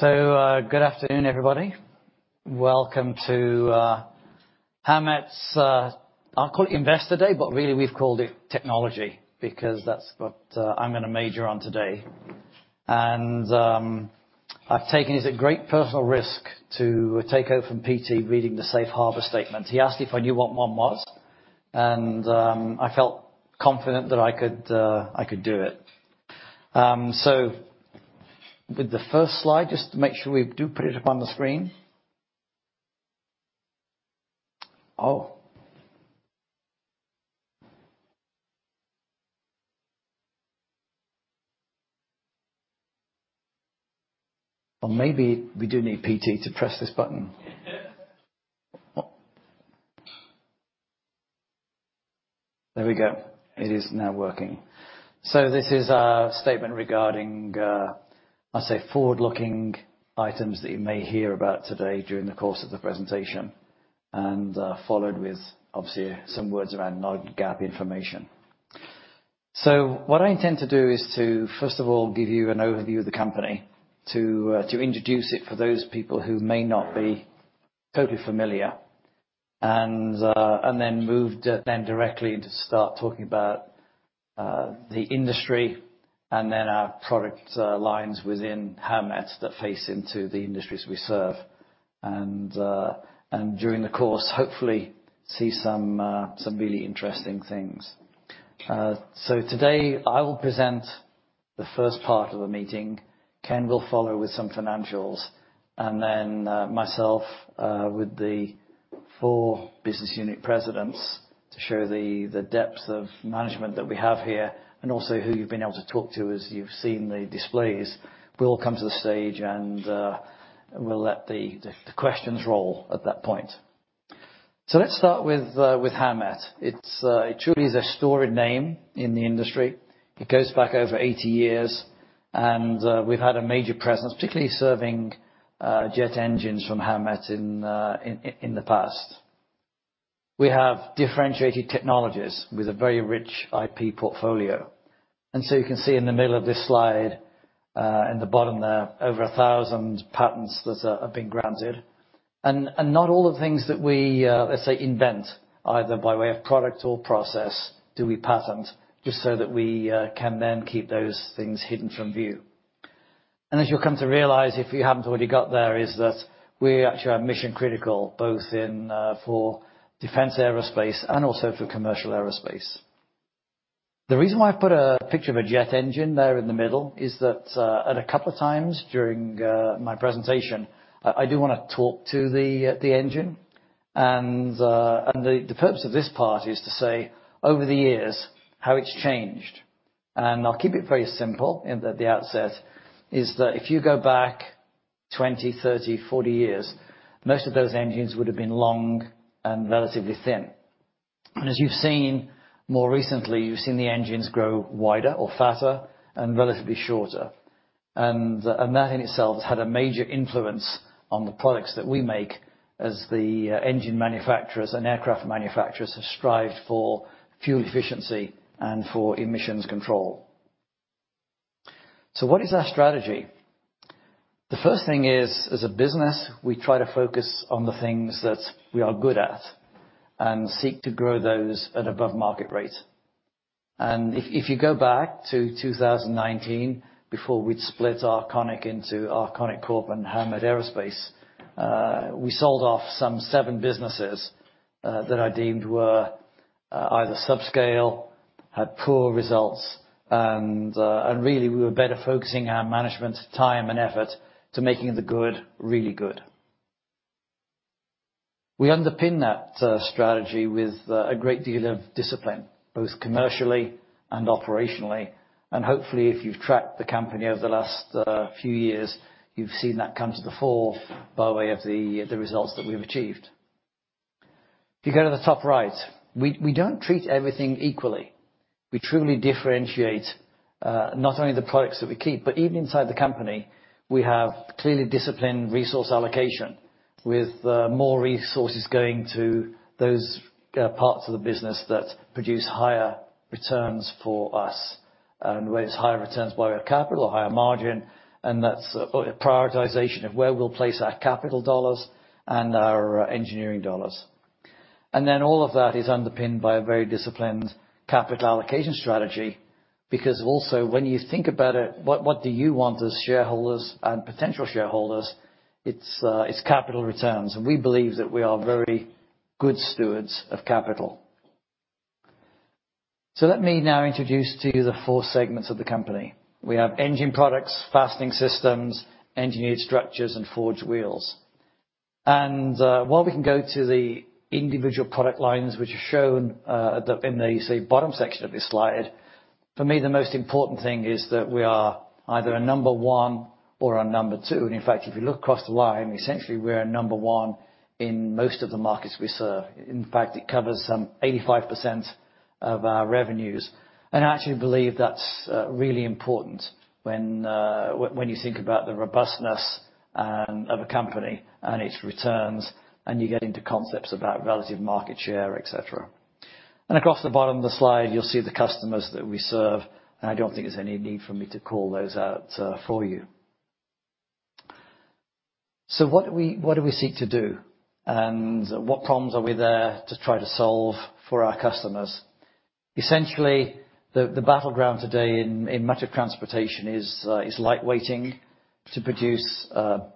Good afternoon, everybody. Welcome to Howmet's, I'll call it Investor Day, but really we've called it technology because that's what I'm gonna major on today. I've taken this at great personal risk to take over from PT, reading the safe harbor statement. He asked if I knew what one was, and I felt confident that I could do it. With the first slide, just to make sure we do put it up on the screen. Oh. Well, maybe we do need PT to press this button. There we go. It is now working. This is a statement regarding, I'd say, forward-looking items that you may hear about today during the course of the presentation, and followed with obviously some words around non-GAAP information. What I intend to do is to, first of all, give you an overview of the company, to introduce it for those people who may not be totally familiar. Then move directly into start talking about the industry and then our product lines within Howmet that face into the industries we serve. During the course, hopefully see some really interesting things. Today I will present the first part of the meeting. Ken will follow with some financials, and then myself with the four business unit presidents to show the depth of management that we have here and also who you've been able to talk to as you've seen the displays. We'll come to the stage, and we'll let the questions roll at that point. Let's start with Howmet. It's truly a storied name in the industry. It goes back over 80 years and we've had a major presence, particularly serving jet engines from Howmet in the past. We have differentiated technologies with a very rich IP portfolio. You can see in the middle of this slide, in the bottom there, over 1,000 patents that have been granted. Not all the things that we, let's say, invent, either by way of product or process, do we patent just so that we can then keep those things hidden from view. As you'll come to realize if you haven't already got there, is that we actually are mission critical, both for defense aerospace and commercial aerospace. The reason why I put a picture of a jet engine there in the middle is that at a couple of times during my presentation, I do wanna talk to the engine. The purpose of this part is to say, over the years, how it's changed. I'll keep it very simple in the outset is that if you go back 20, 30, 40 years, most of those engines would have been long and relatively thin. As you've seen more recently, you've seen the engines grow wider or fatter and relatively shorter. That in itself has had a major influence on the products that we make as the engine manufacturers and aircraft manufacturers have strived for fuel efficiency and for emissions control. What is our strategy? The first thing is, as a business, we try to focus on the things that we are good at and seek to grow those at above market rate. If you go back to 2019, before we'd split Arconic into Arconic Corp and Howmet Aerospace, we sold off some seven businesses that I deemed were either subscale, had poor results, and really, we were better focusing our management's time and effort to making the good, really good. We underpin that strategy with a great deal of discipline, both commercially and operationally. Hopefully, if you've tracked the company over the last few years, you've seen that come to the fore by way of the results that we've achieved. If you go to the top right, we don't treat everything equally. We truly differentiate, not only the products that we keep, but even inside the company, we have clearly disciplined resource allocation with, more resources going to those, parts of the business that produce higher returns for us, and weighs higher returns by way of capital, higher margin, and that's a prioritization of where we'll place our capital dollars and our engineering dollars. All of that is underpinned by a very disciplined capital allocation strategy, because also, when you think about it, what do you want as shareholders and potential shareholders? It's capital returns. We believe that we are very good stewards of capital. Let me now introduce to you the four segments of the company. We have Engine Products, Fastening Systems, Engineered Structures, and Forged Wheels. While we can go to the individual product lines, which are shown at the bottom section of this slide, for me, the most important thing is that we are either a number one or a number two. In fact, if you look across the line, essentially, we're a number one in most of the markets we serve. In fact, it covers some 85% of our revenues. I actually believe that's really important when you think about the robustness of a company and its returns, and you get into concepts about relative market share, et cetera. Across the bottom of the slide, you'll see the customers that we serve, and I don't think there's any need for me to call those out for you. What do we seek to do, and what problems are we there to try to solve for our customers? Essentially, the battleground today in matter of transportation is lightweighting to produce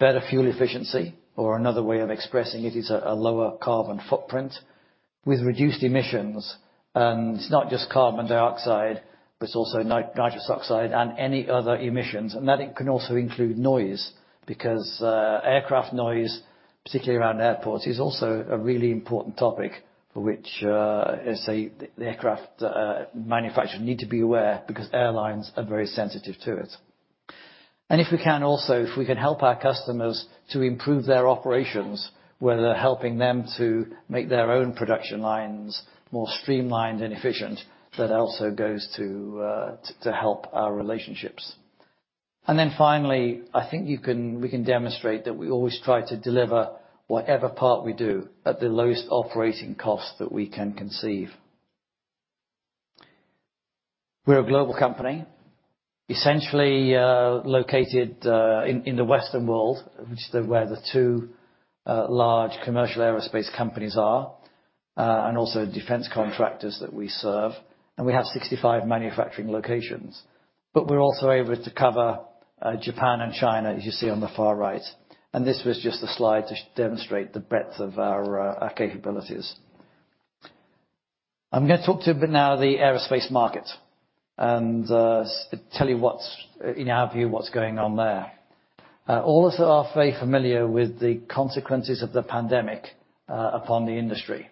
better fuel efficiency or another way of expressing it is a lower carbon footprint with reduced emissions. It's not just carbon dioxide, but it's also nitrous oxide and any other emissions. That it can also include noise because aircraft noise, particularly around airports, is also a really important topic for which, let's say, the aircraft manufacturer needs to be aware because airlines are very sensitive to it. If we can help our customers to improve their operations, whether helping them to make their own production lines more streamlined and efficient, that also goes to help our relationships. Finally, I think we can demonstrate that we always try to deliver whatever part we do at the lowest operating cost that we can conceive. We're a global company, essentially, located in the Western world, which is where the two large commercial aerospace companies are, and also defense contractors that we serve. We have 65 manufacturing locations, but we're also able to cover Japan and China, as you see on the far right. This was just a slide to demonstrate the breadth of our capabilities. I'm gonna talk to you a bit now the aerospace market and tell you what's, in our view, what's going on there. All of us are very familiar with the consequences of the pandemic upon the industry.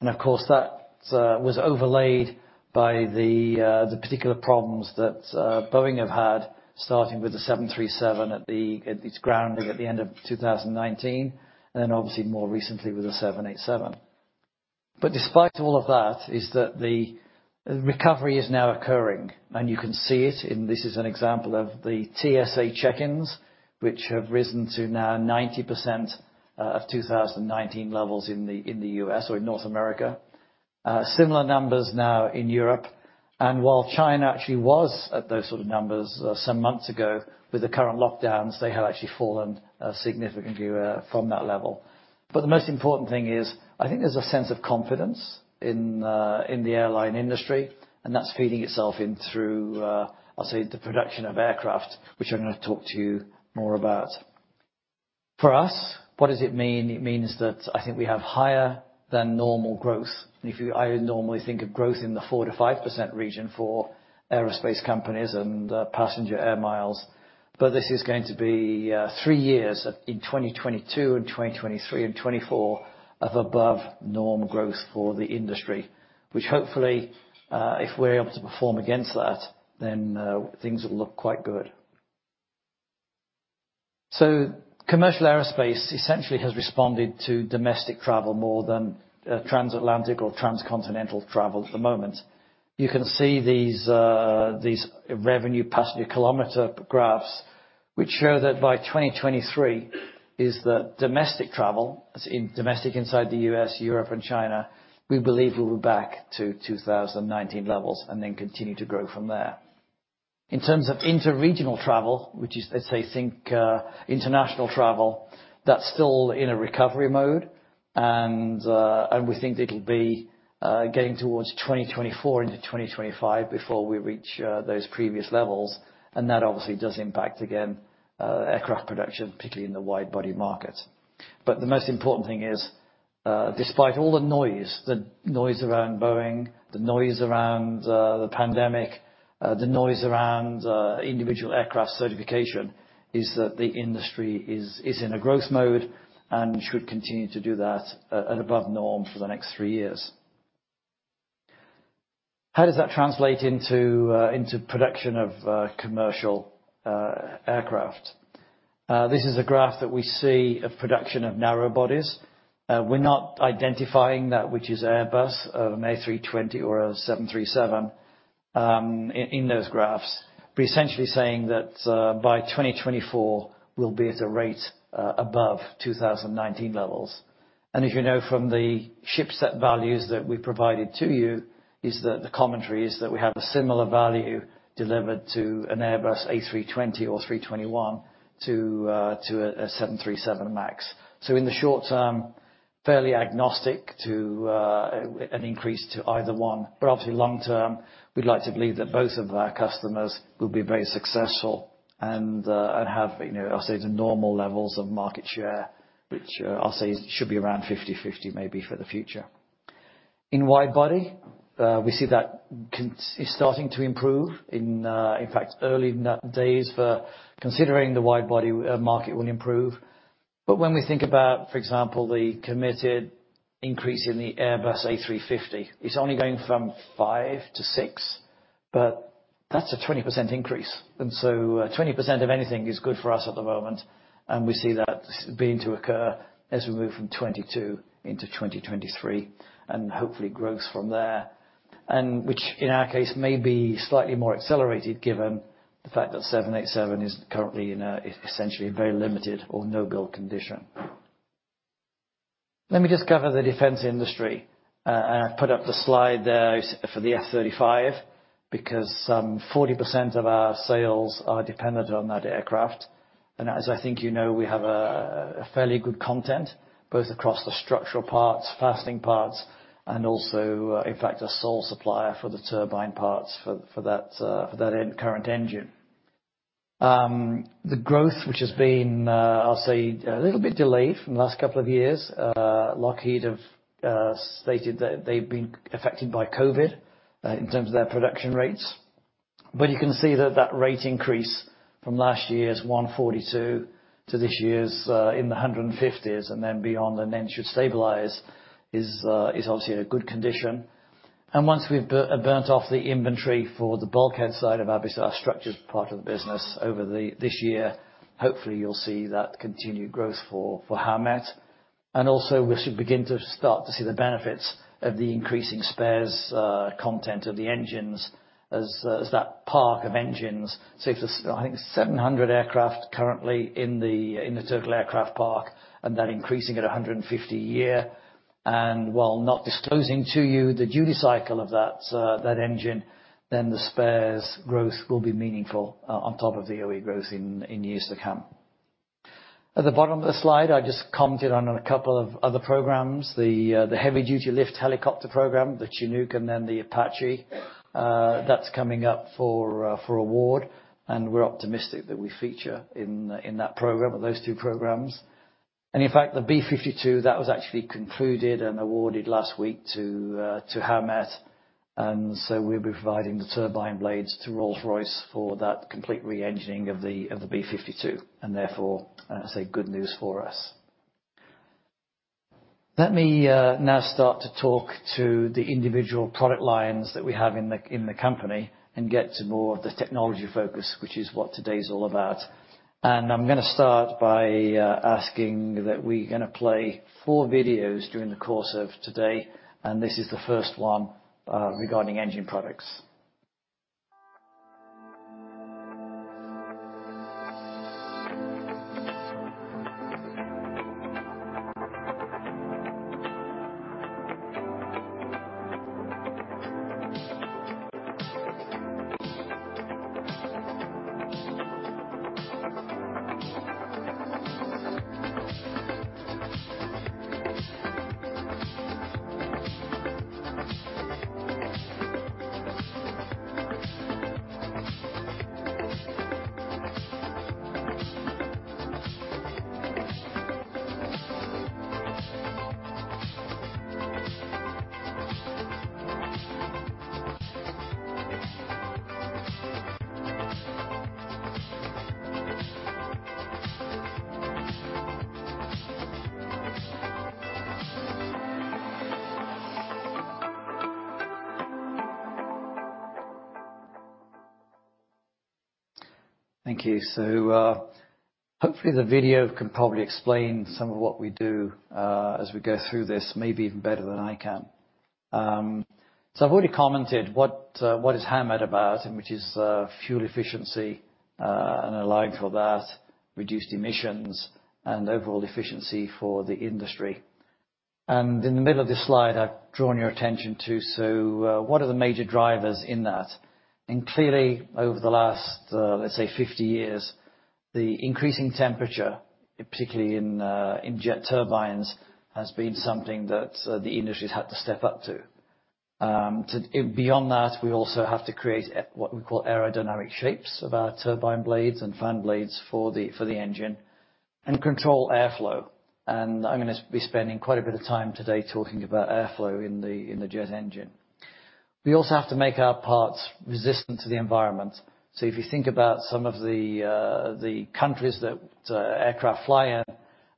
Of course, that was overlaid by the particular problems that Boeing have had, starting with the 737 its grounding at the end of 2019, and then obviously more recently with the 787. Despite all of that, is that the recovery is now occurring, and you can see it in. This is an example of the TSA check-ins, which have risen to now 90% of 2019 levels in the U.S. or in North America. Similar numbers now in Europe. While China actually was at those sorts of numbers some months ago, with the current lockdowns, they have actually fallen significantly from that level. The most important thing is I think there's a sense of confidence in the airline industry, and that's feeding itself in through, I'll say, the production of aircraft, which I'm gonna talk to you more about. For us, what does it mean? It means that I think we have higher than normal growth. I would normally think of growth in the 4%-5% region for aerospace companies and passenger air miles. This is going to be three years of, in 2022 and 2023 and 2024 of above normal growth for the industry, which hopefully, if we're able to perform against that, then, things will look quite good. Commercial aerospace essentially has responded to domestic travel more than, transatlantic or transcontinental travel at the moment. You can see these revenue passenger kilometer graphs, which show that by 2023, is that domestic travel, as in domestic inside the U.S., Europe, and China, we believe we'll be back to 2019 levels and then continue to grow from there. In terms of interregional travel, which is let's say, international travel, that's still in a recovery mode and, we think it'll be, getting towards 2024 into 2025 before we reach, those previous levels. That obviously does impact again, aircraft production, particularly in the wide-body market. The most important thing is, despite all the noise, the noise around Boeing, the noise around the pandemic, the noise around individual aircraft certification, is that the industry is in a growth mode and should continue to do that at above norm for the next three years. How does that translate into production of commercial aircraft? This is a graph that we see of production of narrow bodies. We're not identifying that which is Airbus of an A320 or a 737 in those graphs. We're essentially saying that, by 2024, we'll be at a rate above 2019 levels. As you know from the ship set values that we provided to you, is that the commentary is that we have a similar value delivered to an Airbus A320 or A321 to a 737 MAX. In the short-term, fairly agnostic to an increase to either one. Obviously, long-term, we'd like to believe that both of our customers will be very successful and have, you know, I'll say the normal levels of market share, which I'll say should be around 50-50 maybe for the future. In wide body, we see that it's starting to improve, in fact early days for considering the wide body market will improve. When we think about, for example, the committed increase in the Airbus A350, it's only going from five to six, but that's a 20% increase. 20% of anything is good for us at the moment, and we see that beginning to occur as we move from 2022 into 2023 and hopefully grows from there. Which in our case may be slightly more accelerated given the fact that 787 is currently in essentially a very limited or no-build condition. Let me just cover the defense industry. I've put up the slide there for the F-35 because, 40% of our sales are dependent on that aircraft. I think you know, we have a fairly good content both across the structural parts, fastening parts, and also in fact, a sole supplier for the turbine parts for that current engine. The growth, which has been, I'll say, a little bit delayed from the last couple of years, Lockheed Martin have stated that they've been affected by COVID in terms of their production rates. You can see that rate increase from last year's 142 to this year's in the 150s and then beyond, and then should stabilize is obviously in a good condition. Once we've burnt off the inventory for the bulkhead side of our structures part of the business over this year, hopefully you'll see that continued growth for Howmet Aerospace. We should begin to start to see the benefits of the increasing spares content of the engines as that park of engines. If there's, I think 700 aircraft currently in the total aircraft park, and that increasing at 150 a year, and while not disclosing to you the duty cycle of that engine, then the spares growth will be meaningful on top of the OE growth in years to come. At the bottom of the slide, I just commented on a couple of other programs. The heavy-duty lift helicopter program, the Chinook and then the Apache, that's coming up for award, and we're optimistic that we feature in that program or those two programs. In fact, the B-52, that was actually concluded and awarded last week to Howmet. So we'll be providing the turbine blades to Rolls-Royce for that complete re-engineering of the B-52, and therefore, say good news for us. Let me now start to talk to the individual product lines that we have in the company and get to more of the technology focus, which is what today's all about. I'm gonna start by asking that we gonna play four videos during the course of today, and this is the first one, regarding engine products. Thank you. Hopefully, the video can probably explain some of what we do as we go through this, maybe even better than I can. I've already commented what is Howmet about, and which is fuel efficiency and allowing for that, reduced emissions, and overall efficiency for the industry. In the middle of this slide, I've drawn your attention to what are the major drivers in that? Clearly, over the last, let's say 50 years, the increasing temperature, particularly in jet turbines, has been something that the industry's had to step up to. Beyond that, we also have to create what we call aerodynamic shapes of our turbine blades and fan blades for the engine and control airflow. I'm gonna be spending quite a bit of time today talking about airflow in the jet engine. We also have to make our parts resistant to the environment. If you think about some of the countries that aircraft fly in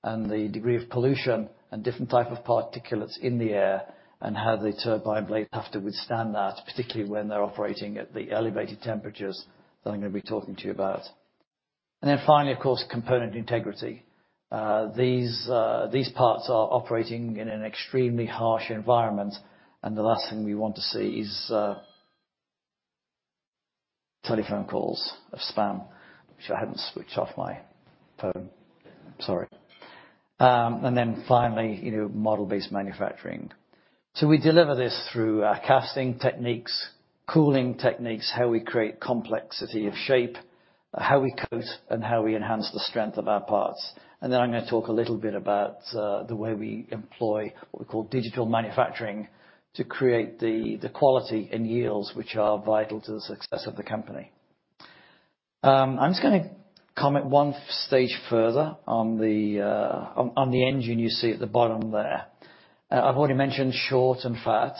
and the degree of pollution and different type of particulates in the air, and how the turbine blades have to withstand that, particularly when they're operating at the elevated temperatures that I'm gonna be talking to you about. Finally, of course, component integrity. These parts are operating in an extremely harsh environment, and the last thing we want to see is Telephone calls of spam. I wish I hadn't switched off my phone. Sorry. Finally, you know, model-based manufacturing. We deliver this through casting techniques, cooling techniques, how we create complexity of shape, how we coat, and how we enhance the strength of our parts. I'm gonna talk a little bit about the way we employ what we call digital manufacturing to create the quality and yields which are vital to the success of the company. I'm just gonna comment one stage further on the engine you see at the bottom there. I've already mentioned short and fat.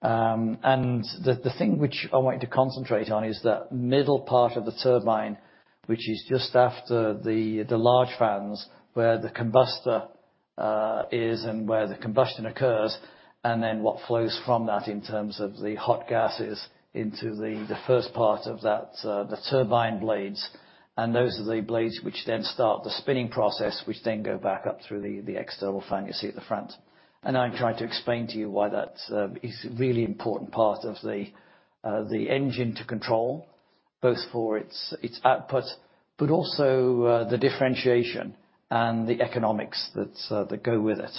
The thing which I want you to concentrate on is the middle part of the turbine, which is just after the large fans, where the combustor is, and where the combustion occurs, and then what flows from that in terms of the hot gases into the first part of that, the turbine blades. Those are the blades which then start the spinning process, which then go back up through the external fan you see at the front. I'm trying to explain to you why that's is a really important part of the engine to control, both for its output, but also the differentiation and the economics that go with it.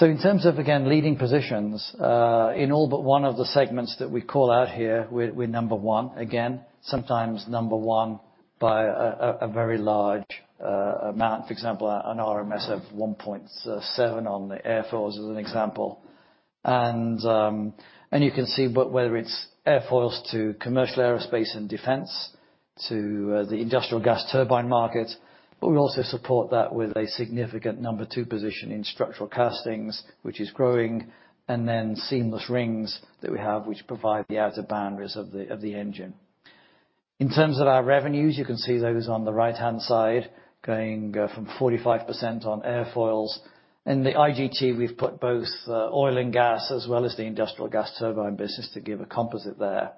In terms of, again, leading positions in all but one of the segments that we call out here, we're number one, again, sometimes number one by a very large amount. For example, an RMS of one point seven on the airfoils, as an example. You can see but whether it's airfoils to commercial aerospace and defense to the industrial gas turbine market, but we also support that with a significant number two position in structural castings, which is growing, and then seamless rings that we have, which provide the outer boundaries of the engine. In terms of our revenues, you can see those on the right-hand side, going from 45% on airfoils. In the IGT, we've put both oil and gas, as well as the industrial gas turbine business to give a composite there.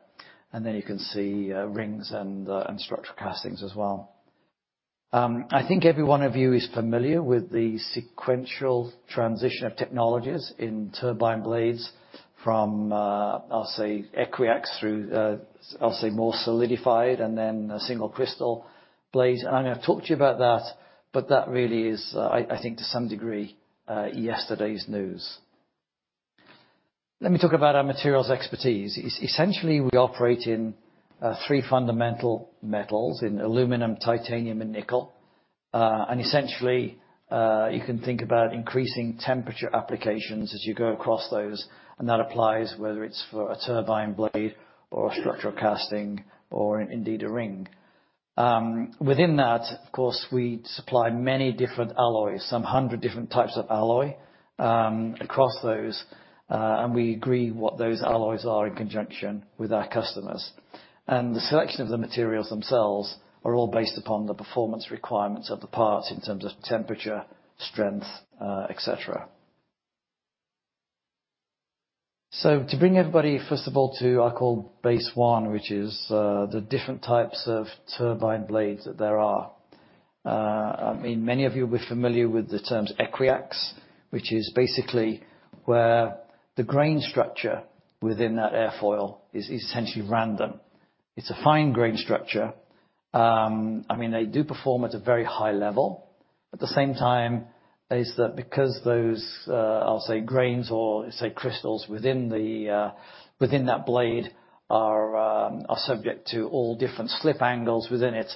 Then you can see rings and structural castings as well. I think every one of you is familiar with the sequential transition of technologies in turbine blades from equiaxed through directionally solidified and then single-crystal blades. I'm gonna talk to you about that, but that really is, I think to some degree, yesterday's news. Let me talk about our materials expertise. Essentially, we operate in three fundamental metals in aluminum, titanium, and nickel. Essentially, you can think about increasing temperature applications as you go across those, and that applies whether it's for a turbine blade, or a structural casting or indeed a ring. Within that, of course, we supply many different alloys, some 100 different types of alloy, across those, and we agree what those alloys are in conjunction with our customers. The selection of the materials themselves are all based upon the performance requirements of the part in terms of temperature, strength, et cetera. To bring everybody, first of all, to I call Base One, which is, the different types of turbine blades that there are. I mean, many of you will be familiar with the terms equiaxed, which is basically where the grain structure within that airfoil is essentially random. It's a fine-grain structure. I mean, they do perform at a very high level. At the same time, is that because those, I'll say grains or say crystals within that blade are subject to all different slip angles within it,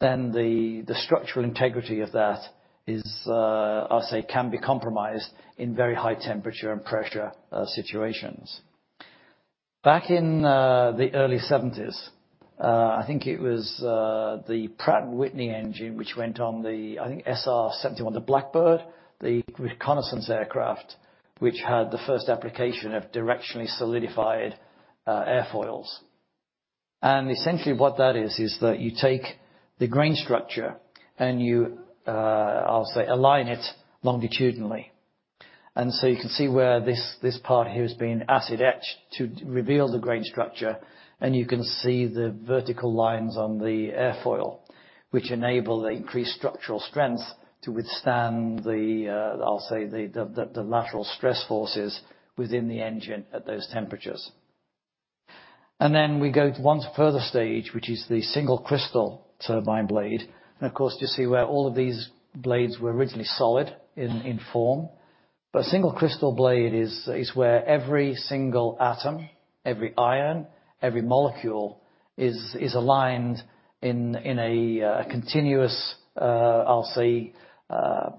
then the structural integrity of that is, I'll say, can be compromised in very high temperature and pressure situations. Back in the early seventies, I think it was, the Pratt & Whitney engine, which went on the, I think, SR-71, the Blackbird, the reconnaissance aircraft, which had the first application of directionally solidified airfoils. Essentially, what that is that you take the grain structure and you, I'll say, align it longitudinally. You can see where this part here has been acid etched to reveal the grain structure, and you can see the vertical lines on the airfoil, which enable the increased structural strength to withstand the, I'll say, the lateral stress forces within the engine at those temperatures. We go to one further stage, which is the single-crystal turbine blade. You see where all of these blades were originally solid in form. A single-crystal blade is where every single atom, every ion, every molecule is aligned in a continuous, I'll say,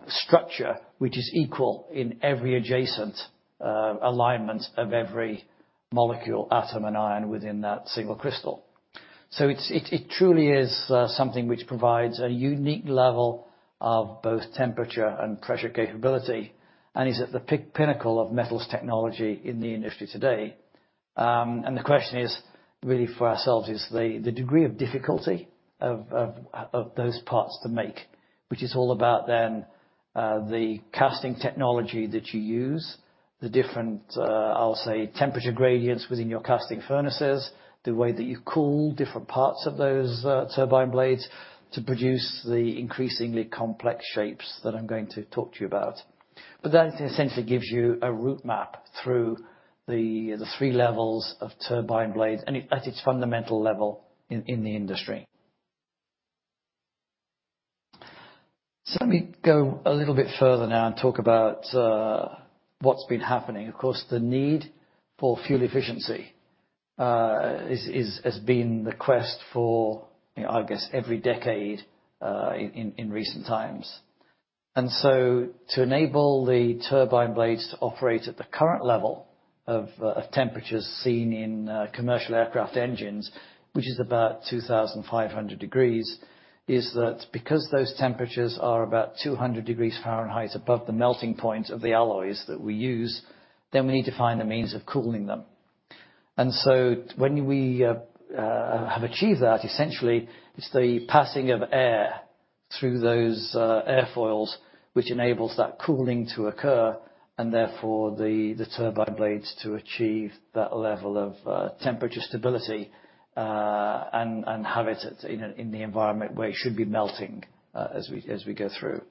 structure, which is equal in every adjacent alignment of every molecule, atom, and ion within that single-crystal. It truly is something which provides a unique level of both temperature and pressure capability and is at the pinnacle of metals technology in the industry today. The question is, really for ourselves, is the degree of difficulty of those parts to make, which is all about then the casting technology that you use, the different, I'll say, temperature gradients within your casting furnaces, the way that you cool different parts of those turbine blades to produce the increasingly complex shapes that I'm going to talk to you about. That essentially gives you a route map through the three levels of turbine blades, and at its fundamental level in the industry. Let me go a little bit further now and talk about what's been happening. Of course, the need for fuel efficiency is has been the quest for, I guess, every decade in recent times. To enable the turbine blades to operate at the current level of temperatures seen in commercial aircraft engines, which is about 2,500 degrees, is that because those temperatures are about 200 degrees Fahrenheit above the melting points of the alloys that we use, then we need to find the means of cooling them? When we have achieved that, essentially, it's the passing of air through those airfoils, which enables that cooling to occur, and therefore the turbine blades to achieve that level of temperature stability and have it at in the environment where it should be melting as we go through.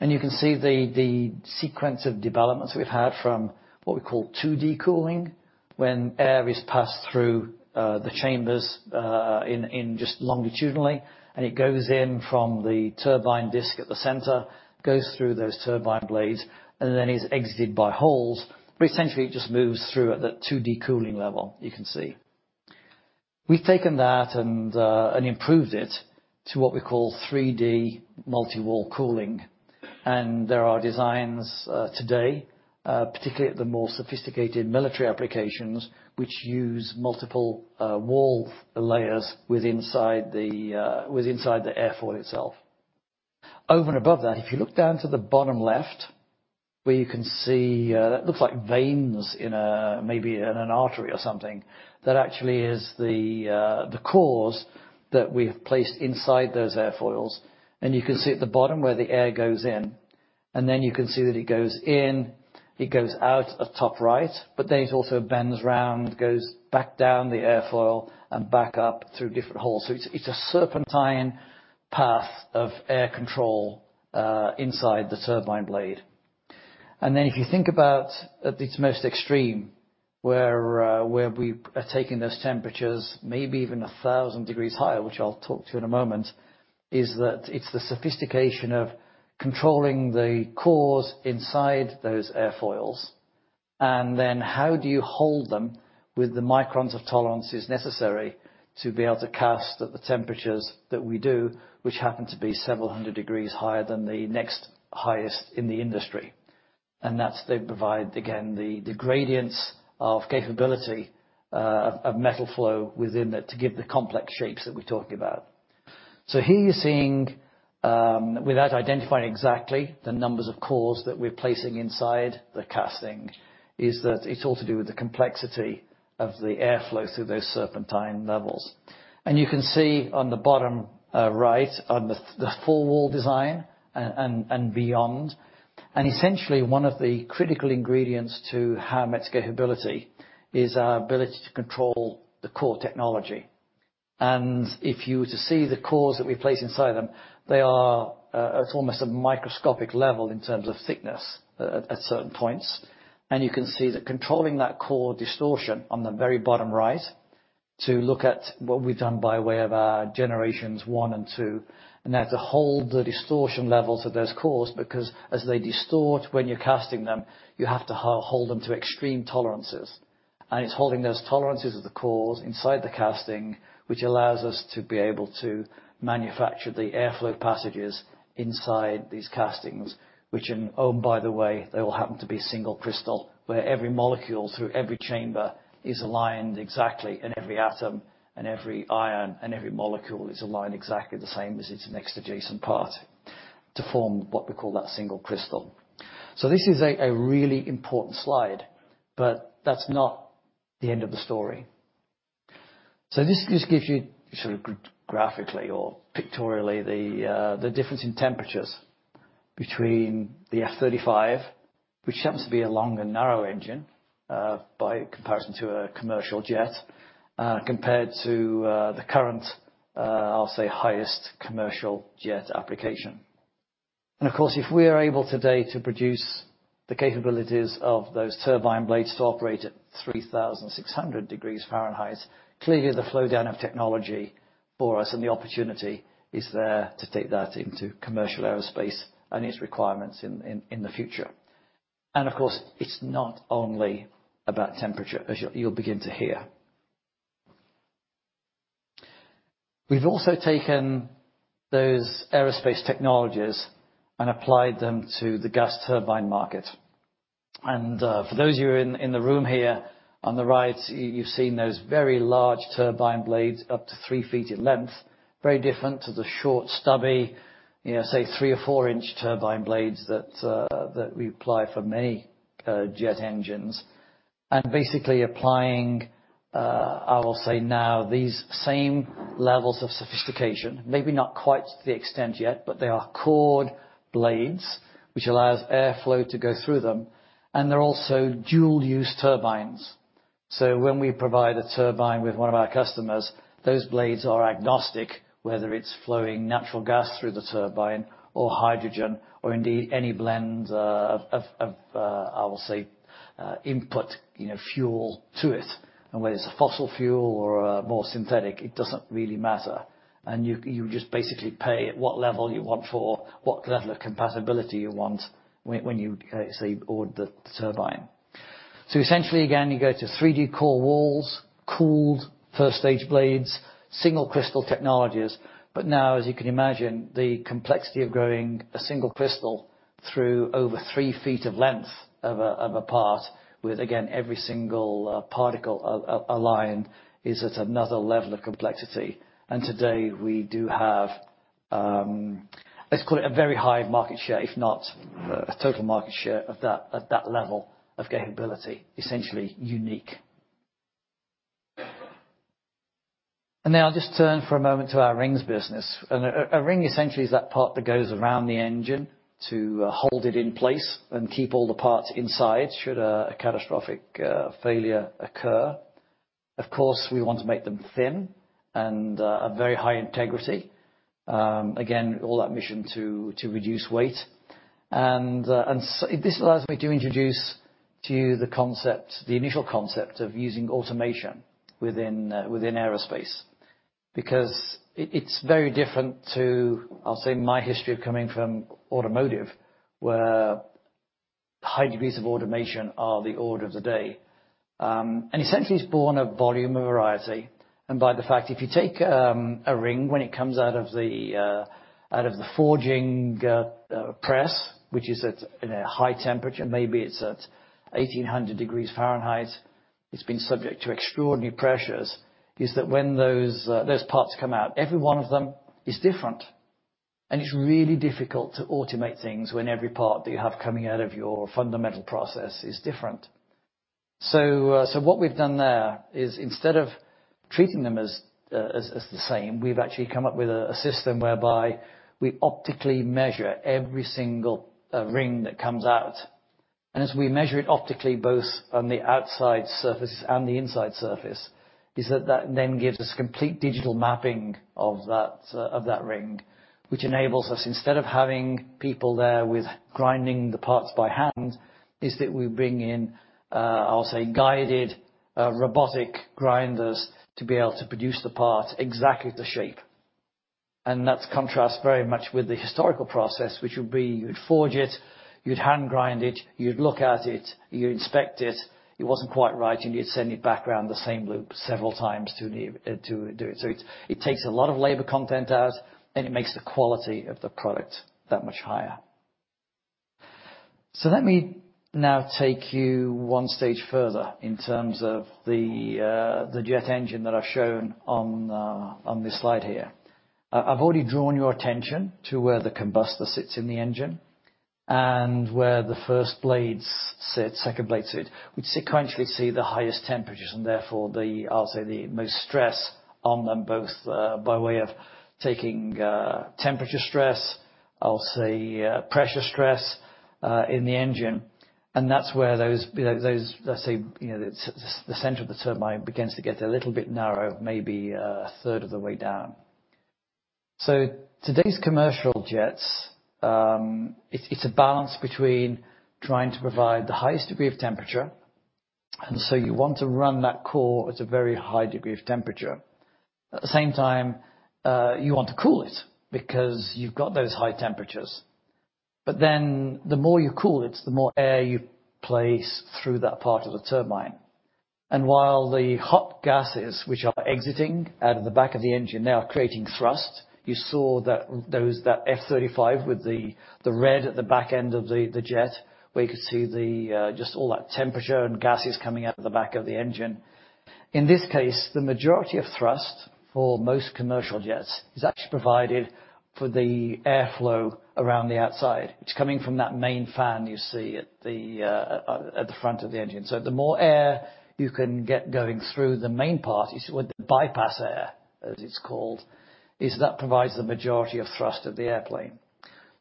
You can see the sequence of developments we've had from what we call 2D cooling, when air is passed through the chambers in just longitudinally, and it goes in from the turbine disc at the center, goes through those turbine blades, and then is exited by holes. Essentially, it just moves through at that 2D cooling level, you can see. We've taken that and improved it to what we call 3D multi-wall cooling. There are designs today, particularly at the more sophisticated military applications, which use multiple wall layers with inside the airfoil itself. Over and above that, if you look down to the bottom left, where you can see that looks like veins in, maybe in an artery or something, that actually is the cores that we have placed inside those airfoils. You can see at the bottom where the air goes in, and then you can see that it goes in, it goes out at top right, but then it also bends round, goes back down the airfoil, and back up through different holes. It's a serpentine path of air control inside the turbine blade. Then if you think about at its most extreme, where we are taking those temperatures, maybe even 1,000 degrees higher, which I'll talk to you in a moment, is that it's the sophistication of controlling the cores inside those airfoils. How do you hold them with the microns of tolerances necessary to be able to cast at the temperatures that we do, which happen to be several hundred degrees higher than the next highest in the industry? That they provide, again, the gradients of capability of metal flow within it to give the complex shapes that we're talking about. Here you're seeing, without identifying exactly the numbers of cores that we are placing inside the casting, is that it's all to do with the complexity of the airflow through those serpentine levels. You can see on the bottom, right on the four-wall design, and beyond. Essentially, one of the critical ingredients to Howmet's capability is our ability to control the core technology. If you were to see the cores that we place inside them, they are, it's almost a microscopic level in terms of thickness at certain points. You can see that controlling that core distortion on the very bottom right to look at what we've done by way of our generations one and two, and there to hold the distortion levels of those cores, because as they distort when you're casting them, you have to hold them to extreme tolerances. It's holding those tolerances of the cores inside the casting, which allows us to be able to manufacture the airflow passages inside these castings, which in. Oh, by the way, they all happen to be single crystal, where every molecule through every chamber is aligned exactly, and every atom and every ion and every molecule is aligned exactly the same as its next adjacent part to form what we call that single crystal. This is a really important slide, but that's not the end of the story. This just gives you sort of graphically or pictorially the difference in temperatures between the F-35, which happens to be a long and narrow engine by comparison to a commercial jet, compared to the current, I'll say highest commercial jet application. Of course, if we are able today to produce the capabilities of those turbine blades to operate at 3,600 degrees Fahrenheit, clearly the flow down of technology for us and the opportunity is there to take that into commercial aerospace and its requirements in the future. Of course, it's not only about temperature as you'll begin to hear. We've also taken those aerospace technologies and applied them to the gas turbine market. For those of you in the room here, on the right you've seen those very large turbine blades up to 3 feet in length, very different to the short, stubby, you know, say 3- or 4-inch turbine blades that we apply for many jet engines. Basically applying, I will say now these same levels of sophistication, maybe not quite to the extent yet, but they are cored blades, which allows airflow to go through them. They're also dual use turbines. When we provide a turbine with one of our customers, those blades are agnostic, whether it's flowing natural gas through the turbine or hydrogen or indeed any blend of, I will say, input, you know, fuel to it. Whether it's a fossil fuel or a more synthetic, it doesn't really matter. You just basically pay at what level you want for what level of compatibility you want when you say order the turbine. Essentially again, you go to 3D core walls, cooled first stage blades, single-crystal technologies. Now as you can imagine, the complexity of growing a single-crystal through over three feet of length of a part with, again, every single particle aligned is at another level of complexity. Today we do have, let's call it a very high market share, if not the total market share of that, at that level of capability, essentially unique. Now I'll just turn for a moment to our rings business. A ring essentially is that part that goes around the engine to hold it in place and keep all the parts inside should a catastrophic failure occur. Of course, we want to make them thin and a very high integrity. Again, all our mission to reduce weight. And so. This allows me to introduce to you the concept, the initial concept of using automation within aerospace, because it's very different to, I'll say, my history coming from automotive, where high degrees of automation are the order of the day. Essentially, it's born of volume and variety, and by the fact, if you take a ring when it comes out of the forging press, which is at, you know, high temperature, maybe it's at 1,800 degrees Fahrenheit, it's been subject to extraordinary pressures, is that when those parts come out, every one of them is different. It's really difficult to automate things when every part that you have coming out of your fundamental process is different. What we've done there is instead of treating them as the same, we've actually come up with a system whereby we optically measure every single ring that comes out. As we measure it optically, both on the outside surface and the inside surface, that then gives us complete digital mapping of that ring, which enables us, instead of having people there with grinding the parts by hand, that we bring in, I'll say, guided robotic grinders to be able to produce the part exactly the shape. That contrasts very much with the historical process, which would be you'd forge it, you'd hand grind it, you'd look at it, you inspect it. It wasn't quite right, and you'd send it back around the same loop several times to do it. It takes a lot of labor content out, and it makes the quality of the product that much higher. Let me now take you one stage further in terms of the jet engine that I've shown on this slide here. I've already drawn your attention to where the combustor sits in the engine and where the first blades sit, second blades sit, which sequentially see the highest temperatures, and therefore, I'll say, the most stress on them both by way of taking temperature stress, I'll say, pressure stress in the engine. That's where those, let's say, you know, the center of the turbine begins to get a little bit narrow, maybe a third of the way down. Today's commercial jets, it's a balance between trying to provide the highest degree of temperature, and so you want to run that core at a very high degree of temperature. At the same time, you want to cool it because you've got those high temperatures. Then the more you cool it, the more air you place through that part of the turbine. While the hot gases, which are exiting out of the back of the engine, they are creating thrust. You saw that F-35 with the red at the back end of the jet, where you could see just all that temperature and gases coming out of the back of the engine. In this case, the majority of thrust for most commercial jets is actually provided for the airflow around the outside. It's coming from that main fan you see at the front of the engine. The more air you can get going through the main part, it's what the bypass air, as it's called, is that provides the majority of thrust of the airplane.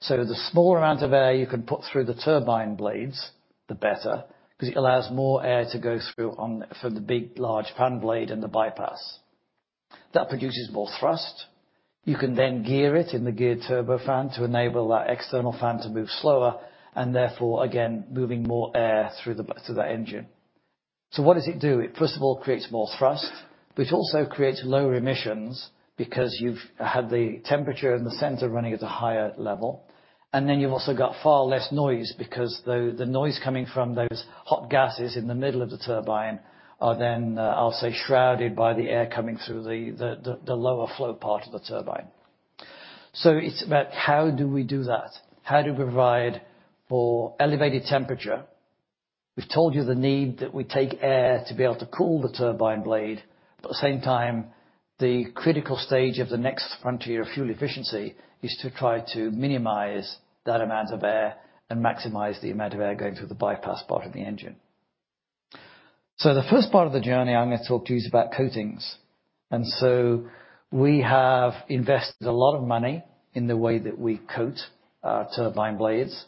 The smaller amount of air you can put through the turbine blades, the better, 'cause it allows more air to go through for the big, large fan blade and the bypass. That produces more thrust. You can then gear it in the geared turbofan to enable that external fan to move slower, and therefore, again, moving more air through the engine. What does it do? It first of all creates more thrust, but it also creates lower emissions because you've had the temperature in the center running at a higher level. Then you've also got far less noise because the noise coming from those hot gases in the middle of the turbine are then, I'll say, shrouded by the air coming through the lower flow part of the turbine. It's about how do we do that? How do we provide for elevated temperature? We've told you the need that we take air to be able to cool the turbine blade, but at the same time, the critical stage of the next frontier of fuel efficiency is to try to minimize that amount of air and maximize the amount of air going through the bypass part of the engine. The first part of the journey, I'm gonna talk to you, is about coatings. We have invested a lot of money in the way that we coat our turbine blades.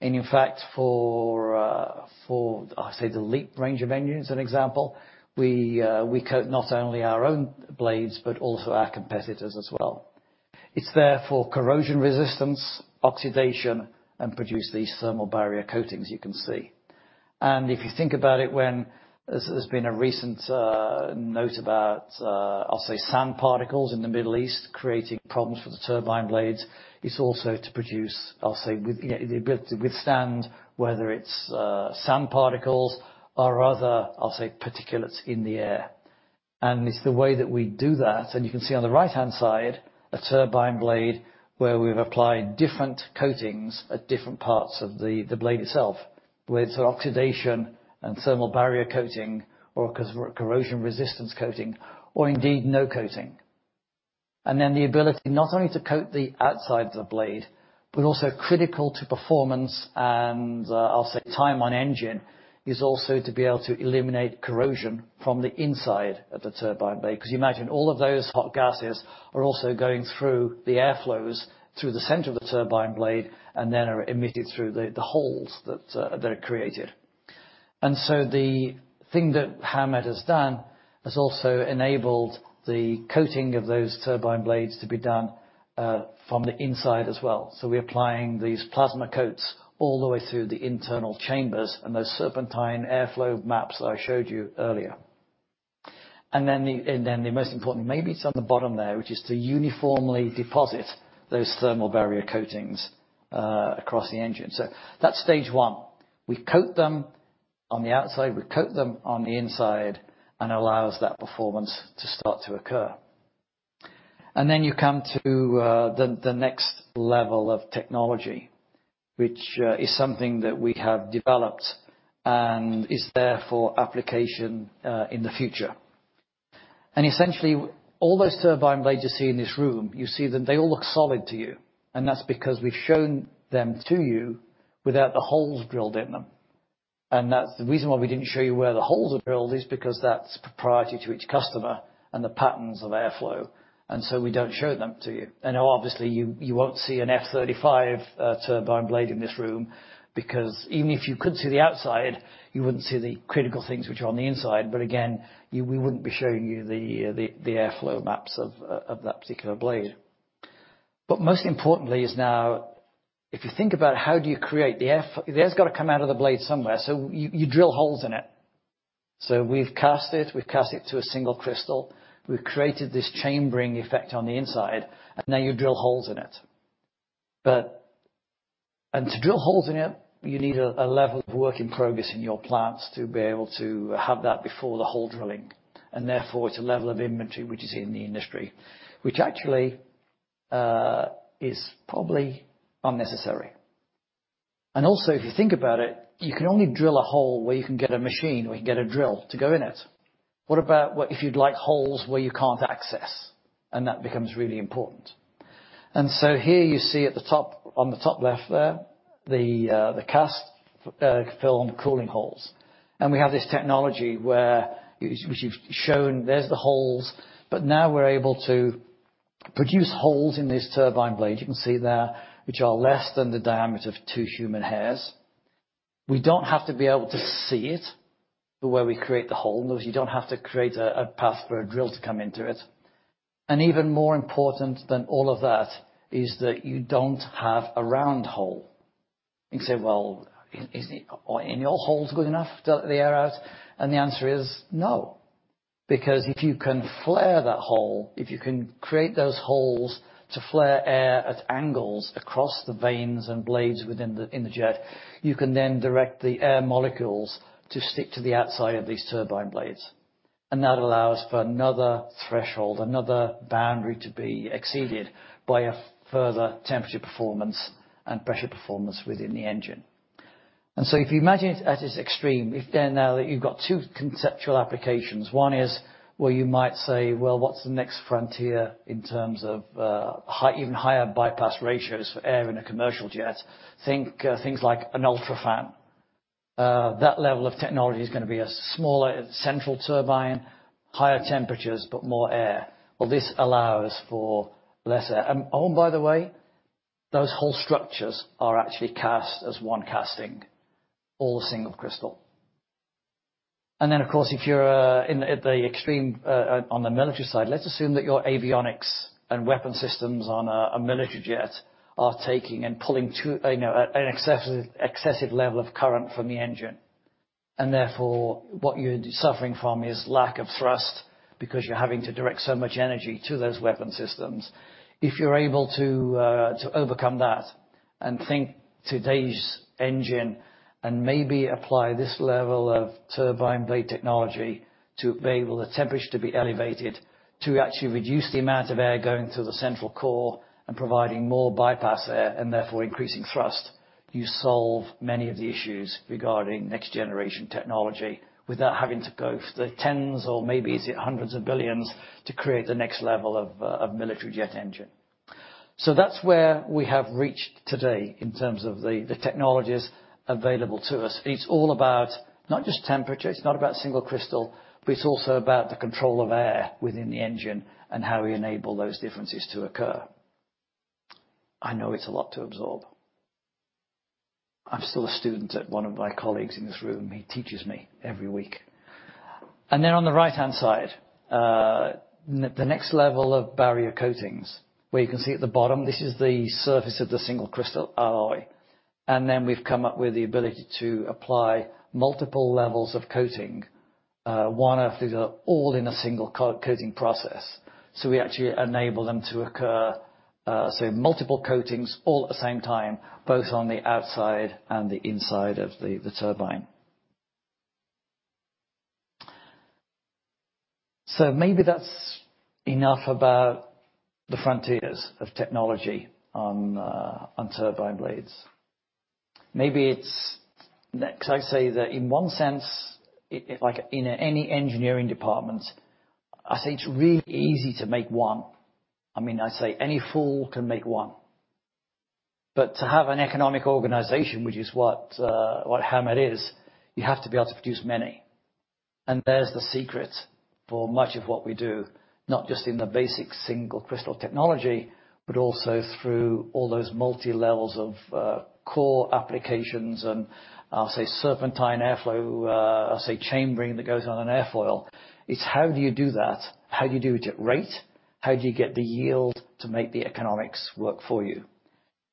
In fact, for the LEAP range of engines, for example, we coat not only our own blades but also our competitors' as well. It's there for corrosion resistance, oxidation, and produce these Thermal Barrier Coatings you can see. If you think about it, when there's been a recent note about, I'll say, sand particles in the Middle East creating problems for the turbine blades. It's also for protection, I'll say, with you know the ability to withstand whether it's sand particles or other, I'll say, particulates in the air. It's the way that we do that, and you can see on the right-hand side, a turbine blade where we've applied different coatings at different parts of the blade itself, with oxidation and thermal barrier coating or corrosion resistance coating, or indeed no coating. Then the ability not only to coat the outside of the blade, but also critical to performance and, I'll say time on engine, is also to be able to eliminate corrosion from the inside of the turbine blade. Because you imagine all of those hot gases are also going through the air flows through the center of the turbine blade, and then are emitted through the holes that are created. The thing that Howmet has done has also enabled the coating of those turbine blades to be done from the inside as well. We're applying these plasma coats all the way through the internal chambers and those serpentine airflow maps that I showed you earlier. The most important, maybe it's on the bottom there, which is to uniformly deposit those thermal barrier coatings across the engine. That's stage one. We coat them on the outside, we coat them on the inside, and allows that performance to start to occur. You come to the next level of technology, which is something that we have developed and is there for application in the future. Essentially, all those turbine blades you see in this room, you see them, they all look solid to you, and that's because we've shown them to you without the holes drilled in them. That's the reason why we didn't show you where the holes are drilled is because that's proprietary to each customer and the patterns of airflow, and so we don't show them to you. I know obviously you won't see an F-35 turbine blade in this room because even if you could see the outside, you wouldn't see the critical things which are on the inside. Again, we wouldn't be showing you the airflow maps of that particular blade. Most importantly is now if you think about how do you create the air's gotta come out of the blade somewhere, so you drill holes in it. We've cast it to a single-crystal. We've created this chambering effect on the inside, and now you drill holes in it. To drill holes in it, you need a level of work in progress in your plants to be able to have that before the hole drilling, and therefore, it's a level of inventory which is in the industry, which actually is probably unnecessary. Also, if you think about it, you can only drill a hole where you can get a machine or you can get a drill to go in it. What if you'd like holes where you can't access? That becomes really important. Here you see at the top, on the top left there, the cast film cooling holes. We have this technology where, which we've shown there's the holes, but now we're able to produce holes in this turbine blade, you can see there, which are less than the diameter of two human hairs. We don't have to be able to see it. The way we create the hole, and those, you don't have to create a path for a drill to come into it. Even more important than all of that is that you don't have a round hole. You can say, "Well, or any old hole's good enough to let the air out?" The answer is no. Because if you can flare that hole, if you can create those holes to flare air at angles across the vanes and blades in the jet, you can then direct the air molecules to stick to the outside of these turbine blades. That allows for another threshold, another boundary to be exceeded by a further temperature performance and pressure performance within the engine. If you imagine it at its extreme, now that you've got two conceptual applications, one is where you might say, "Well, what's the next frontier in terms of high, even higher bypass ratios for air in a commercial jet?" Think things like an UltraFan. That level of technology is gonna be a smaller central turbine, higher temperatures, but more air. Well, this allows for less air. Oh, by the way, those hole structures are actually cast as one casting, all single-crystal. Of course, if you're at the extreme on the military side, let's assume that your avionics and weapon systems on a military jet are taking and pulling too, you know, an excessive level of current from the engine, and therefore, what you're suffering from is lack of thrust because you're having to direct so much energy to those weapon systems. If you're able to overcome that and think today's engine and maybe apply this level of turbine blade technology to be able to elevate the temperature, to actually reduce the amount of air going through the central core and providing more bypass air and therefore increasing thrust, you solve many of the issues regarding next-generation technology without having to go $10 billion or $100 billion to create the next level of military jet engine. That's where we have reached today in terms of the technologies available to us. It's all about not just temperature, it's not about single-crystal, but it's also about the control of air within the engine and how we enable those differences to occur. I know it's a lot to absorb. I'm still a student of one of my colleagues in this room, he teaches me every week. On the right-hand side, the next level of barrier coatings, where you can see at the bottom, this is the surface of the single-crystal alloy. We've come up with the ability to apply multiple levels of coating, all in a single coating process. We actually enable them to occur, say multiple coatings all at the same time, both on the outside and the inside of the turbine. Maybe that's enough about the frontiers of technology on turbine blades. Maybe it's because I say that in one sense, it, like in any engineering department, I say it's really easy to make one. I mean, I say any fool can make one. To have an economic organization, which is what Howmet is, you have to be able to produce many. There's the secret for much of what we do, not just in the basic single-crystal technology, but also through all those multi-walls of core applications and, I'll say, serpentine airflow, say, chambering that goes on an airfoil. It's how do you do that? How do you do it at rate? How do you get the yield to make the economics work for you?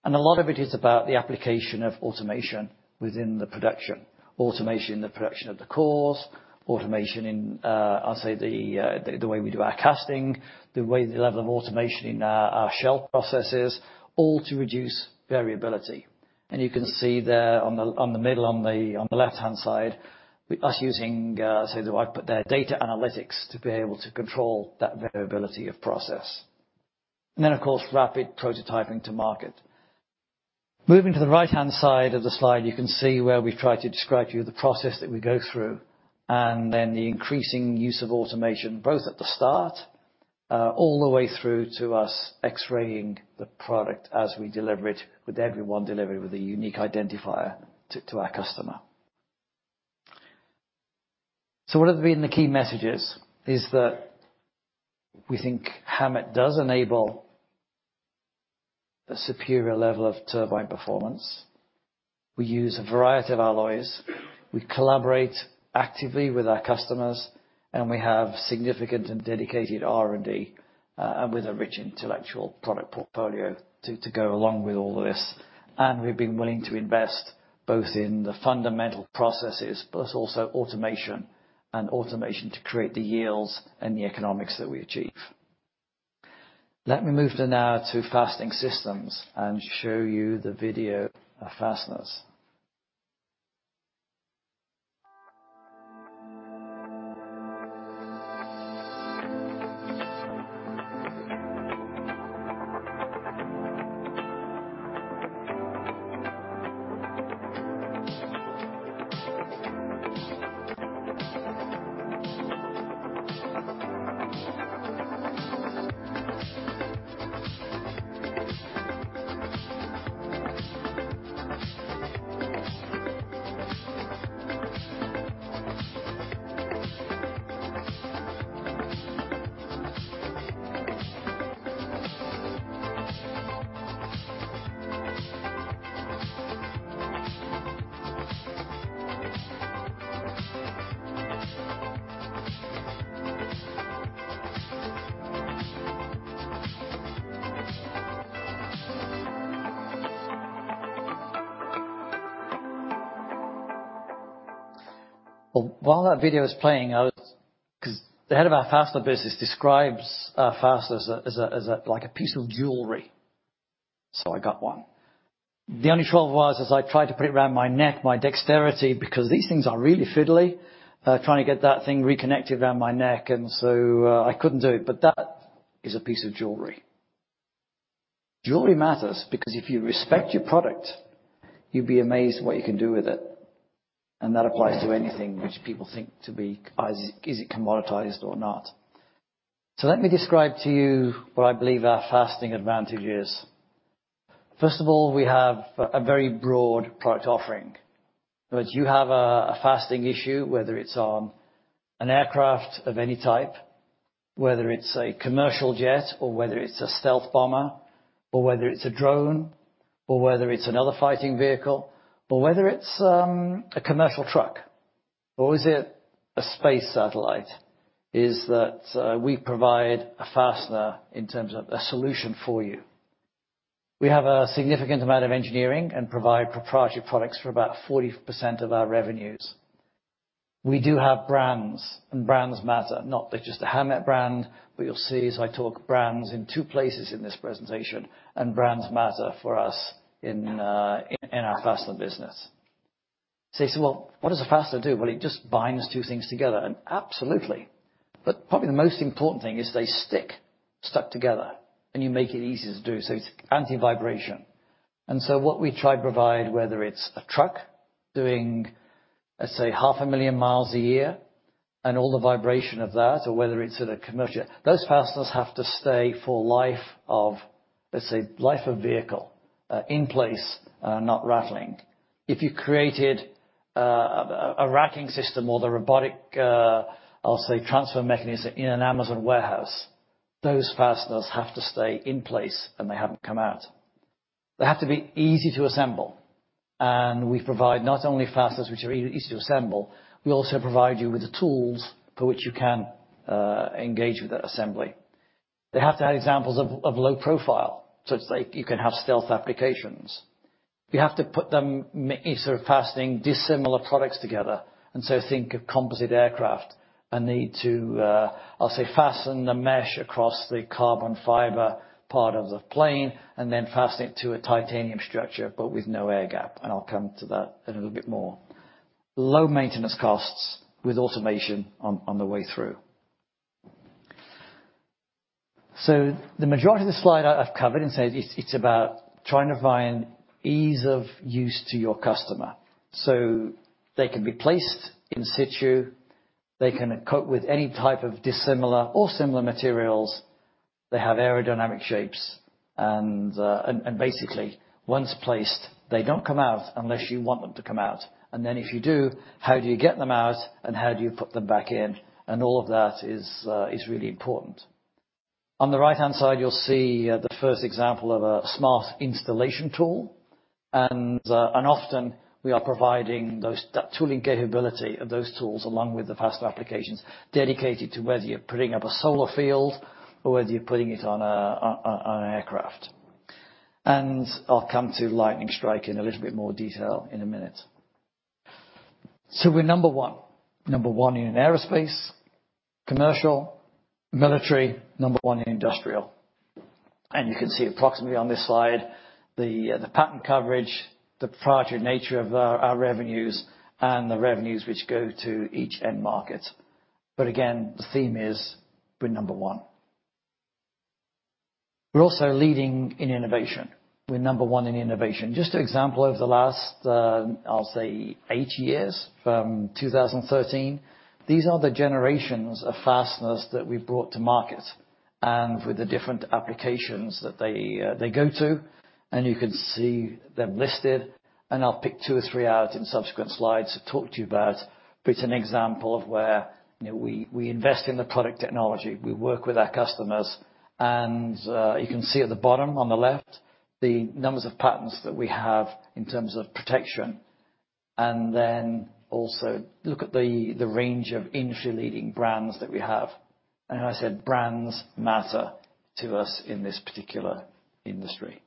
A lot of it is about the application of automation within the production. Automation in the production of the cores, automation in, I'll say, the way we do our casting, the way the level of automation in our shell processes, all to reduce variability. You can see there on the slide, on the left-hand side, with us using, say, the way I've put their data analytics to be able to control that variability of process. Of course, rapid prototyping to market. Moving to the right-hand side of the slide, you can see where we've tried to describe to you the process that we go through, and then the increasing use of automation, both at the start, all the way through to us X-raying the product as we deliver it with every one delivery with a unique identifier to our customer. What have been the key messages? It's that we think Howmet does enable a superior level of turbine performance. We use a variety of alloys. We collaborate actively with our customers, and we have significant and dedicated R&D with a rich intellectual product portfolio to go along with all of this. We've been willing to invest both in the fundamental processes, but also automation to create the yields and the economics that we achieve. Let me move then now to Fastening Systems and show you the video of fasteners. While that video is playing, 'Cause the head of our fastener business describes our fasteners as a like a piece of jewelry. I got one. The only trouble was, as I tried to put it around my neck, my dexterity, because these things are really fiddly, trying to get that thing reconnected around my neck, and so I couldn't do it. That is a piece of jewelry. Jewelry matters because if you respect your product, you'd be amazed what you can do with it. That applies to anything which people think to be, is it commoditized or not? Let me describe to you what I believe our fastening advantage is. First of all, we have a very broad product offering. Whereas you have a fastening issue, whether it's on an aircraft of any type, whether it's a commercial jet, or whether it's a stealth bomber, or whether it's a drone, or whether it's another fighting vehicle, or whether it's a commercial truck, or a space satellite, we provide a fastener in terms of a solution for you. We have a significant amount of engineering and provide proprietary products for about 40% of our revenues. We do have brands, and brands matter. Not just the Howmet brand, but you'll see, as I talk about brands in two places in this presentation, and brands matter for us in our fastener business. You say, "Well, what does a fastener do? Well, it just binds two things together." Absolutely. Probably the most important thing is they stuck together, and you make it easy to do so. It's anti-vibration. What we try to provide, whether it's a truck doing, let's say, 500,000 mi a year and all the vibration of that, or whether it's in a commercial, those fasteners have to stay for life of, let's say, life of vehicle in place, not rattling. If you created a racking system or the robotic transfer mechanism in an Amazon warehouse, those fasteners have to stay in place, and they haven't come out. They have to be easy to assemble. We provide not only fasteners which are easy to assemble, we also provide you with the tools for which you can engage with that assembly. They have to have examples of low profile, such that you can have stealth applications. You have to put them, sort of fastening dissimilar products together. Think of composite aircraft and need to, I'll say, fasten the mesh across the carbon fiber part of the plane and then fasten it to a titanium structure, but with no air gap. I'll come to that in a little bit more. Low maintenance costs with automation on the way through. The majority of the slide I've covered and said it's about trying to find ease of use to your customer, so they can be placed in situ, they can cope with any type of dissimilar or similar materials, they have aerodynamic shapes, and basically, once placed, they don't come out unless you want them to come out. Then, if you do, how do you get them out, and how do you put them back in? All of that is really important. On the right-hand side, you'll see the first example of a smart installation tool, and often we are providing those... That tooling capability of those tools, along with the faster applications dedicated to whether you're putting up a solar field or whether you're putting it on an aircraft. I'll come to lightning strike in a little bit more detail in a minute. We're number one in aerospace, commercial, military, number one in industrial. You can see approximately on this slide the patent coverage, the proprietary nature of our revenues, and the revenues which go to each end market. The theme is we're number one. We're also leading in innovation. We're number one in innovation. Just an example, over the last eight years from 2013, these are the generations of fasteners that we've brought to market, and with the different applications that they go to, and you can see them listed, and I'll pick two or three out in subsequent slides to talk to you about. It's an example of where, you know, we invest in the product technology, we work with our customers, and you can see at the bottom on the left, the numbers of patents that we have in terms of protection. Also look at the range of industry-leading brands that we have. As I said, brands matter to us in this particular industry.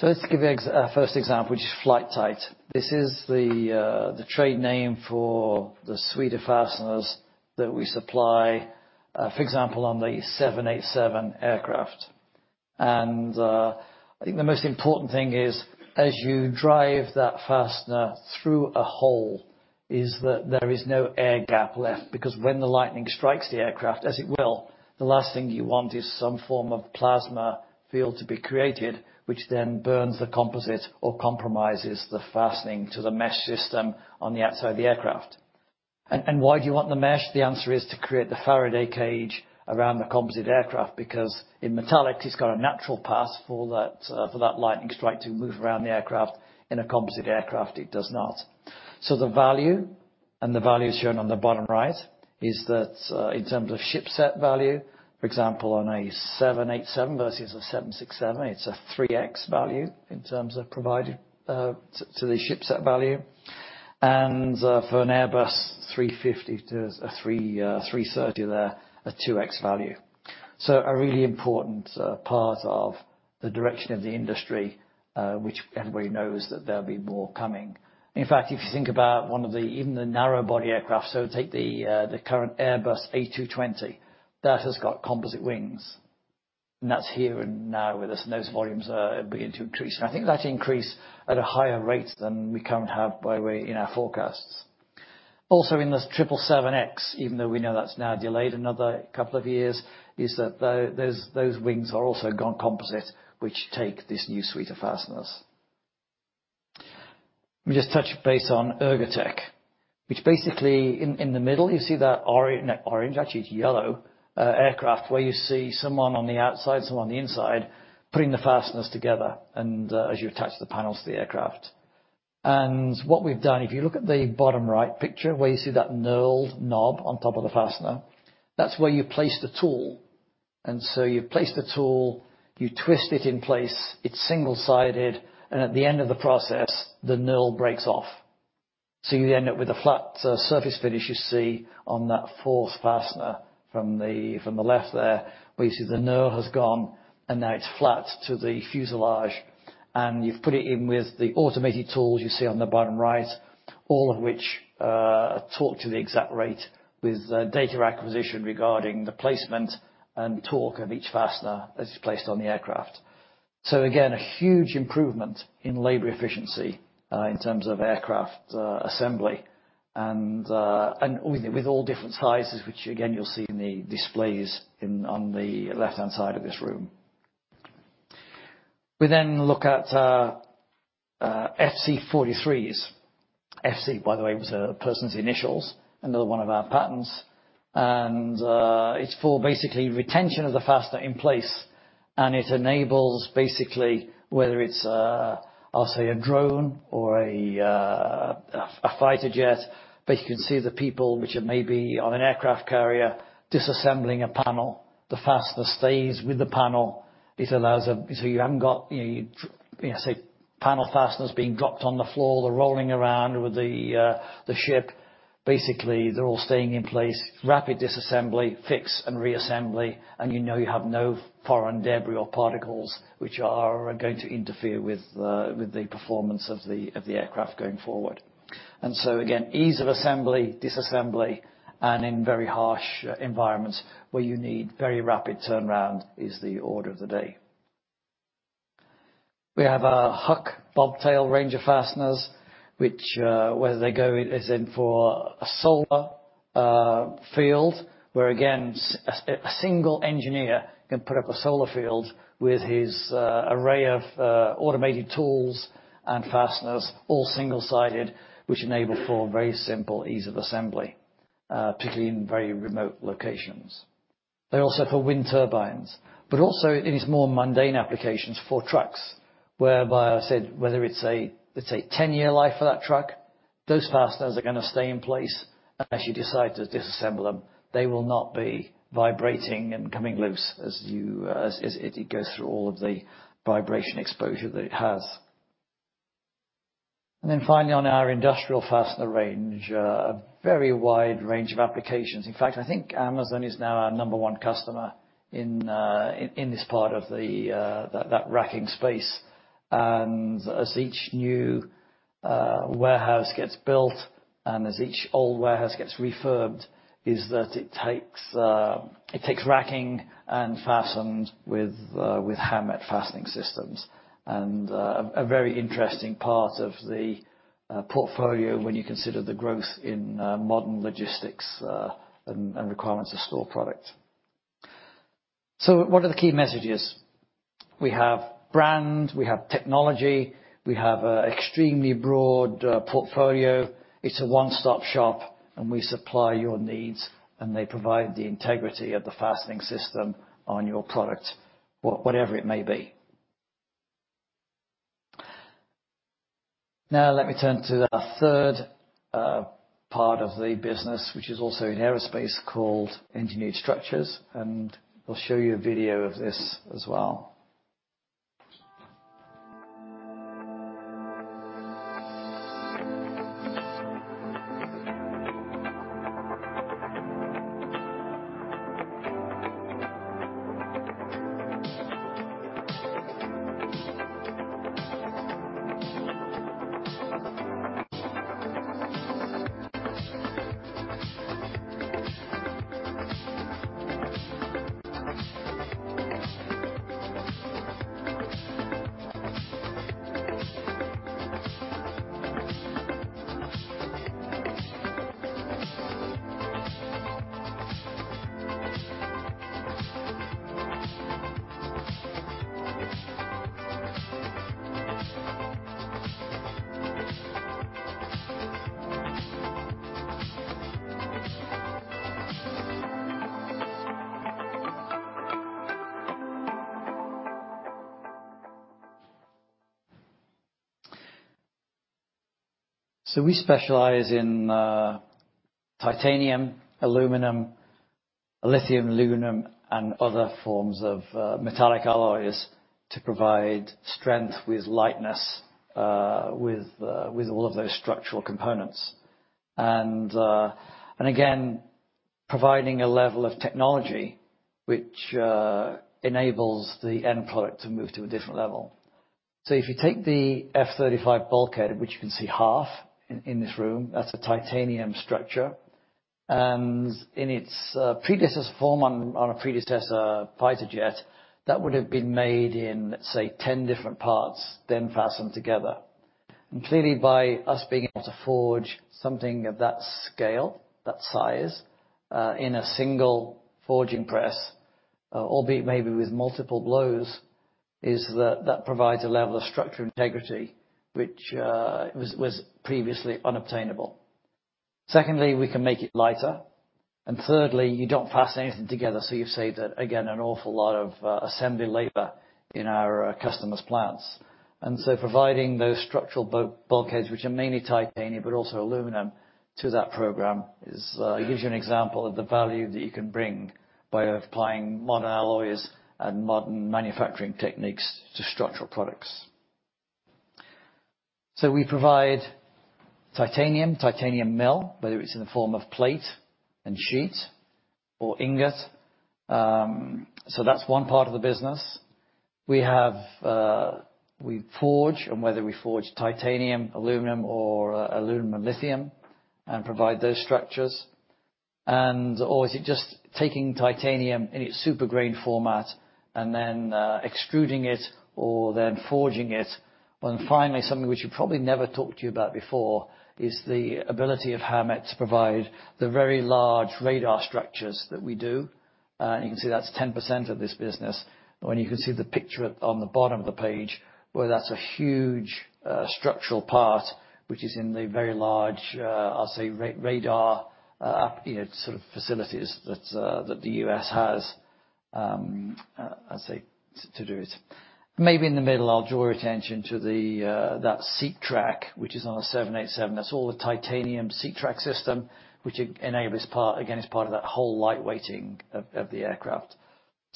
Let's give you a first example, which is Flite-Tite. This is the trade name for the suite of fasteners that we supply, for example, on the 787 aircraft. I think the most important thing is, as you drive that fastener through a hole, is that there is no air gap left, because when the lightning strikes the aircraft, as it will, the last thing you want is some form of plasma field to be created, which then burns the composite or compromises the fastening to the mesh system on the outside of the aircraft. Why do you want the mesh? The answer is to create the Faraday cage around the composite aircraft, because in metallic, it's got a natural path for that, for that lightning strike to move around the aircraft. In a composite aircraft, it does not. The value, and the value is shown on the bottom right, is that, in terms of ship set value, for example, on a 787 versus a 767, it's a 3x value in terms of provided to the ship set value, and for an Airbus A350 to an A330 there, a 2x value. A really important part of the direction of the industry, which everybody knows that there'll be more coming. In fact, if you think about even the narrow-body aircraft, so take the current Airbus A220, that has got composite wings, and that's here and now with us, and those volumes are beginning to increase. I think that increase at a higher rate than we currently have, by the way, in our forecasts. Also, in the 777X, even though we know that's now delayed another couple of years, is that those wings are also gone composite, which take this new suite of fasteners. Let me just touch base on Ergo-Tech, which basically, in the middle, you see that orange, actually it's yellow, aircraft where you see someone on the outside, someone on the inside, putting the fasteners together, and as you attach the panels to the aircraft. What we've done, if you look at the bottom right picture, where you see that knurled knob on top of the fastener, that's where you place the tool. You place the tool, you twist it in place, it's single-sided, and at the end of the process, the knurl breaks off. You end up with a flat surface finish you see on that fourth fastener from the left there, where you see the knurl has gone and now it's flat to the fuselage, and you've put it in with the automated tools you see on the bottom right, all of which talk to the factory with data acquisition regarding the placement and torque of each fastener that is placed on the aircraft. Again, a huge improvement in labor efficiency in terms of aircraft assembly and with all different sizes, which again you'll see in the displays on the left-hand side of this room. We loo,k at FC43s. FC, by the way, was a person's initials, another one of our patents. It's for basically retention of the fastener in place, and it enables basically whether it's, I'll say a drone or a fighter jet, but you can see the people which are maybe on an aircraft carrier disassembling a panel. The fastener stays with the panel. It allows. You haven't got, you know, you know, say, panel fasteners being dropped on the floor or rolling around with the ship. Basically, they're all staying in place, rapid disassembly, fix and reassembly, and you know you have no foreign debris or particles which are going to interfere with the performance of the aircraft going forward. Again, ease of assembly, disassembly, and in very harsh environments where you need very rapid turnaround is the order of the day. We have a Huck BobTail range of fasteners, which, where they go, is in for a solar field, where, again, a single engineer can put up a solar field with his array of automated tools and fasteners, all single-sided, which enable for very simple ease of assembly, particularly in very remote locations. They're also for wind turbines, but also in these more mundane applications for trucks, whereby I said whether it's a, let's say, 10-year life for that truck, those fasteners are gonna stay in place. Unless you decide to disassemble them, they will not be vibrating and coming loose as it goes through all of the vibration exposure that it has. Finally, on our industrial fastener range, a very wide range of applications. In fact, I think Amazon is now our number one customer in this part of that racking space. As each new warehouse gets built, and as each old warehouse gets refurbished, it takes racking and fastened with Howmet fastening systems. A very interesting part of the portfolio when you consider the growth in modern logistics, and requirements of stored products. What are the key messages? We have brand, we have technology, we have an extremely broad portfolio. It's a one-stop shop, and we supply your needs, and they provide the integrity of the fastening system on your product, whatever it may be. Now let me turn to the third part of the business, which is also in aerospace, called Engineered Structures, and I'll show you a video of this as well. We specialize in titanium, aluminum-lithium, aluminum, and other forms of metallic alloys to provide strength with lightness, with all of those structural components. Again, providing a level of technology which enables the end product to move to a different level. If you take the F-35 bulkhead, which you can see half in this room, that's a titanium structure. In its predecessor form on a predecessor fighter jet, that would have been made in, let's say, 10 different parts, then fastened together. Clearly, by us being able to forge something of that scale, that size, in a single forging press, albeit maybe with multiple blows, that provides a level of structural integrity which was previously unobtainable. Secondly, we can make it lighter. Thirdly, you don't fasten anything together, so you save, again, an awful lot of assembly labor in our customers' plants. Providing those structural bulkheads, which are mainly titanium, but also aluminum, to that program gives you an example of the value that you can bring by applying modern alloys and modern manufacturing techniques to structural products. We provide titanium mill, whether it's in the form of plate and sheet or ingot. That's one part of the business. We forge, and whether we forge titanium, aluminum or aluminum-lithium and provide those structures. And/or is it just taking titanium in its super grain format and then extruding it or then forging it? Finally, something which we've probably never talked to you about before is the ability of Howmet to provide the very large radar structures that we do. You can see that's 10% of this business. When you can see the picture on the bottom of the page, where that's a huge structural part, which is in the very large, I'll say, radar sort of facilities that the U.S. has, I'd say to do it. Maybe in the middle, I'll draw your attention to that seat track, which is on a 787. That's all the titanium seat track system, which enables part, again, is part of that whole light weighting of the aircraft.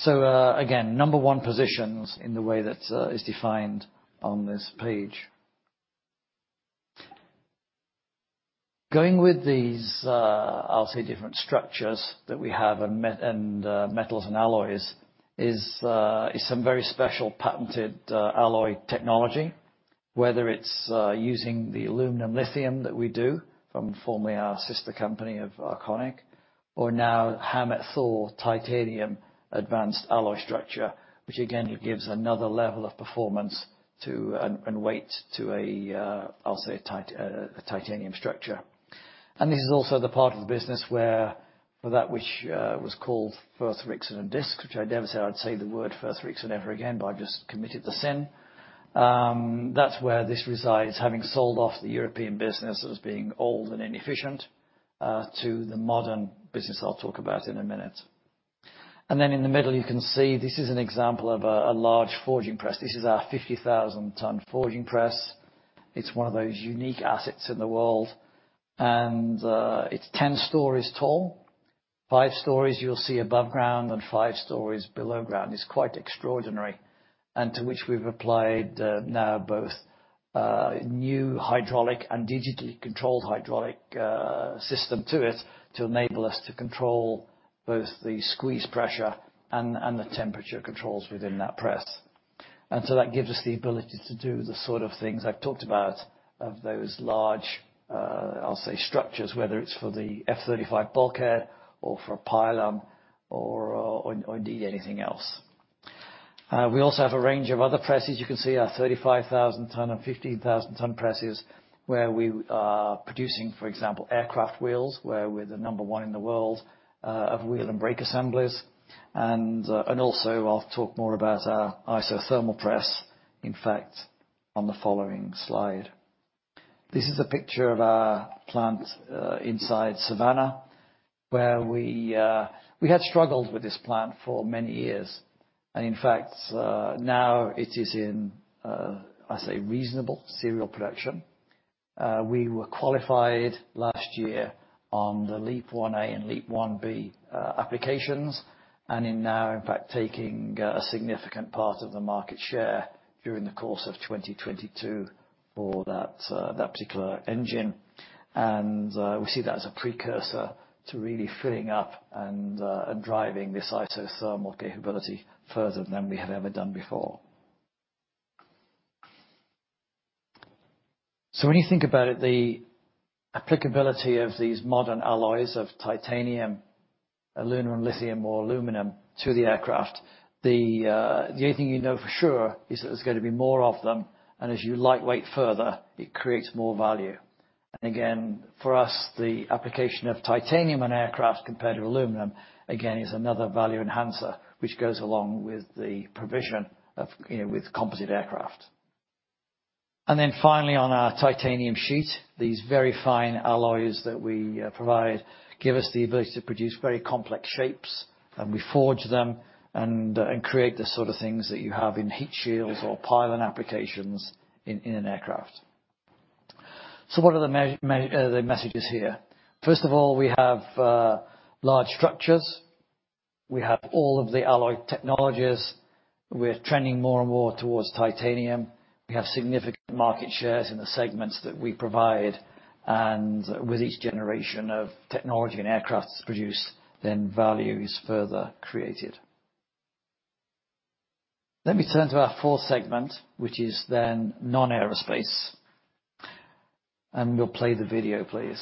Again, number one positions in the way that is defined on this page. Going with these, I'll say different structures that we have, and metals and alloys is some very special patented alloy technology. Whether it's using the aluminum-lithium that we do from formerly our sister company of Arconic or now Howmet THOR titanium advanced alloy structure, which again gives another level of performance and weight to a titanium structure. This is also the part of the business where for that which was called Firth Rixson and Disc, which I dare say I'll never say the word Firth Rixson ever again, but I've just committed the sin. That's where this resides, having sold off the European business as being old and inefficient, to the modern business I'll talk about in a minute. In the middle, you can see this is an example of a large forging press. This is our 50,000-ton forging press. It's one of those unique assets in the world. It's 10 stories tall. Five stories you'll see above ground and five stories below ground. It's quite extraordinary, and to which we've applied now both new hydraulic and digitally controlled hydraulic system to it to enable us to control both the squeeze pressure and the temperature controls within that press. That gives us the ability to do the sort of things I've talked about of those large, I'll say structures, whether it's for the F-35 bulkhead or for a pylon or indeed anything else. We also have a range of other presses. You can see our 35,000-ton and 15,000-ton presses, where we are producing, for example, aircraft wheels, where we're the number one in the world of wheel and brake assemblies. Also I'll talk more about our isothermal press, in fact, on the following slide. This is a picture of our plant inside Savannah, where we had struggled with this plant for many years. In fact, now it is in, I say reasonable serial production. We were qualified last year on the LEAP-1A and LEAP-1B applications, and in fact, taking a significant part of the market share during the course of 2022 for that particular engine. We see that as a precursor to really filling up and driving this isothermal capability further than we have ever done before. When you think about it, the applicability of these modern alloys of titanium, aluminum-lithium or aluminum to the aircraft, the only thing you know for sure is that there's gonna be more of them, and as you lightweigh further, it creates more value. Again, for us, the application of titanium on aircraft compared to aluminum, again, is another value enhancer, which goes along with the provision of, you know, with composite aircraft. Then, finally on our titanium sheet, these very fine alloys that we provide give us the ability to produce very complex shapes, and we forge them and create the sort of things that you have in heat shields or pylon applications in an aircraft. What are the messages here? First of all, we have large structures. We have all of the alloy technologies. We're trending more and more towards titanium. We have significant market shares in the segments that we provide, and with each generation of technology and aircraft produced, then value is further created. Let me turn to our fourth segment, which is then non-aerospace. We'll play the video, please.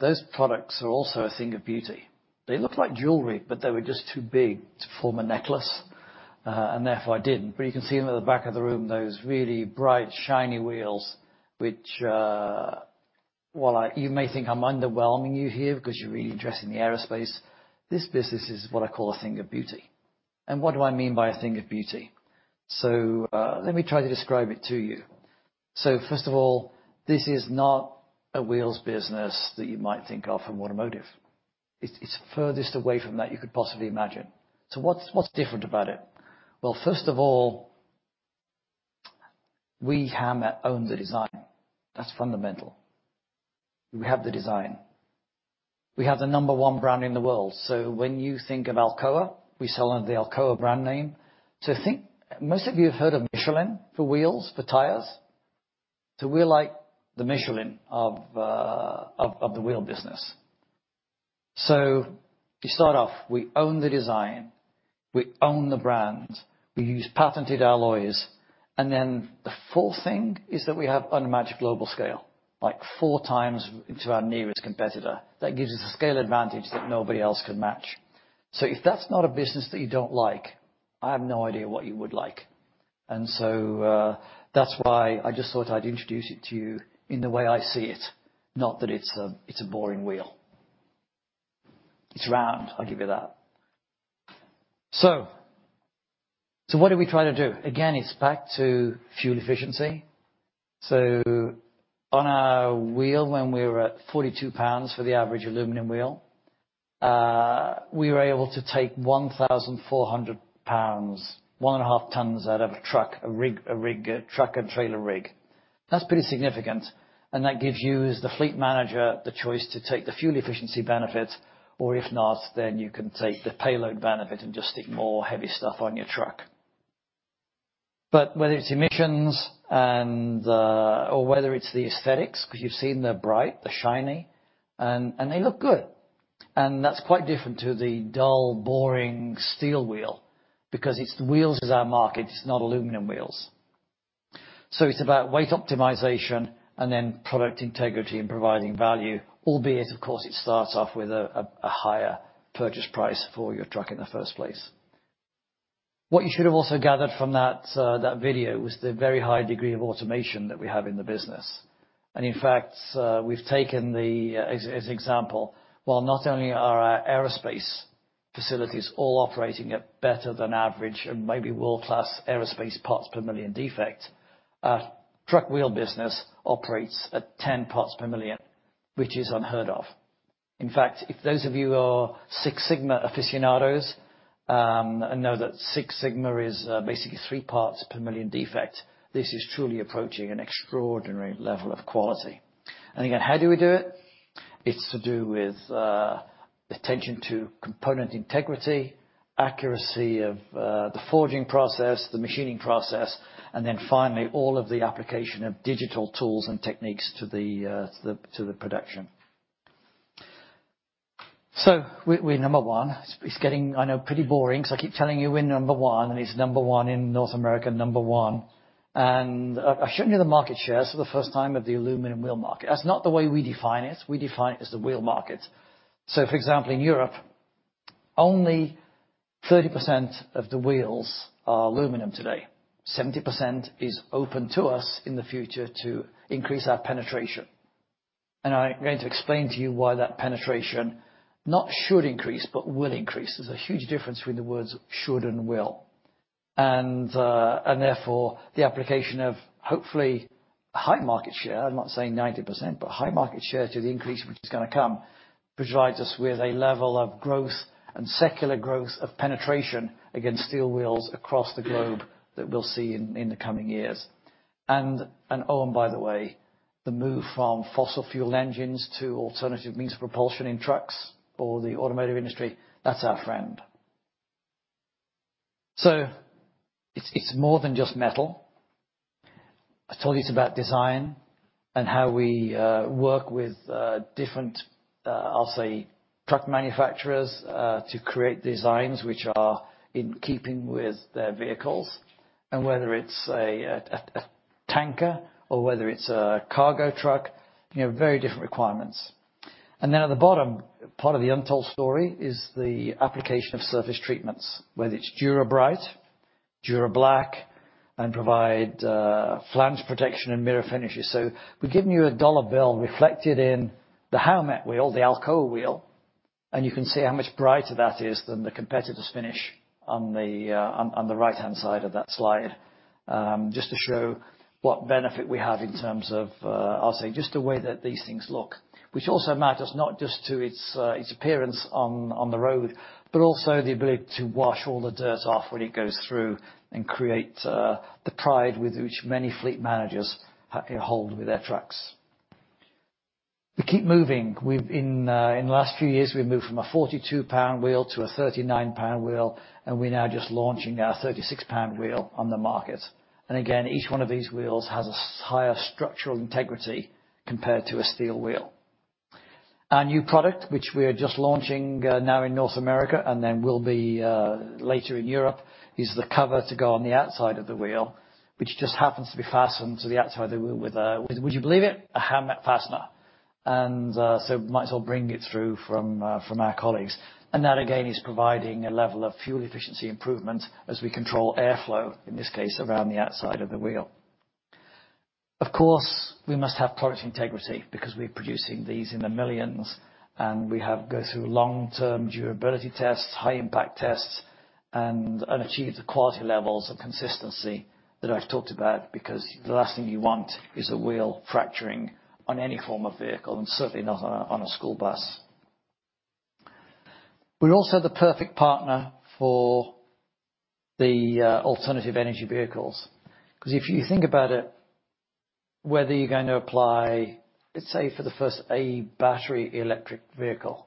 Those products are also a thing of beauty. They look like jewelry, but they were just too big to form a necklace, and therefore I didn't. You can see them at the back of the room, those really bright, shiny wheels, which you may think I'm underwhelming you here because you're really addressing the aerospace. This business is what I call a thing of beauty. What do I mean by a thing of beauty? Let me try to describe it to you. First of all, this is not a wheels business that you might think of in automotive. It's furthest away from that you could possibly imagine. What's different about it? Well, first of all, we Howmet own the design. That's fundamental. We have the design. We have the number one brand in the world. When you think of Alcoa, we sell under the Alcoa brand name. Think, most of you have heard of Michelin for wheels, for tires. We're like the Michelin of the wheel business. To start off, we own the design, we own the brand, we use patented alloys. Then the fourth thing is that we have unmatched global scale, like four times to our nearest competitor. That gives us a scale advantage that nobody else can match. If that's not a business that you don't like, I have no idea what you would like. That's why I just thought I'd introduce it to you in the way I see it, not that it's a boring wheel. It's round, I'll give you that. What do we try to do? Again, it's back to fuel efficiency. On our wheel, when we were at 42 Ibs for the average aluminum wheel, we were able to take 1,400 Ibs, 1.5 tons out of a truck, a rig, a truck and trailer rig. That's pretty significant, and that gives you, as the fleet manager, the choice to take the fuel efficiency benefit, or if not, then you can take the payload benefit and just stick more heavy stuff on your truck. Whether it's emissions and or whether it's the aesthetics, 'cause you've seen they're bright, they're shiny, and they look good. That's quite different to the dull, boring steel wheel because it's the wheels is our market, it's not aluminum wheels. It's about weight optimization and then product integrity and providing value, albeit, of course, it starts off with a higher purchase price for your truck in the first place. What you should have also gathered from that video was the very high degree of automation that we have in the business. In fact, we've taken as an example, while not only are our aerospace facilities all operating at better than average and maybe world-class aerospace parts per million defects, our truck wheel business operates at 10 parts per million, which is unheard of. In fact, if those of you who are Six Sigma aficionados know that Six Sigma is basically three parts per million defects, this is truly approaching an extraordinary level of quality. Again, how do we do it? It's to do with attention to component integrity, accuracy of the forging process, the machining process, and then finally, all of the application of digital tools and techniques to the production. We're number one. It's getting, I know, pretty boring 'cause I keep telling you we're number one, and it's number one in North America, number one. I've shown you the market share for the first time of the aluminum wheel market. That's not the way we define it. We define it as the wheel market. For example, in Europe, only 30% of the wheels are aluminum today. 70% is open to us in the future to increase our penetration. I'm going to explain to you why that penetration not should increase, but will increase. There's a huge difference between the words should and will. Therefore, the application of hopefully high market share, I'm not saying 90%, but high market share, to the increase which is gonna come, provides us with a level of growth and secular growth of penetration against steel wheels across the globe that we'll see in the coming years. By the way, the move from fossil fuel engines to alternative means of propulsion in trucks or the automotive industry, that's our friend. It's more than just metal. I told you it's about design and how we work with different, I'll say, truck manufacturers, to create designs which are in keeping with their vehicles, and whether it's a tanker or whether it's a cargo truck, you know, very different requirements. At the bottom, part of the untold story is the application of surface treatments, whether it's Dura-Bright, Dura-Black, and provide flange protection and mirror finishes. We've given you a dollar bill reflected in the Howmet wheel, the Alcoa wheel, and you can see how much brighter that is than the competitor's finish on the right-hand side of that slide. Just to show what benefit we have in terms of, I'll say just the way that these things look, which also matters not just to its appearance on the road, but also the ability to wash all the dirt off when it goes through and create the pride with which many fleet managers hold with their trucks. We keep moving. In the last few years, we've moved from a 42-Ibs wheel to a 39-Ibs wheel, and we're now just launching our 36-Ibs wheel on the market. Again, each one of these wheels has a higher structural integrity compared to a steel wheel. Our new product, which we are just launching now in North America and then will be later in Europe, is the cover to go on the outside of the wheel, which just happens to be fastened to the outside of the wheel with a, would you believe it? A Howmet fastener. So might as well bring it through from our colleagues. That again is providing a level of fuel efficiency improvement as we control airflow, in this case, around the outside of the wheel. Of course, we must have product integrity because we're producing these in the millions, and we have go through long-term durability tests, high impact tests, and achieve the quality levels of consistency that I've talked about because the last thing you want is a wheel fracturing on any form of vehicle and certainly not on a school bus. We're also the perfect partner for the alternative energy vehicles, 'cause if you think about it, whether you're going to apply, let's say for the first A battery electric vehicle,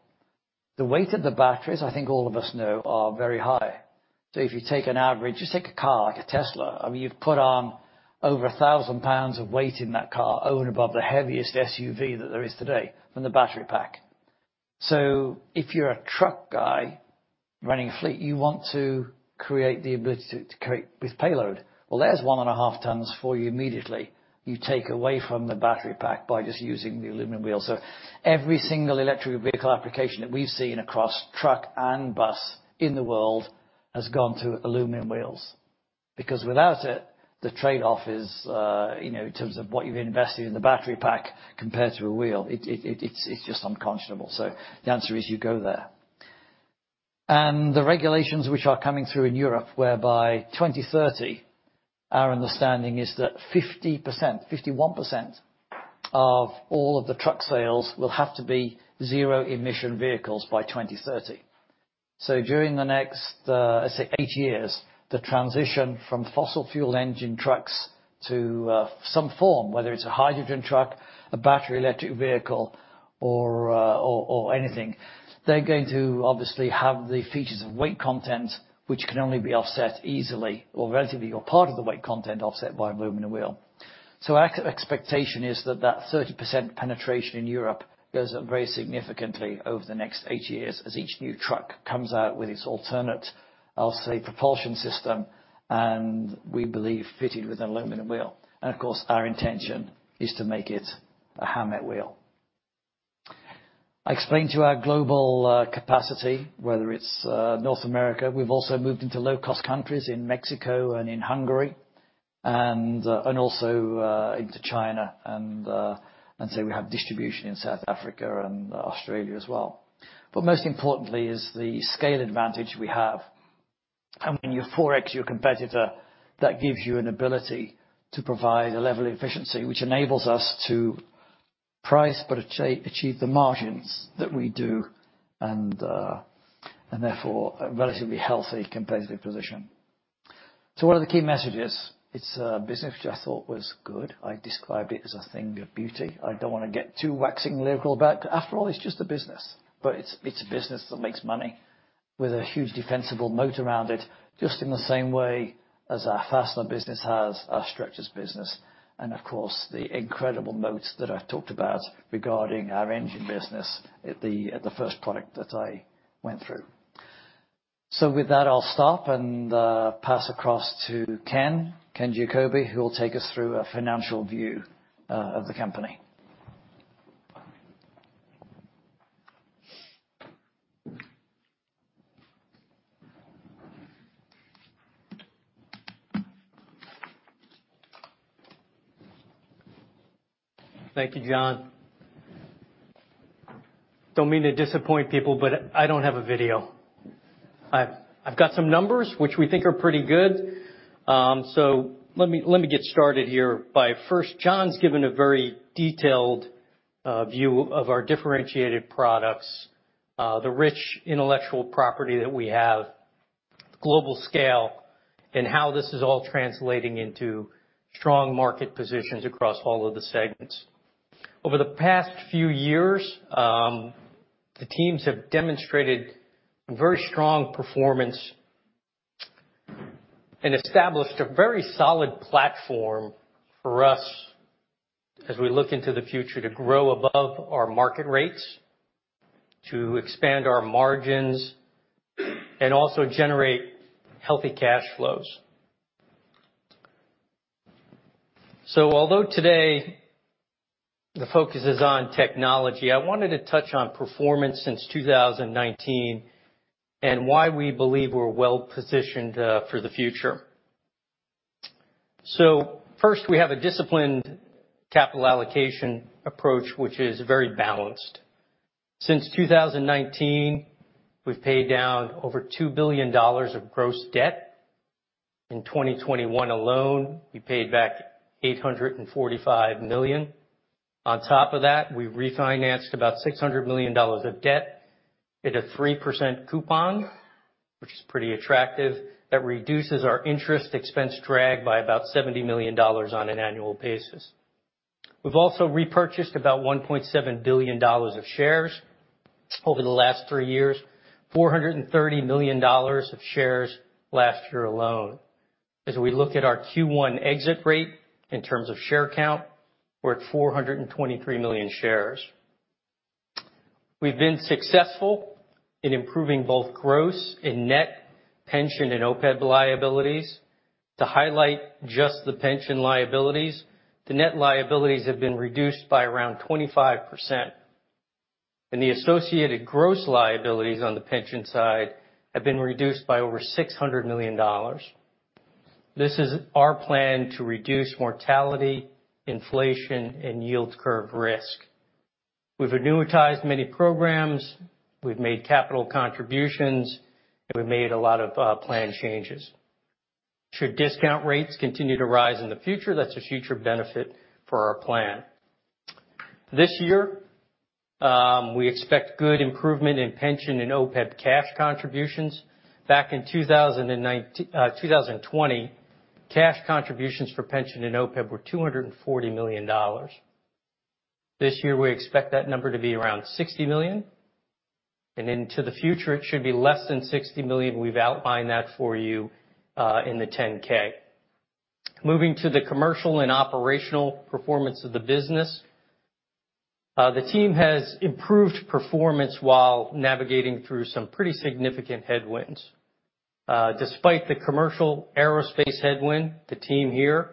the weight of the batteries, I think all of us know, are very high. If you take an average, just take a car like a Tesla, I mean, you've put on over 1,000 Ibs of weight in that car over and above the heaviest SUV that there is today from the battery pack. If you're a truck guy running a fleet, you want to create the ability to create with payload. Well, there's 1.5 tons for you immediately. You take away from the battery pack by just using the aluminum wheel. Every single electric vehicle application that we've seen across truck and bus in the world has gone to aluminum wheels, because without it, the trade-off is, you know, in terms of what you've invested in the battery pack compared to a wheel, it's just unconscionable. The answer is you go there. The regulations which are coming through in Europe, whereby 2030, our understanding is that 50%, 51% of all of the truck sales will have to be zero emission vehicles by 2030. During the next, let's say 8 years, the transition from fossil fuel engine trucks to some form, whether it's a hydrogen truck, a battery electric vehicle or anything, they're going to obviously have the features of weight content, which can only be offset easily or relatively, or part of the weight content offset by aluminum wheel. Our expectation is that thirty percent penetration in Europe goes up very significantly over the next eight years as each new truck comes out with its alternate, I'll say, propulsion system, and we believe fitted with an aluminum wheel. Of course, our intention is to make it a Howmet wheel. I explained to our global capacity, whether it's North America. We've also moved into low-cost countries in Mexico and in Hungary and also into China. We have distribution in South Africa and Australia as well. Most importantly is the scale advantage we have. When you 4x your competitor, that gives you an ability to provide a level of efficiency which enables us to price, but achieve the margins that we do, and therefore a relatively healthy competitive position. One of the key messages, it's a business which I thought was good. I described it as a thing of beauty. I don't wanna get too waxing lyrical, but after all, it's just a business. It's a business that makes money with a huge defensible moat around it, just in the same way as our fastener business has, our structures business and of course, the incredible moats that I've talked about regarding our engine business at the first product that I went through. With that, I'll stop and pass across to Ken Giacobbe, who will take us through a financial view of the company. Thank you, John. Don't mean to disappoint people, but I don't have a video. I've got some numbers which we think are pretty good. Let me get started here by first, John's given a very detailed view of our differentiated products, the rich intellectual property that we have, global scale, and how this is all translating into strong market positions across all of the segments. Over the past few years, the teams have demonstrated very strong performance and established a very solid platform for us as we look into the future to grow above our market rates, to expand our margins, and also generate healthy cash flows. Although today the focus is on technology, I wanted to touch on performance since 2019 and why we believe we're well-positioned for the future. First, we have a disciplined capital allocation approach, which is very balanced. Since 2019, we've paid down over $2 billion of gross debt. In 2021 alone, we paid back $845 million. On top of that, we refinanced about $600 million of debt at a 3% coupon, which is pretty attractive. That reduces our interest expense drag by about $70 million on an annual basis. We've also repurchased about $1.7 billion of shares over the last three years, $430 million of shares last year alone. As we look at our Q1 exit rate in terms of share count, we're at 423 million shares. We've been successful in improving both gross and net pension and OPEB liabilities. To highlight just the pension liabilities, the net liabilities have been reduced by around 25%, and the associated gross liabilities on the pension side have been reduced by over $600 million. This is our plan to reduce mortality, inflation, and yield curve risk. We've annuitized many programs, we've made capital contributions, and we've made a lot of plan changes. Should discount rates continue to rise in the future, that's a future benefit for our plan. This year, we expect good improvement in pension and OPEB cash contributions. Back in 2020, cash contributions for pension and OPEB were $240 million. This year, we expect that number to be around $60 million, and into the future, it should be less than $60 million. We've outlined that for you in the 10-K. Moving to the commercial and operational performance of the business. The team has improved performance while navigating through some pretty significant headwinds. Despite the commercial aerospace headwind, the team here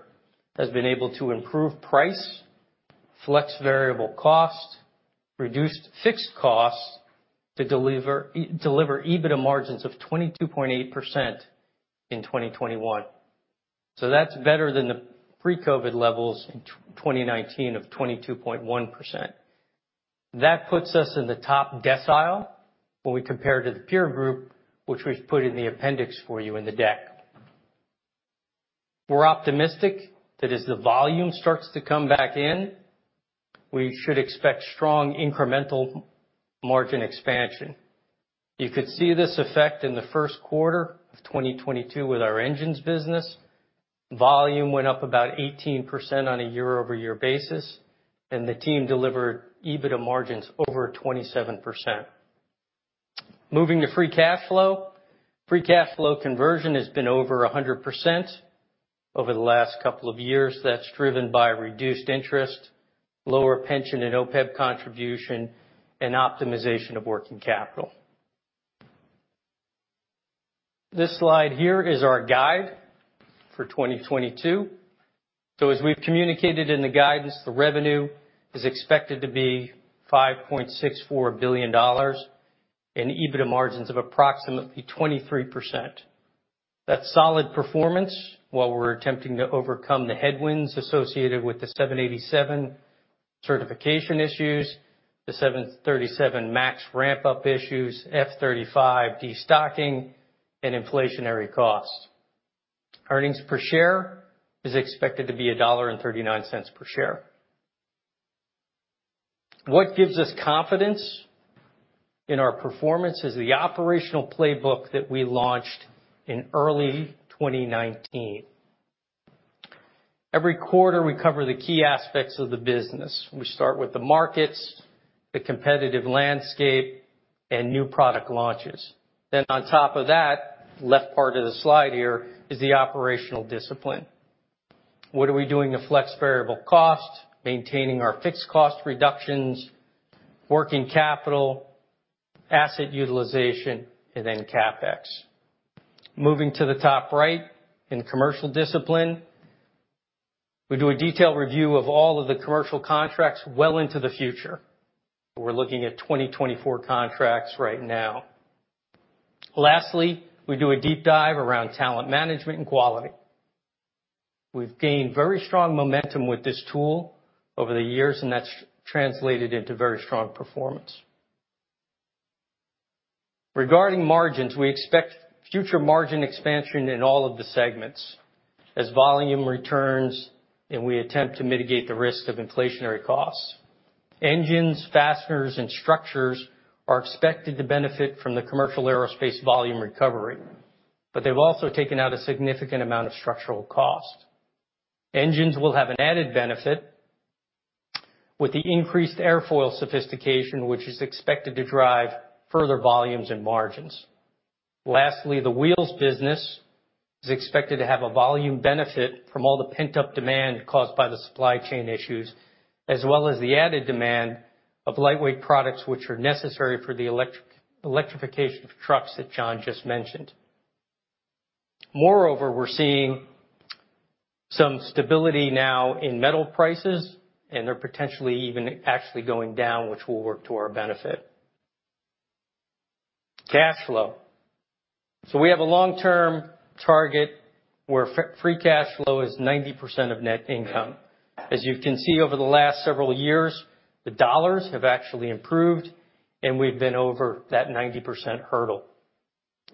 has been able to improve price, flex variable cost, reduced fixed costs to deliver EBITDA margins of 22.8% in 2021. That's better than the pre-COVID levels in 2019 of 22.1%. That puts us in the top decile when we compare to the peer group, which we've put in the appendix for you in the deck. We're optimistic that as the volume starts to come back in, we should expect strong incremental margin expansion. You could see this effect in the first quarter of 2022 with our engines business. Volume went up about 18% on a year-over-year basis, and the team delivered EBITDA margins over 27%. Moving to free cash flow. Free cash flow conversion has been over 100% over the last couple of years. That's driven by reduced interest, lower pension and OPEB contribution, and optimization of working capital. This slide here is our guide for 2022. As we've communicated in the guidance, the revenue is expected to be $5.64 billion and EBITDA margins of approximately 23%. That's solid performance, while we're attempting to overcome the headwinds associated with the 787 certification issues, the 737 MAX ramp-up issues, F-35 destocking, and inflationary costs. Earnings per share is expected to be $1.39 per share. What gives us confidence in our performance is the operational playbook that we launched in early 2019. Every quarter, we cover the key aspects of the business. We start with the markets, the competitive landscape, and new product launches. On top of that, left part of the slide here, is the operational discipline. What are we doing to flex variable costs, maintaining our fixed cost reductions, working capital, asset utilization, and then CapEx? Moving to the top right, in commercial discipline, we do a detailed review of all of the commercial contracts well into the future. We're looking at 2024 contracts right now. Lastly, we do a deep dive around talent management and quality. We've gained very strong momentum with this tool over the years, and that's translated into very strong performance. Regarding margins, we expect future margin expansion in all of the segments as volume returns, and we attempt to mitigate the risk of inflationary costs. Engines, fasteners, and structures are expected to benefit from the commercial aerospace volume recovery, but they've also taken out a significant amount of structural cost. Engines will have an added benefit with the increased airfoil sophistication, which is expected to drive further volumes and margins. Lastly, the wheels business is expected to have a volume benefit from all the pent-up demand caused by the supply chain issues, as well as the added demand of lightweight products which are necessary for the electrification of trucks that John just mentioned. Moreover, we're seeing some stability now in metal prices, and they're potentially even actually going down, which will work to our benefit. Cash flow. We have a long-term target where free cash flow is 90% of net income. As you can see over the last several years, the dollars have actually improved, and we've been over that 90% hurdle.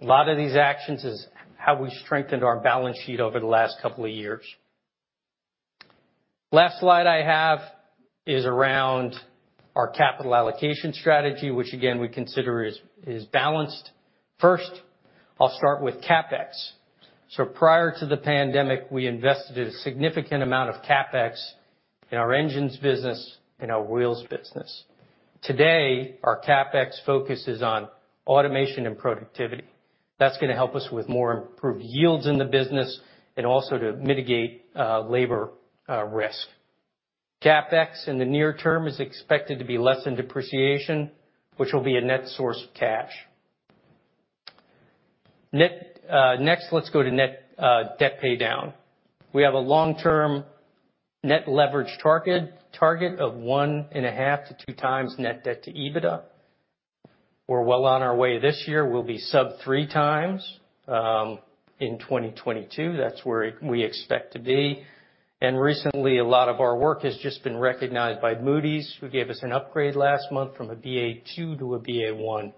A lot of these actions is how we strengthened our balance sheet over the last couple of years. Last slide I have is around our capital allocation strategy, which again, we consider is balanced. First, I'll start with CapEx. Prior to the pandemic, we invested a significant amount of CapEx in our engines business, in our wheels business. Today, our CapEx focus is on automation and productivity. That's gonna help us with more improved yields in the business and also to mitigate labor risk. CapEx in the near term is expected to be less than depreciation, which will be a net source of cash. Next, let's go to net debt paydown. We have a long-term net leverage target of 1.5x-2x net debt to EBITDA. We're well on our way. This year, we'll be sub 3x in 2022. That's where we expect to be. Recently, a lot of our work has just been recognized by Moody's, who gave us an upgrade last month from a Ba2 to a Ba1.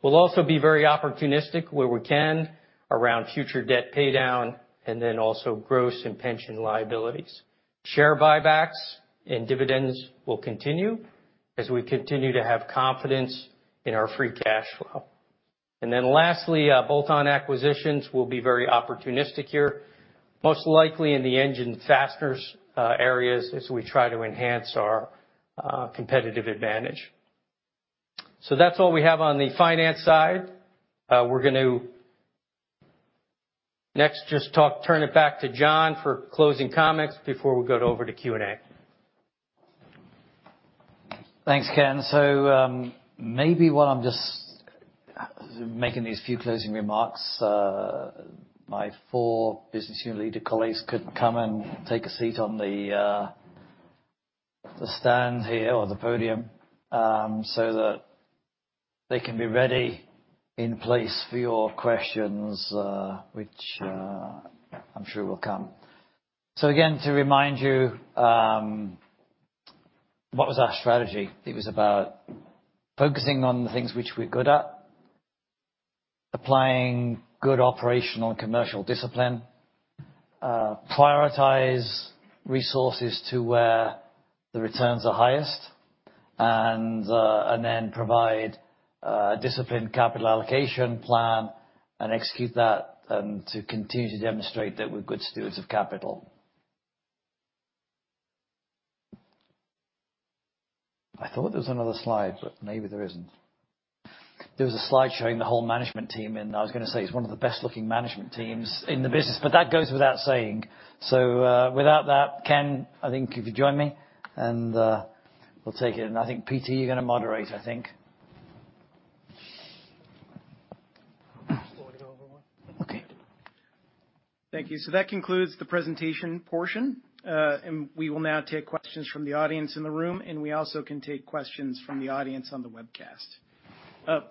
We'll also be very opportunistic where we can around future debt paydown and then also gross and pension liabilities. Share buybacks and dividends will continue as we continue to have confidence in our free cash flow. Lastly, bolt-on acquisitions, we'll be very opportunistic here, most likely in the engine fasteners areas as we try to enhance our competitive advantage. That's all we have on the finance side. We're going to next just talk, turn it back to John for closing comments before we go over to Q&A. Thanks, Ken. Maybe while I'm just making these few closing remarks, my four business unit leader colleagues could come and take a seat on the stand here or the podium, so that they can be ready in place for your questions, which I'm sure will come. Again, to remind you, what was our strategy? It was about focusing on the things which we're good at, applying good operational and commercial discipline, prioritize resources to where the returns are highest, and then provide a disciplined capital allocation plan and execute that and to continue to demonstrate that we're good stewards of capital. I thought there was another slide, but maybe there isn't. There was a slide showing the whole management team, and I was gonna say it's one of the best-looking management teams in the business, but that goes without saying. Without that, Ken, I think if you join me, and we'll take it. I think, Peter, you're gonna moderate, I think. Just want to go over one. Okay. Thank you. That concludes the presentation portion. We will now take questions from the audience in the room, and we also can take questions from the audience on the webcast.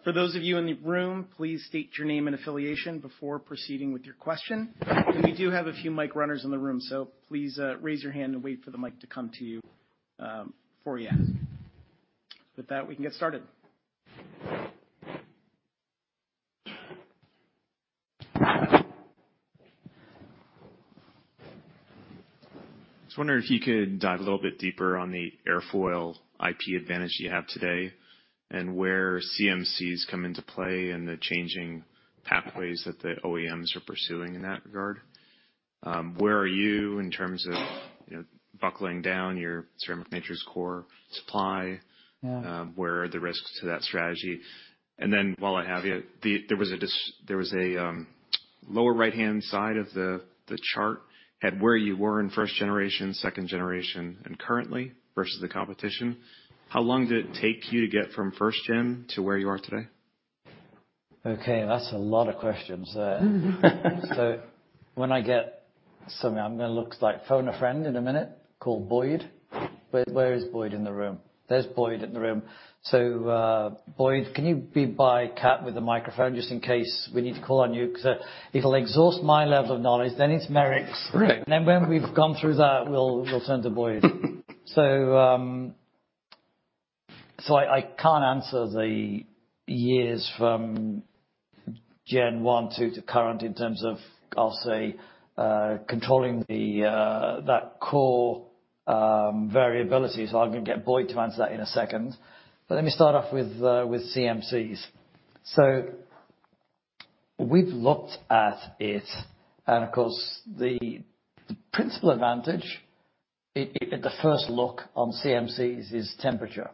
For those of you in the room, please state your name and affiliation before proceeding with your question. We do have a few mic runners in the room, so please raise your hand and wait for the mic to come to you before you ask. With that, we can get started. Just wondering if you could dive a little bit deeper on the airfoil IP advantage you have today, and where CMCs come into play and the changing pathways that the OEMs are pursuing in that regard. Where are you in terms of, you know, buckling down your ceramic matrix composite supply? Yeah. Where are the risks to that strategy? While I have you, there was a lower right-hand side of the chart at where you were in first generation, second generation, and currently versus the competition. How long did it take you to get from first gen to where you are today? Okay, that's a lot of questions there. When I get something, I'm gonna phone a friend in a minute, call Boyd. Where is Boyd in the room? There's Boyd in the room. Boyd, can you be by Kat with a microphone just in case we need to call on you? 'Cause if it'll exhaust my level of knowledge, then it's Merrick's. Right. When we've gone through that, we'll turn to Boyd. I can't answer the years from Gen one, two to current in terms of, I'll say, controlling that core variability. I'm gonna get Boyd to answer that in a second. Let me start off with CMCs. We've looked at it, and of course, the principal advantage in the first look on CMCs is temperature.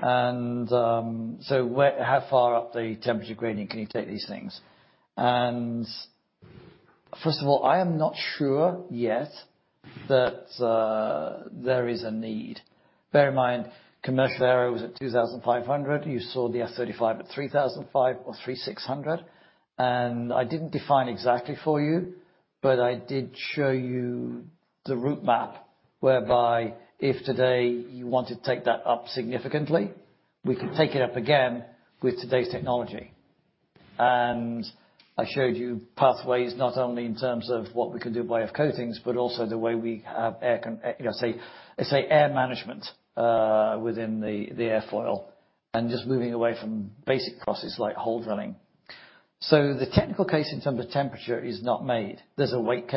How far up the temperature gradient can you take these things? First of all, I am not sure yet that there is a need. Bear in mind, commercial aero was at 2,500. You saw the F-35 at 3,005 or 3,600. I didn't define exactly for you, but I did show you the route map whereby if today you wanted to take that up significantly, we could take it up again with today's technology. I showed you pathways not only in terms of what we can do by F coatings, but also the way we have air management within the airfoil, and just moving away from basic processes like hole drilling. The technical case in terms of temperature is not made. There's a weight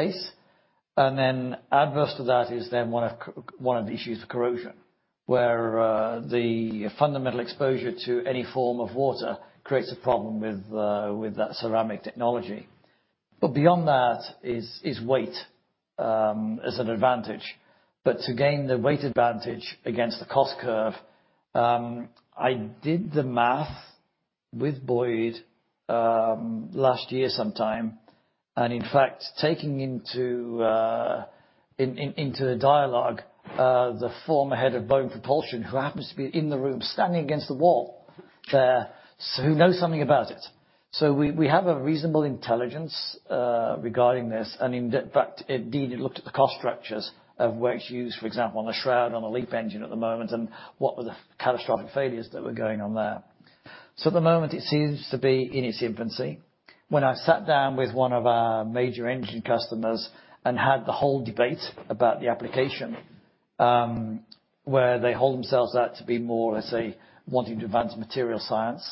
case, and then, adverse to that, is one of the issues of corrosion, where the fundamental exposure to any form of water creates a problem with that ceramic technology. Beyond that is weight as an advantage. To gain the weight advantage against the cost curve, I did the math with Boyd last year sometime, and in fact, taking into the dialogue, the former head of Boeing Propulsion, who happens to be in the room standing against the wall there, so who knows something about it. We have a reasonable intelligence regarding this. In fact, indeed, it looked at the cost structures of where it's used, for example, on a shroud on a LEAP engine at the moment, and what were the catastrophic failures that were going on there. At the moment, it seems to be in its infancy. When I sat down with one of our major engine customers and had the whole debate about the application, where they hold themselves out to be more, let's say, wanting to advance material science,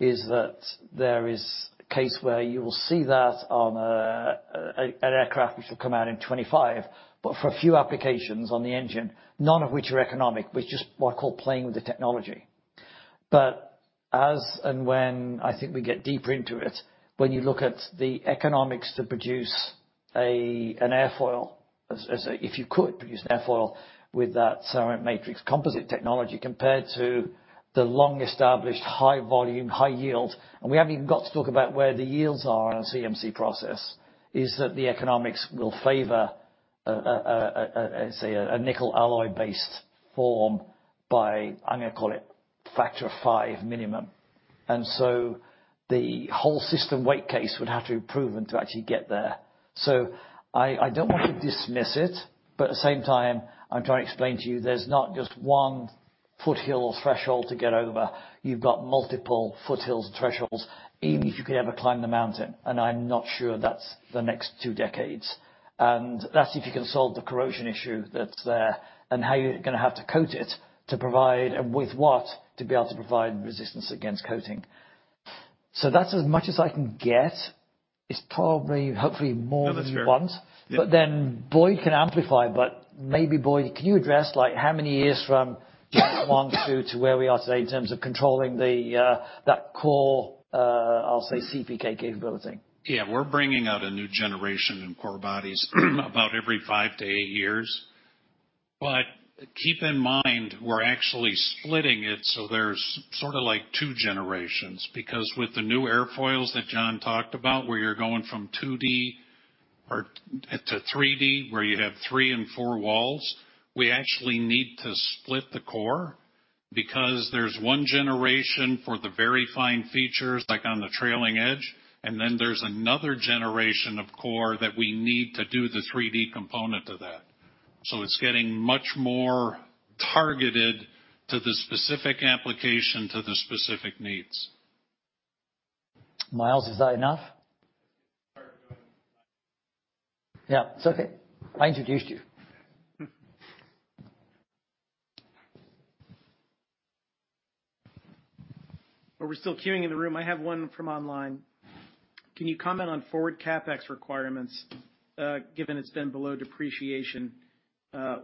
is that there is a case where you will see that on an aircraft which will come out in 2025, but for a few applications on the engine, none of which are economic, which is what I call playing with the technology. As and when I think we get deeper into it, when you look at the economics to produce an airfoil, as if you could produce an airfoil with that ceramic matrix composite technology compared to the long-established high volume, high yield. We haven't even got to talk about where the yields are in a CMC process, is that the economics will favor a, let's say a nickel alloy-based form by, I'm gonna call it factor five minimum. The whole system weight case would have to be proven to actually get there. I don't want to dismiss it, but at the same time, I'm trying to explain to you there's not just one foothill or threshold to get over. You've got multiple foothills and thresholds, even if you could ever climb the mountain, and I'm not sure that's the next two decades. That's if you can solve the corrosion issue that's there, and how you're gonna have to coat it to provide, and with what, to be able to provide resistance against coating. That's as much as I can get. It's probably, hopefully more. No, that's fair. Than you want. Yeah. Boyd can amplify, but maybe Boyd, can you address, like, how many years from one, two to where we are today in terms of controlling that core, I'll say Cpk capability? Yeah. We're bringing out a new generation in core bodies about every five to eight years. Keep in mind, we're actually splitting it, so there's sorta like two generations, because with the new airfoils that John talked about, where you're going from 2D to 3D, where you have three and four walls, we actually need to split the core because there's one generation for the very fine features, like on the trailing edge, and then there's another generation of core that we need to do the 3D component of that. It's getting much more targeted to the specific application, to the specific needs. Myles, is that enough? Let's get started with. Yeah. It's okay. I introduced you. While we're still queuing in the room, I have one from online. Can you comment on forward CapEx requirements, given it's been below depreciation,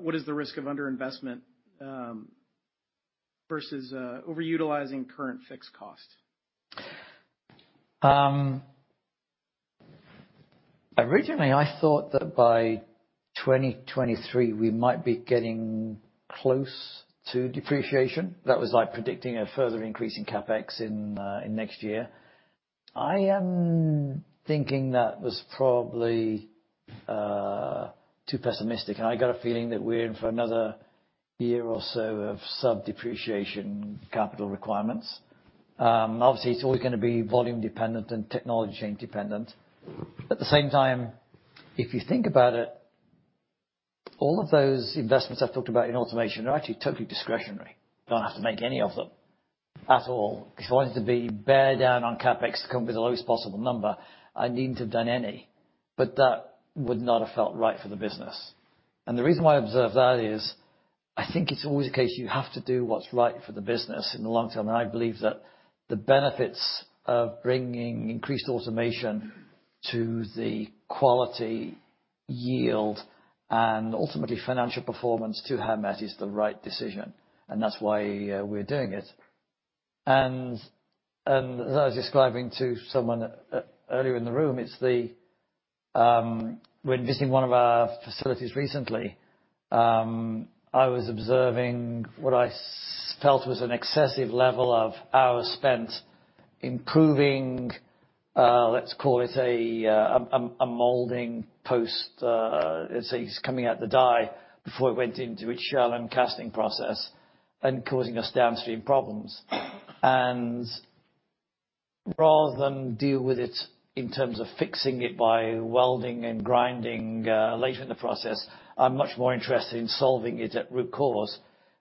what is the risk of underinvestment versus over-utilizing current fixed cost? Originally I thought that by 2023 we might be getting close to depreciation. That was like predicting a further increase in CapEx in next year. I am thinking that was probably too pessimistic. I got a feeling that we're in for another year or so of sub-depreciation capital requirements. Obviously it's always gonna be volume dependent and technology independent. At the same time, if you think about it, all of those investments I've talked about in automation are actually totally discretionary. Don't have to make any of them at all, 'cause if I wanted to bear down on CapEx to come up with the lowest possible number, I needn't have done any. That would not have felt right for the business. The reason why I observe that is, I think it's always the case, you have to do what's right for the business in the long-term. I believe that the benefits of bringing increased automation to the quality, yield, and ultimately financial performance to Howmet is the right decision, and that's why we're doing it. As I was describing to someone earlier in the room, we're visiting one of our facilities recently. I was observing what I felt was an excessive level of hours spent improving, let's call it a molding post. Let's say it's coming out the die before it went into its shell and casting process and causing us downstream problems. Rather than deal with it in terms of fixing it by welding and grinding later in the process, I'm much more interested in solving it at root cause.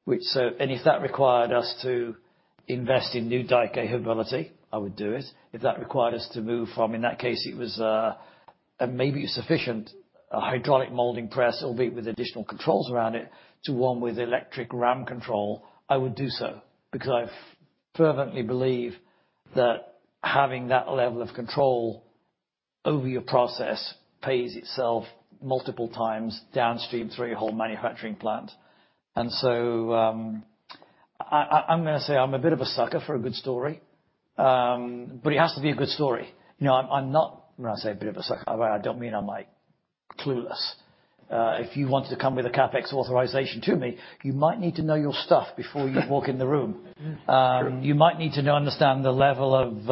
If that required us to invest in new die capability, I would do it. If that required us to move from, in that case it was, maybe a sufficient hydraulic molding press, albeit with additional controls around it, to one with electric ram control, I would do so, because I fervently believe that having that level of control over your process pays itself multiple times downstream through your whole manufacturing plant. I'm gonna say I'm a bit of a sucker for a good story. It has to be a good story. You know, when I say a bit of a sucker, I don't mean I'm like clueless. If you wanted to come with a CapEx authorization to me, you might need to know your stuff before you walk in the room. Sure. You might need to know, understand the level of,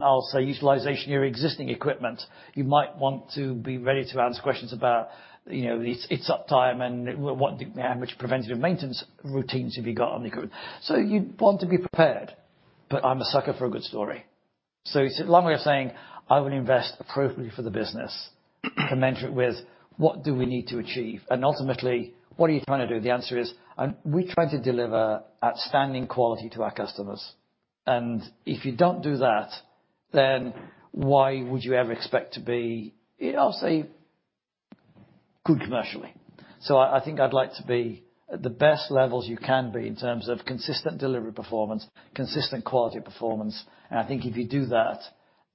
I'll say, utilization of your existing equipment. You might want to be ready to answer questions about, you know, its up time and how much preventative maintenance routines have you got on the equipment. You'd want to be prepared, but I'm a sucker for a good story. It's a long way of saying I would invest appropriately for the business commensurate with what do we need to achieve, and ultimately, what are you trying to do? The answer is, we try to deliver outstanding quality to our customers. If you don't do that, then why would you ever expect to be, I'll say good commercially. I think I'd like to be at the best levels you can be in terms of consistent delivery performance, consistent quality performance. I think if you do that,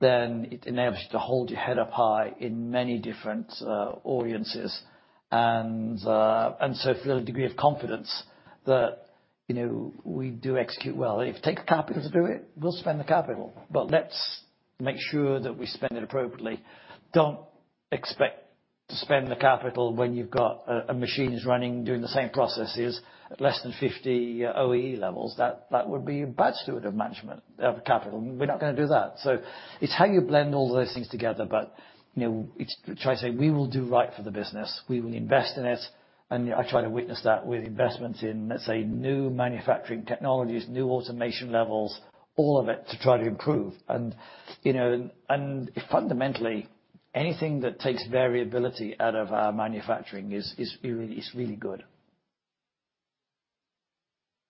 then it enables you to hold your head up high in many different audiences and so feel a degree of confidence that you know, we do execute well. If it takes capital to do it, we'll spend the capital, but let's make sure that we spend it appropriately. Don't expect to spend the capital when you've got machines running, doing the same processes at less than 50 OEE levels. That would be bad stewardship of capital. We're not gonna do that. It's how you blend all those things together. You know, it's trying to say, we will do right for the business, we will invest in it. I try to witness that with investments in, let's say, new manufacturing technologies, new automation levels, all of it to try to improve. You know, and fundamentally, anything that takes variability out of our manufacturing is really good.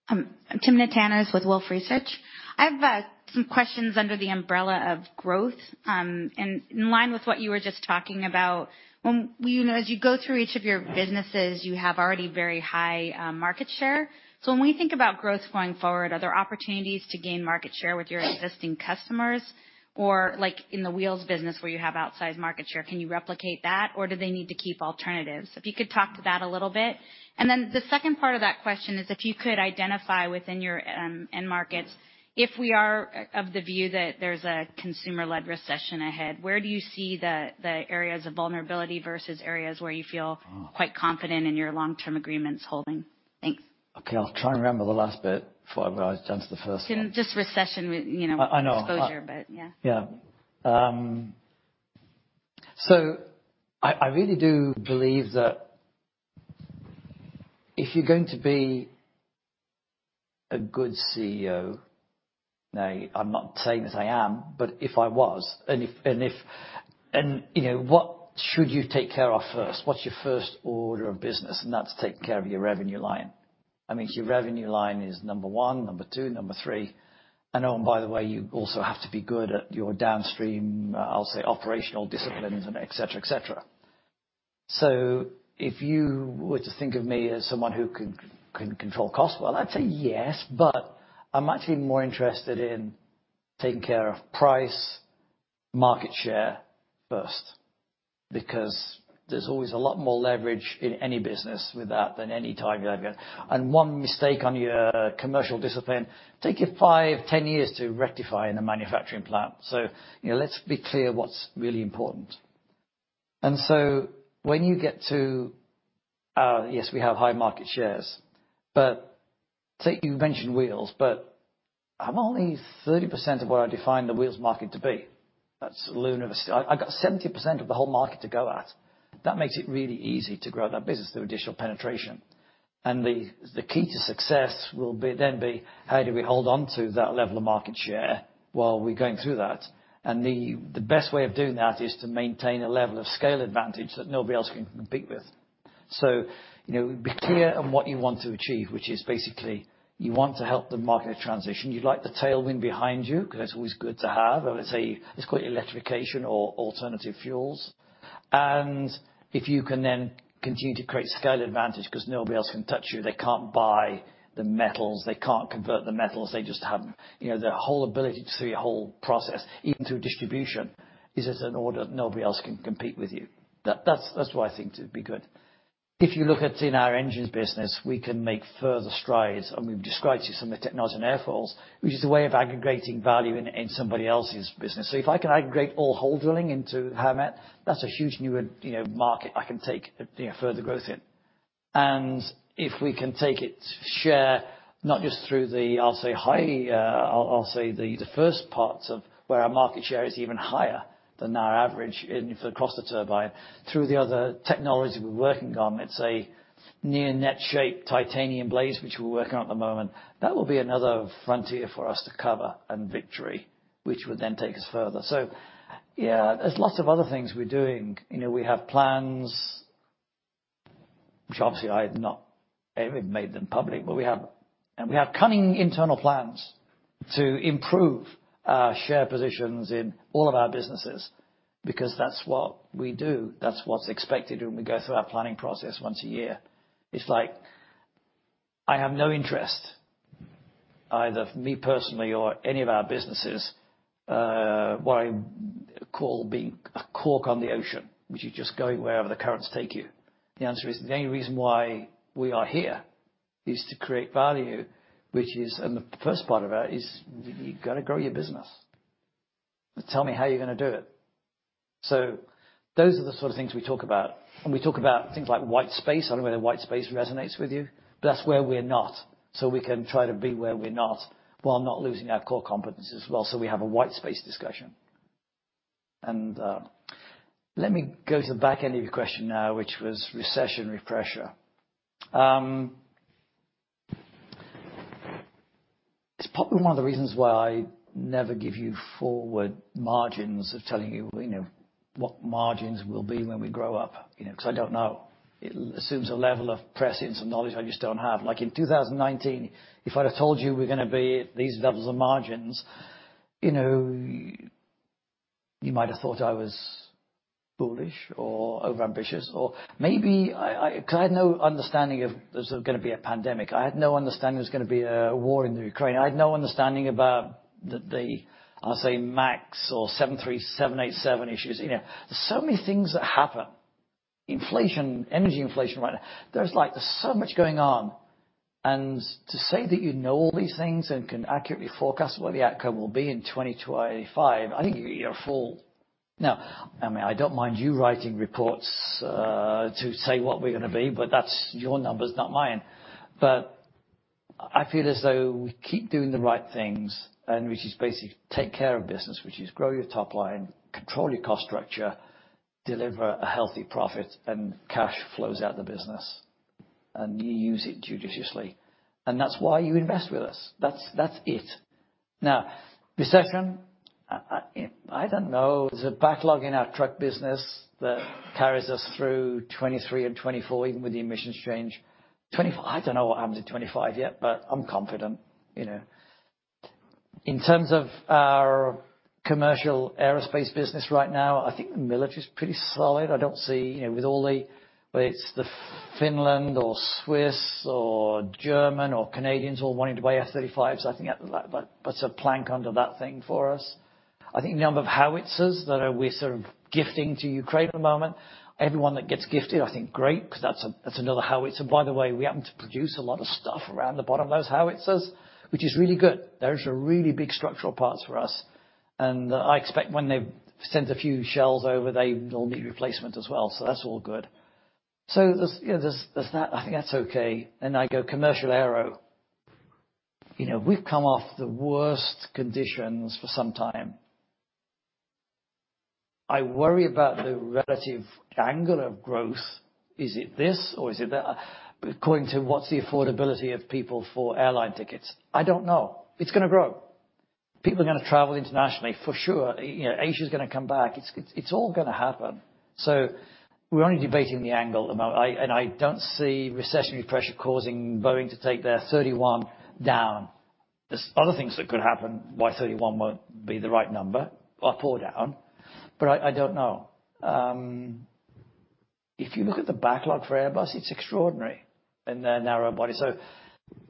I'm Sheila Kahyaoglu with Jefferies. I've some questions under the umbrella of growth, and in line with what you were just talking about. You know, as you go through each of your businesses, you have already very high market share. When we think about growth going forward, are there opportunities to gain market share with your existing customers? Or like in the wheels business where you have outsized market share, can you replicate that, or do they need to keep alternatives? If you could talk to that a little bit. The second part of that question is if you could identify within your end markets, if we are of the view that there's a consumer-led recession ahead, where do you see the areas of vulnerability versus areas where you feel- Oh. Quite confident in your long-term agreements holding? Thanks. Okay. I'll try and remember the last bit before I move on to answer the first one. Just recession, you know. I know. exposure. Yeah. Yeah. I really do believe that if you're going to be a good CEO, now I'm not saying that I am, but if I was. You know, what should you take care of first? What's your first order of business? That's taking care of your revenue line. I mean, your revenue line is number one, number two, number three. Oh, by the way, you also have to be good at your downstream, I'll say, operational disciplines and et cetera, et cetera. If you were to think of me as someone who can control costs, well, I'd say yes. I'm actually more interested in taking care of price, market share first, because there's always a lot more leverage in any business with that than any time you have. One mistake on your commercial discipline can take you five, 10 years to rectify in a manufacturing plant. You know, let's be clear what's really important. When you get to, yes, we have high market shares, but you mentioned wheels, but I'm only 30% of where I define the wheels market to be. That's lower. I got 70% of the whole market to go at. That makes it really easy to grow that business through additional penetration. The key to success will be how do we hold on to that level of market share while we're going through that. The best way of doing that is to maintain a level of scale advantage that nobody else can compete with. You know, be clear on what you want to achieve, which is basically you want to help the market transition. You'd like the tailwind behind you 'cause that's always good to have. I would say it's called electrification or alternative fuels. If you can then continue to create scale advantage 'cause nobody else can touch you, they can't buy the metals, they can't convert the metals, they just haven't. You know, their whole ability to see a whole process, even through distribution, is as an order that nobody else can compete with you. That's why I think it'd be good. If you look at in our engines business, we can make further strides, and we've described to you some of the technology in Airfoil, which is a way of aggregating value in somebody else's business. If I can aggregate all hole drilling into Howmet, that's a huge new, you know, market I can take, you know, further growth in. If we can take market share, not just through the, I'll say, high, I'll say the first parts of where our market share is even higher than our average across the turbine, through the other technology we're working on, let's say near net shape titanium blades, which we're working on at the moment. That will be another frontier for us to cover and victory, which would then take us further. Yeah, there's lots of other things we're doing. You know, we have plans, which obviously I've not made them public, but we have. We have cunning internal plans to improve our share positions in all of our businesses because that's what we do. That's what's expected when we go through our planning process once a year. It's like I have no interest, either for me personally or any of our businesses, what I call being a cork on the ocean, which is just going wherever the currents take you. The answer is, the only reason why we are here is to create value, which is the first part of that is you gotta grow your business. Tell me how you're gonna do it. Those are the sort of things we talk about and we talk about things like white space. I don't know whether white space resonates with you, but that's where we're not. We can try to be where we're not while not losing our core competence as well. We have a white space discussion. Let me go to the back end of your question now, which was recession refresher. It's probably one of the reasons why I never give you forward margins of telling you know, what margins will be when we grow up, you know, 'cause I don't know. It assumes a level of presience and knowledge I just don't have. Like, in 2019, if I'd have told you we're gonna be these levels of margins, you know, you might have thought I was bullish or overambitious, or maybe I 'cause I had no understanding of there's gonna be a pandemic. I had no understanding there's gonna be a war in Ukraine. I had no understanding about the, I'll say, MAX or 737, 787 issues. You know, there's so many things that happen, inflation, energy inflation right now. There's like so much going on. To say that you know all these things and can accurately forecast what the outcome will be in 2025, I think you're full. Now, I mean, I don't mind you writing reports to say what we're gonna be, but that's your numbers, not mine. I feel as though we keep doing the right things, and which is basically take care of business, which is grow your top line, control your cost structure, deliver a healthy profit, and cash flows out the business, and you use it judiciously. That's why you invest with us. That's it. Now, recession, I don't know. There's a backlog in our truck business that carries us through 2023 and 2024, even with the emissions change. 2025, I don't know what happens in 2025 yet, but I'm confident, you know. In terms of our commercial aerospace business right now, I think the military is pretty solid. I don't see, you know, with all the, whether it's the Finns or Swiss or Germans or Canadians all wanting to buy F-35s, I think that puts a plank under that thing for us. I think the number of howitzers that we're sort of gifting to Ukraine at the moment, everyone that gets gifted, I think, great, because that's another howitzer. By the way, we happen to produce a lot of stuff around the bottom of those howitzers, which is really good. Those are really big structural parts for us. I expect when they've sent a few shells over, they will need replacement as well. That's all good. There's that. I think that's okay. I go commercial aero. You know, we've come off the worst conditions for some time. I worry about the relative angle of growth. Is it this or is it that? According to what's the affordability of people for airline tickets, I don't know. It's gonna grow. People are gonna travel internationally, for sure. You know, Asia's gonna come back. It's all gonna happen. We're only debating the angle amount. And I don't see recessionary pressure causing Boeing to take their 31 down. There's other things that could happen why 31 won't be the right number or pull down, but I don't know. If you look at the backlog for Airbus, it's extraordinary in their narrow-body.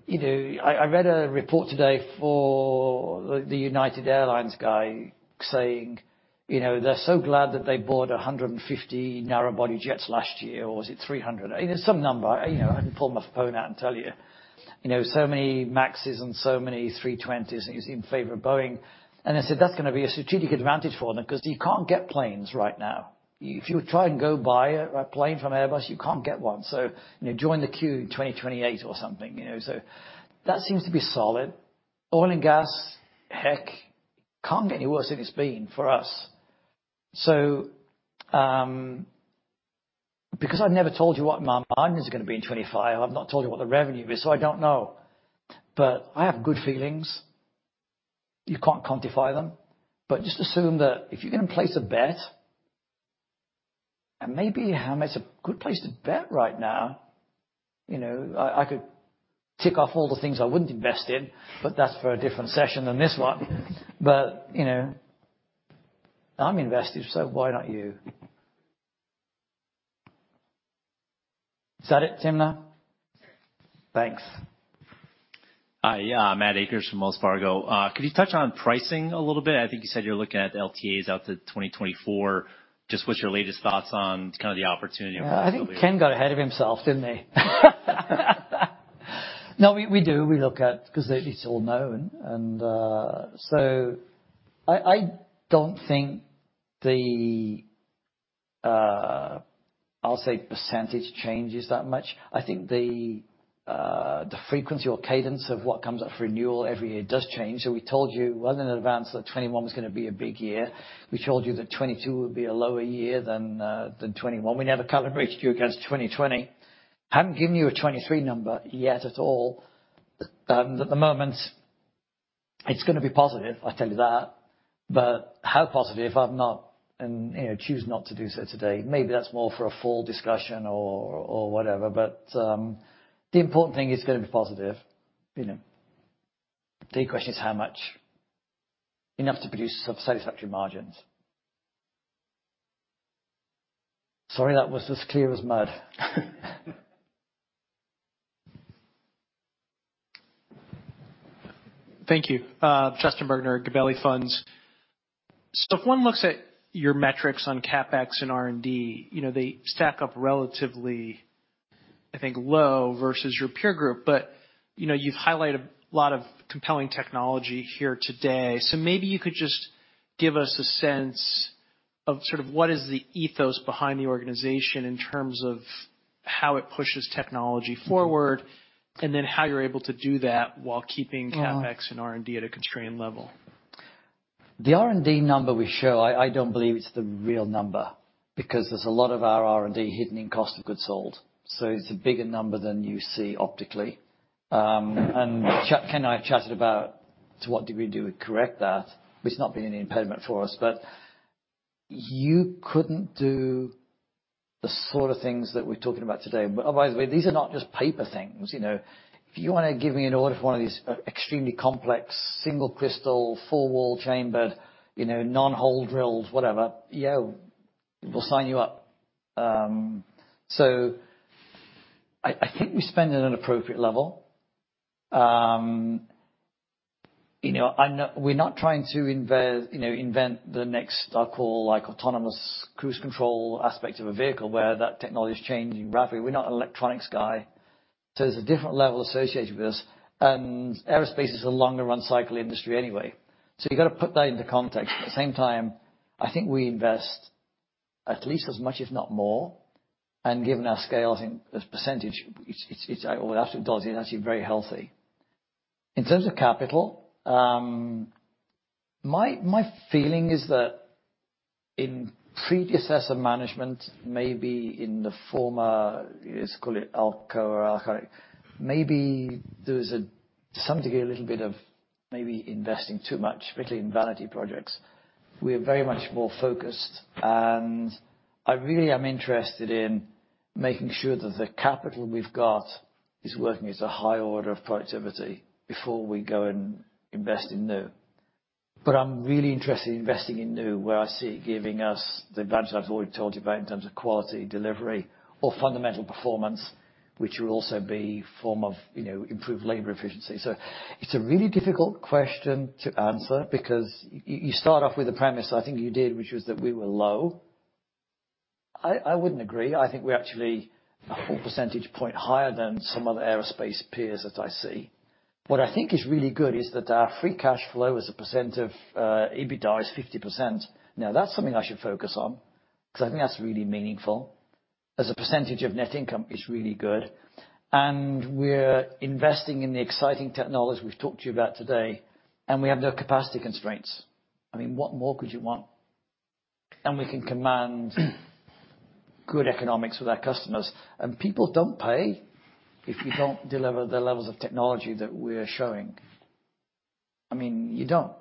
You know, I read a report today for the United Airlines guy saying, you know, they're so glad that they bought 150 narrow-body jets last year, or was it 300? It's some number. You know, I can pull my phone out and tell you. You know, so many MAXes and so many A320s, and he's in favor of Boeing. I said, that's gonna be a strategic advantage for them 'cause you can't get planes right now. If you try and go buy a plane from Airbus, you can't get one. You know, join the queue in 2028 or something, you know. That seems to be solid. Oil and gas, heck, can't get any worse than it's been for us. Because I've never told you what my margin is gonna be in 2025, I've not told you what the revenue is, so I don't know. I have good feelings. You can't quantify them, but just assume that if you're gonna place a bet, and maybe HWM is a good place to bet right now, you know. I could tick off all the things I wouldn't invest in, but that's for a different session than this one. You know, I'm invested, so why not you? Is that it, Sheila Kahyaoglu? Yes. Thanks. Hi. Matt Akers from Wells Fargo. Could you touch on pricing a little bit? I think you said you're looking at LTAs out to 2024. Just what's your latest thoughts on kind of the opportunity? I think Ken got ahead of himself, didn't he? No, we do. We look at, 'cause it's all known and. So I don't think the, I'll say percentage changes that much. I think the frequency or cadence of what comes up for renewal every year does change. So we told you well in advance that 2021 was gonna be a big year. We told you that 2022 would be a lower year than 2021. We never calibrated you against 2020. Haven't given you a 2023 number yet at all. At the moment, it's gonna be positive, I tell you that. But how positive, I've not and, you know, choose not to do so today. Maybe that's more for a full discussion or whatever. The important thing, it's gonna be positive, you know. The question is how much. Enough to produce satisfactory margins. Sorry, that was as clear as mud. Thank you. Justin Bergner at Gabelli Funds. If one looks at your metrics on CapEx and R&D, you know, they stack up relatively, I think, low versus your peer group. You know, you've highlighted a lot of compelling technology here today. Maybe you could just give us a sense of sort of what is the ethos behind the organization in terms of how it pushes technology forward, and then how you're able to do that while keeping. Mm. CapEx and R&D at a constrained level. The R&D number we show, I don't believe it's the real number because there's a lot of our R&D hidden in cost of goods sold. It's a bigger number than you see optically. Ken and I have chatted about to what degree do we correct that, but it's not been an impediment for us. You couldn't do the sort of things that we're talking about today. By the way, these are not just paper things, you know. If you wanna give me an order for one of these extremely complex, single-crystal, full wall chambered, you know, non-hole drilled, whatever, yo, we'll sign you up. I think we spend at an appropriate level. You know, we're not trying to invent the next, I'll call, like, autonomous cruise control aspect of a vehicle where that technology is changing rapidly. We're not an electronics guy, so there's a different level associated with this. Aerospace is a longer run cycle industry anyway. You gotta put that into context. At the same time, I think we invest at least as much, if not more. Given our scale, I think as percentage, it's actually very healthy. In terms of capital, my feeling is that in predecessor management, maybe in the former, let's call it Alcoa or Arconic, maybe there's something a little bit of maybe investing too much, particularly in vanity projects. We are very much more focused, and I really am interested in making sure that the capital we've got is working as a high order of productivity before we go and invest in new. I'm really interested in investing in new where I see it giving us the advantages I've already told you about in terms of quality, delivery or fundamental performance, which will also be a form of, you know, improved labor efficiency. It's a really difficult question to answer because you start off with the premise, I think you did, which was that we were low. I wouldn't agree. I think we're actually a full percentage point higher than some other aerospace peers that I see. What I think is really good is that our free cash flow as a percent of EBITDA is 50%. Now, that's something I should focus on because I think that's really meaningful. As a percentage of net income, it's really good. We're investing in the exciting technology we've talked to you about today, and we have no capacity constraints. I mean, what more could you want? We can command good economics with our customers. People don't pay if you don't deliver the levels of technology that we're showing. I mean, you don't.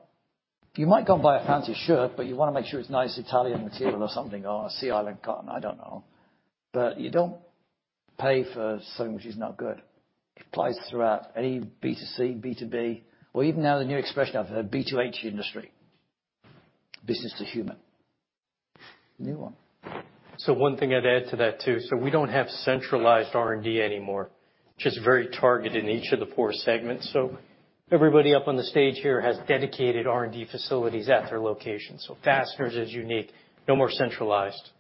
You might go and buy a fancy shirt, but you wanna make sure it's nice Italian material or something, or a Sea Island cotton, I don't know. You don't pay for something which is not good. Applies throughout any B2C, B2B, or even now, the new expression of B2H industry, business to human. New one. One thing I'd add to that, too, so we don't have centralized R&D anymore. Just very targeted in each of the four segments. Everybody up on the stage here has dedicated R&D facilities at their location. Fasteners is unique, no more centralized.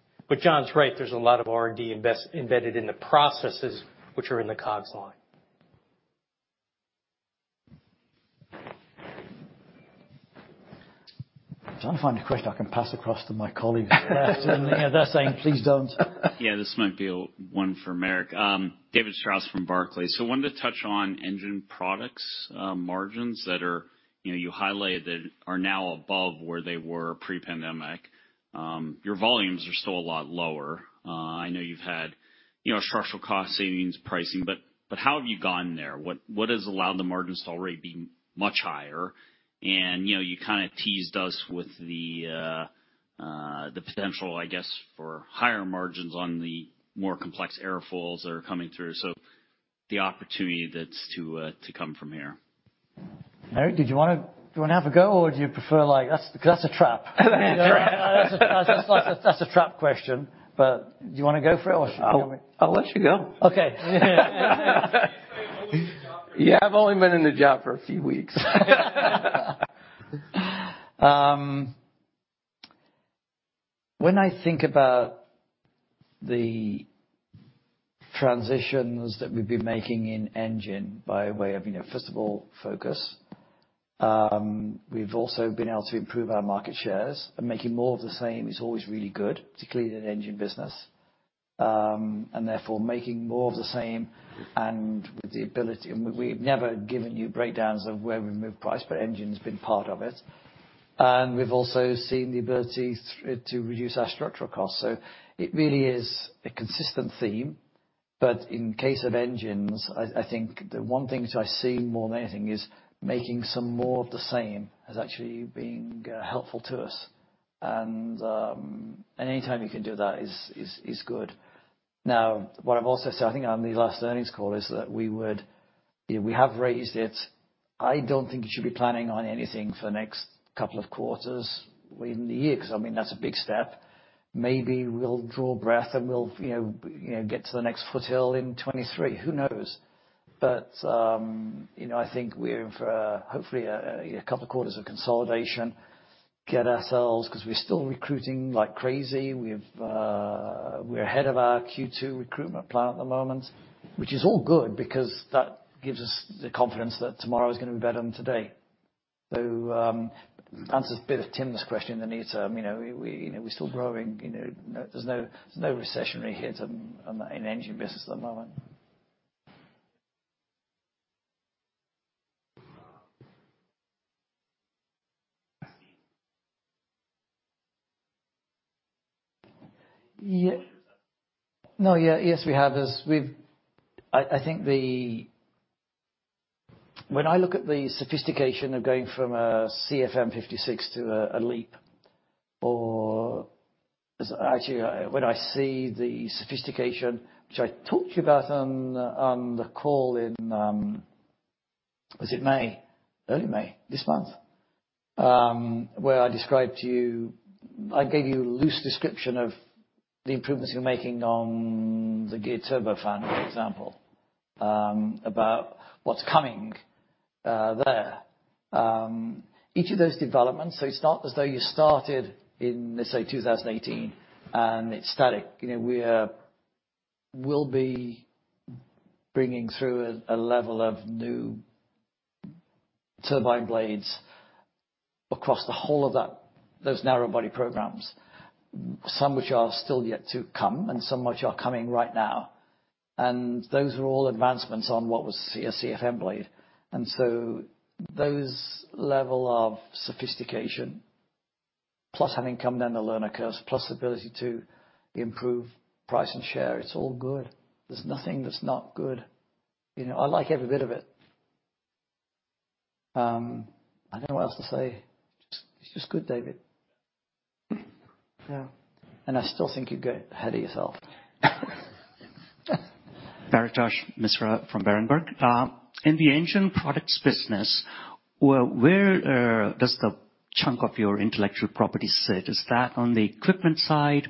John's right, there's a lot of R&D embedded in the processes which are in the COGS line. Trying to find a question I can pass across to my colleagues. They're saying, "Please don't. Yeah, this might be one for Merrick. David Strauss from Barclays. I wanted to touch on Engine Products margins that are, you know, you highlighted are now above where they were pre-pandemic. Your volumes are still a lot lower. I know you've had, you know, structural cost savings, pricing, but how have you gone there? What has allowed the margins to already be much higher? You know, you kinda teased us with the potential, I guess, for higher margins on the more complex airfoils that are coming through. The opportunity that's to come from here. Merrick, do you wanna have a go or do you prefer like? That's a trap. Trap. That's a trap question, but do you wanna go for it or should I go? I'll let you go. Okay. Yeah, I've only been in the job for a few weeks. When I think about the transitions that we've been making in engine by way of, you know, first of all, focus, we've also been able to improve our market shares, and making more of the same is always really good, particularly in an engine business. Making more of the same and with the ability. We've never given you breakdowns of where we move price, but engine's been part of it. We've also seen the ability to reduce our structural costs. It really is a consistent theme. In case of engines, I think the one thing which I see more than anything is making some more of the same is actually being helpful to us. Any time you can do that is good. Now, what I've also said, I think on the last earnings call, is that we would. You know, we have raised it. I don't think you should be planning on anything for the next couple of quarters in the year, 'cause, I mean, that's a big step. Maybe we'll draw breath and we'll, you know, get to the next foothill in 2023. Who knows? You know, I think we're in for hopefully a you know, couple of quarters of consolidation, get ourselves, 'cause we're still recruiting like crazy. We're ahead of our Q2 recruitment plan at the moment, which is all good because that gives us the confidence that tomorrow is gonna be better than today. So, answers a bit of Tim's question in the near term. You know, we you know, we're still growing. You know, there's no recessionary hit on the engine business at the moment. Yeah. No, yeah. When I look at the sophistication of going from a CFM56 to a LEAP, or actually, when I see the sophistication which I talked to you about on the call in, was it May? Early May, this month, where I gave you a loose description of the improvements we're making on the geared turbofan, for example, about what's coming there. Each of those developments, so it's not as though you started in, let's say, 2018 and it's static. You know, we'll be bringing through a level of new turbine blades across the whole of those narrow-body programs. Some which are still yet to come and some which are coming right now. Those are all advancements on what was a CFM blade. Those level of sophistication, plus having come down the learning curve, plus the ability to improve price and share, it's all good. There's nothing that's not good. You know, I like every bit of it. I don't know what else to say. It's just good, David. Yeah. I still think you're getting ahead of yourself. Paretosh Misra from Berenberg. In the engine products business, where does the chunk of your intellectual property sit? Is that on the equipment side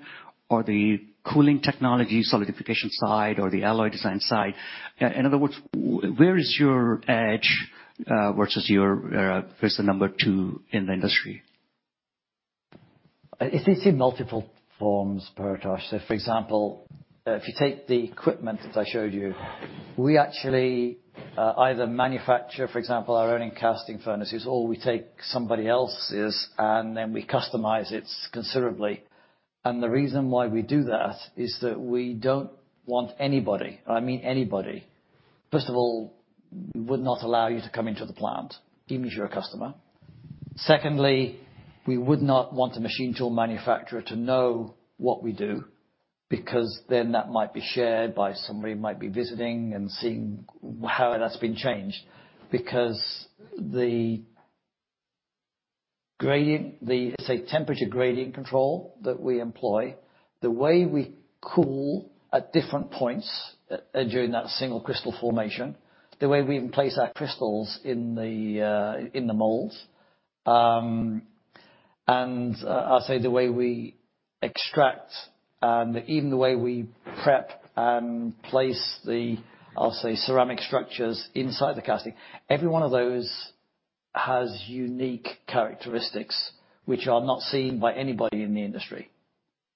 or the cooling technology solidification side or the alloy design side? In other words, where is your edge versus the number two in the industry? It's in multiple forms, Paritosh. For example, if you take the equipment that I showed you, we actually either manufacture, for example, our own casting furnaces, or we take somebody else's and then we customize it considerably. The reason why we do that is that we don't want anybody, I mean anybody. First of all, we would not allow you to come into the plant, even if you're a customer. Secondly, we would not want a machine tool manufacturer to know what we do, because then that might be shared by somebody who might be visiting and seeing how that's been changed. Because the gradient, say, temperature gradient control that we employ, the way we cool at different points during that single-crystal formation, the way we place our crystals in the mold, and I'll say the way we extract, and even the way we prep and place the, I'll say, ceramic structures inside the casting, every one of those has unique characteristics which are not seen by anybody in the industry.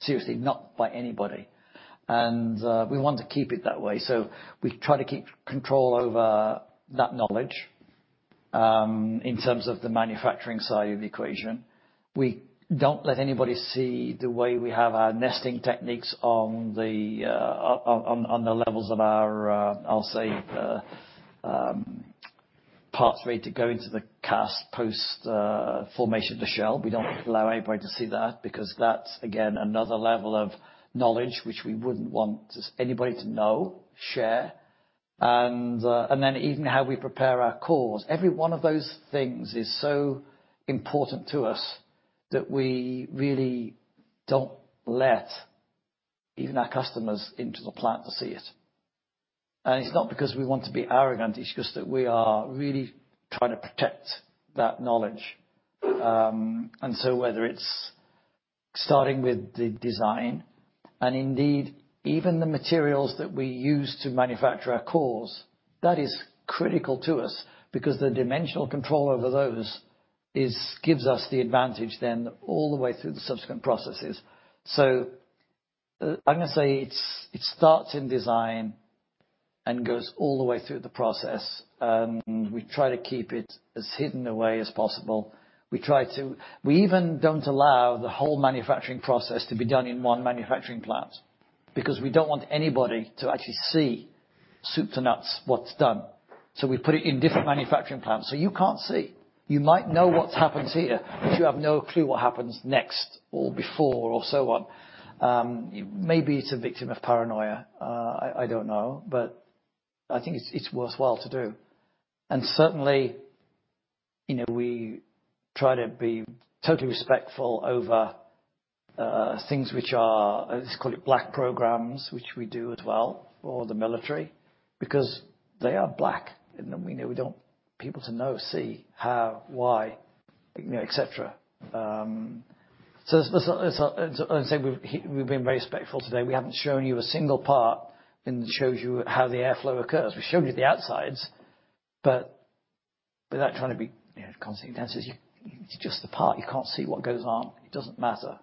Seriously, not by anybody. We want to keep it that way, so we try to keep control over that knowledge, in terms of the manufacturing side of the equation. We don't let anybody see the way we have our nesting techniques on the levels of our, I'll say, pathway to go into the cast post formation of the shell. We don't allow anybody to see that because that's again, another level of knowledge which we wouldn't want somebody to know, share. Even how we prepare our cores. Every one of those things is so important to us that we really don't let even our customers into the plant to see it. It's not because we want to be arrogant, it's just that we are really trying to protect that knowledge. Whether it's starting with the design and indeed even the materials that we use to manufacture our cores, that is critical to us because the dimensional control over those gives us the advantage then all the way through the subsequent processes. I'm gonna say it's, it starts in design and goes all the way through the process, and we try to keep it as hidden away as possible. We even don't allow the whole manufacturing process to be done in one manufacturing plant because we don't want anybody to actually see soup to nuts what's done. We put it in different manufacturing plants, so you can't see. You might know what happens here, but you have no clue what happens next or before or so on. Maybe it's a victim of paranoia. I don't know, but I think it's worthwhile to do. Certainly, you know, we try to be totally respectful of things which are, let's call it black programs, which we do as well for the military because they are black and then we don't want people to know, see, how, why, you know, et cetera. I would say we've been very respectful today. We haven't shown you a single part and shows you how the airflow occurs. We've showed you the outsides, but without trying to be, you know, [constant dances], you. It's just the part. You can't see what goes on. It doesn't matter.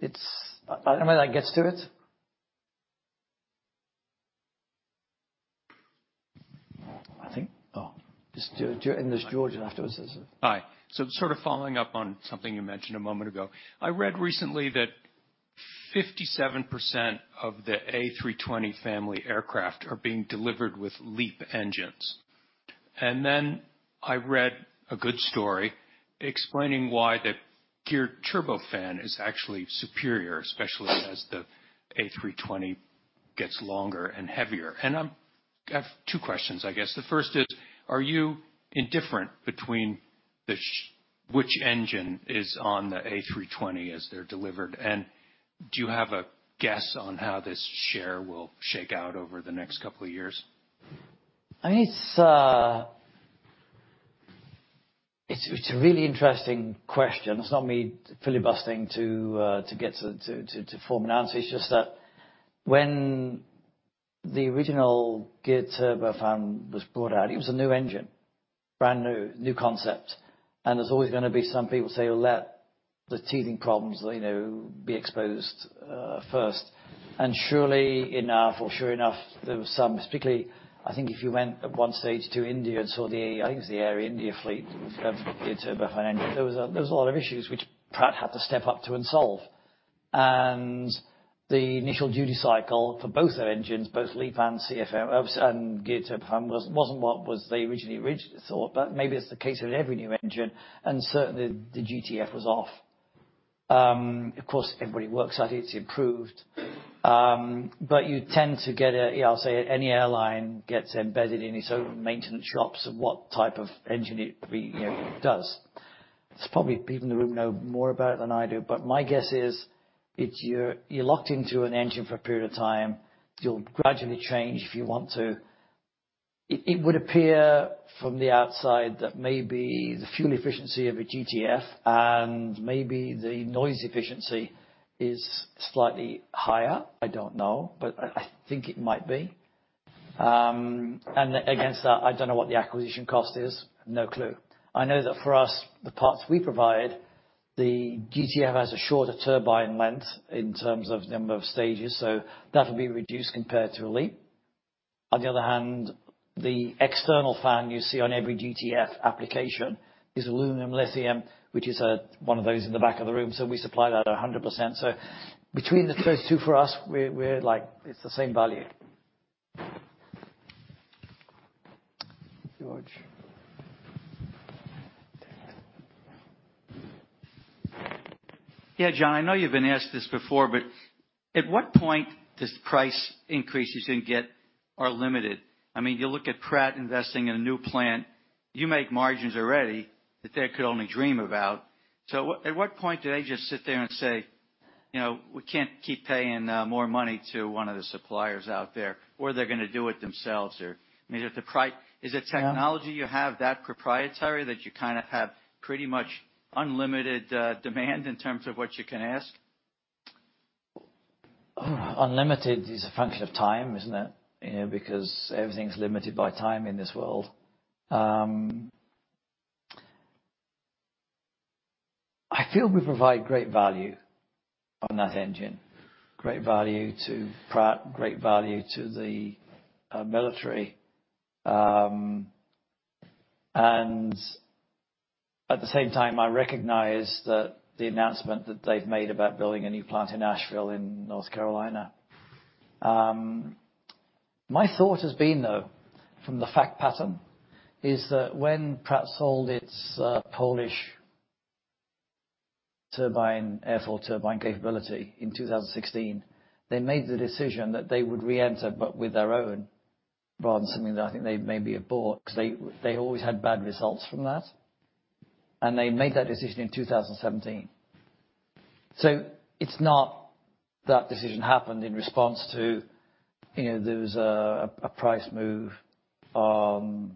It's I don't know whether that gets to it. I think. Oh, just do it. There's George afterwards. Hi. Sort of following up on something you mentioned a moment ago. I read recently that 57% of the A320 family aircraft are being delivered with LEAP engines. Then I read a good story explaining why the geared turbofan is actually superior, especially as the A320 gets longer and heavier. I have two questions, I guess. The first is, are you indifferent between which engine is on the A320 as they're delivered? Do you have a guess on how this share will shake out over the next couple of years? I mean, it's a really interesting question. It's not me filibustering to get to form an answer. It's just that when the original geared turbofan was brought out, it was a new engine, brand new concept. There's always gonna be some people say, "Well, let the teething problems, you know, be exposed first." Sure enough, there was some. Particularly, I think if you went at one stage to India and saw the, I think it was the Air India fleet of the turbofan engine, there was a lot of issues which Pratt & Whitney had to step up to and solve. The initial duty cycle for both their engines, both LEAP and CFM, and geared turbofan, wasn't what they originally thought, but maybe it's the case with every new engine, and certainly the GTF was off. Of course, everybody works at it. It's improved. You tend to get a, yeah, I'll say any airline gets embedded in its own maintenance shops of what type of engine it, you know, does. There's probably people in the room know more about it than I do, but my guess is if you're locked into an engine for a period of time, you'll gradually change if you want to. It would appear from the outside that maybe the fuel efficiency of a GTF and maybe the noise efficiency is slightly higher. I don't know, but I think it might be. Against that, I don't know what the acquisition cost is. No clue. I know that for us, the parts we provide, the GTF has a shorter turbine length in terms of number of stages, so that'll be reduced compared to a LEAP. On the other hand, the external fan you see on every GTF application is aluminum-lithium, which is one of those in the back of the room. We supply that 100%. Between the first two, for us, we're like it's the same value. George. Yeah. John Plant, I know you've been asked this before, but at what point does price increases in jet are limited? I mean, you look at Pratt & Whitney investing in a new plant. You make margins already that they could only dream about. At what point do they just sit there and say, you know, "We can't keep paying more money to one of the suppliers out there," or they're gonna do it themselves. Yeah. Is the technology you have that proprietary that you kinda have pretty much unlimited demand in terms of what you can ask? Unlimited is a function of time, isn't it? You know, because everything's limited by time in this world. I feel we provide great value on that engine, great value to Pratt & Whitney, great value to the military. At the same time, I recognize that the announcement that they've made about building a new plant in Asheville, North Carolina. My thought has been, though, from the fact pattern, is that when Pratt & Whitney sold its Polish airfoil turbine capability in 2016, they made the decision that they would reenter, but with their own, rather than something that I think they maybe have bought, 'cause they always had bad results from that. They made that decision in 2017. It's not that decision happened in response to, you know, there was a price move on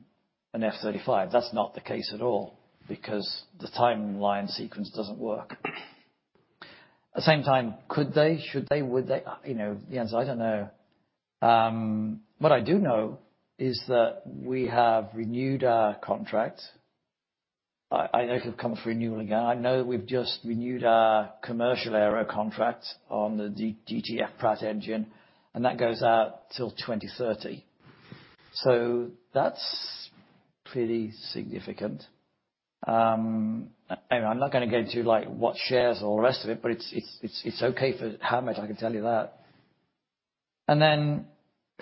an F-35. That's not the case at all because the timeline sequence doesn't work. At the same time, could they? Should they? Would they? You know, the answer is I don't know. What I do know is that we have renewed our contract. I know it could come up for renewal again. I know that we've just renewed our commercial aero contract on the PW-GTF Pratt engine, and that goes out till 2030. That's pretty significant. Anyway, I'm not gonna get into, like, what shares or the rest of it, but it's okay as far as I can tell you that.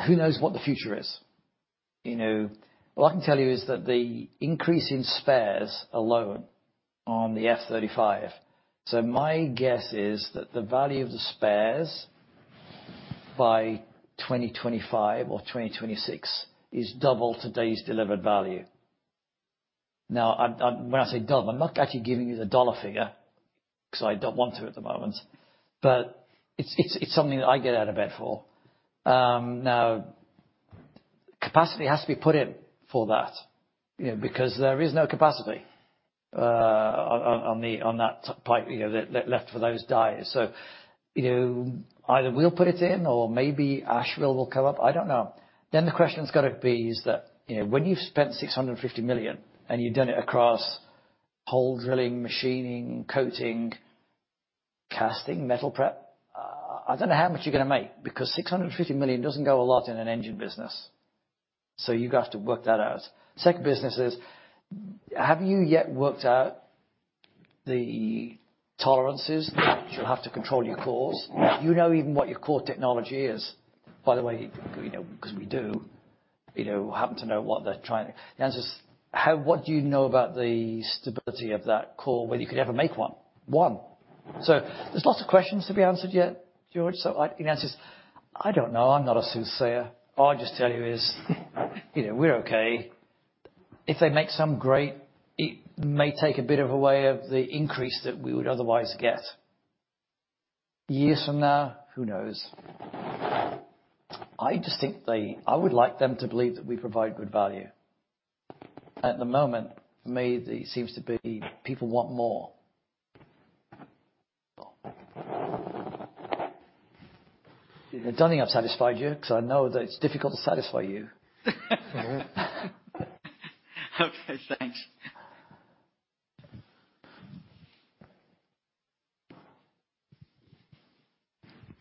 Who knows what the future is, you know. What I can tell you is that the increase in spares alone on the F-35. My guess is that the value of the spares by 2025 or 2026 is double today's delivered value. Now I. When I say double, I'm not actually giving you the dollar figure 'cause I don't want to at the moment, but it's something that I get out of bed for. Now capacity has to be put in for that, you know. Because there is no capacity on that pipe, you know, that left for those dies. You know, either we'll put it in or maybe Asheville will come up. I don't know. The question's gotta be is that, you know, when you've spent $650 million, and you've done it across hole drilling, machining, coating, casting, metal prep, I don't know how much you're gonna make because $650 million doesn't go a lot in an engine business. You guys have to work that out. Second business is, have you yet worked out the tolerances that you'll have to control your cores? Do you know even what your core technology is? By the way, you know, 'cause we do. The answer is, what do you know about the stability of that core, whether you could ever make one? So there's lots of questions to be answered yet, George. The answer is, I don't know. I'm not a soothsayer. All I just tell you is, you know, we're okay. If they make some, great. It may take a bit of a way off the increase that we would otherwise get. Years from now, who knows? I just think they, I would like them to believe that we provide good value. At the moment, for me, it seems to be people want more. I don't think I've satisfied you because I know that it's difficult to satisfy you. Okay, thanks.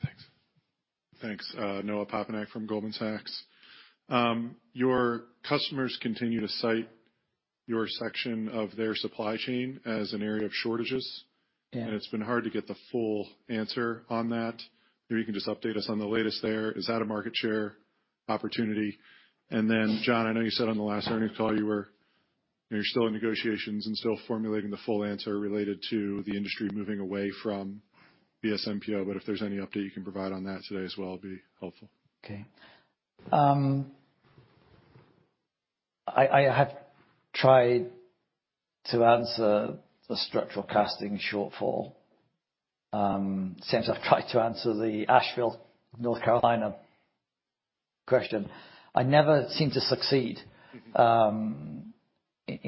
Thanks. Thanks, Noah Poponak from Goldman Sachs. Your customers continue to cite your section of their supply chain as an area of shortages. Yeah. It's been hard to get the full answer on that. Maybe you can just update us on the latest there. Is that a market share opportunity? Then, John, I know you said on the last earnings call you're still in negotiations and still formulating the full answer related to the industry moving away from VSMPO-AVISMA, but if there's any update you can provide on that today as well, it'd be helpful. Okay. I have tried to answer the structural casting shortfall. Same as I've tried to answer the Asheville, North Carolina question. I never seem to succeed in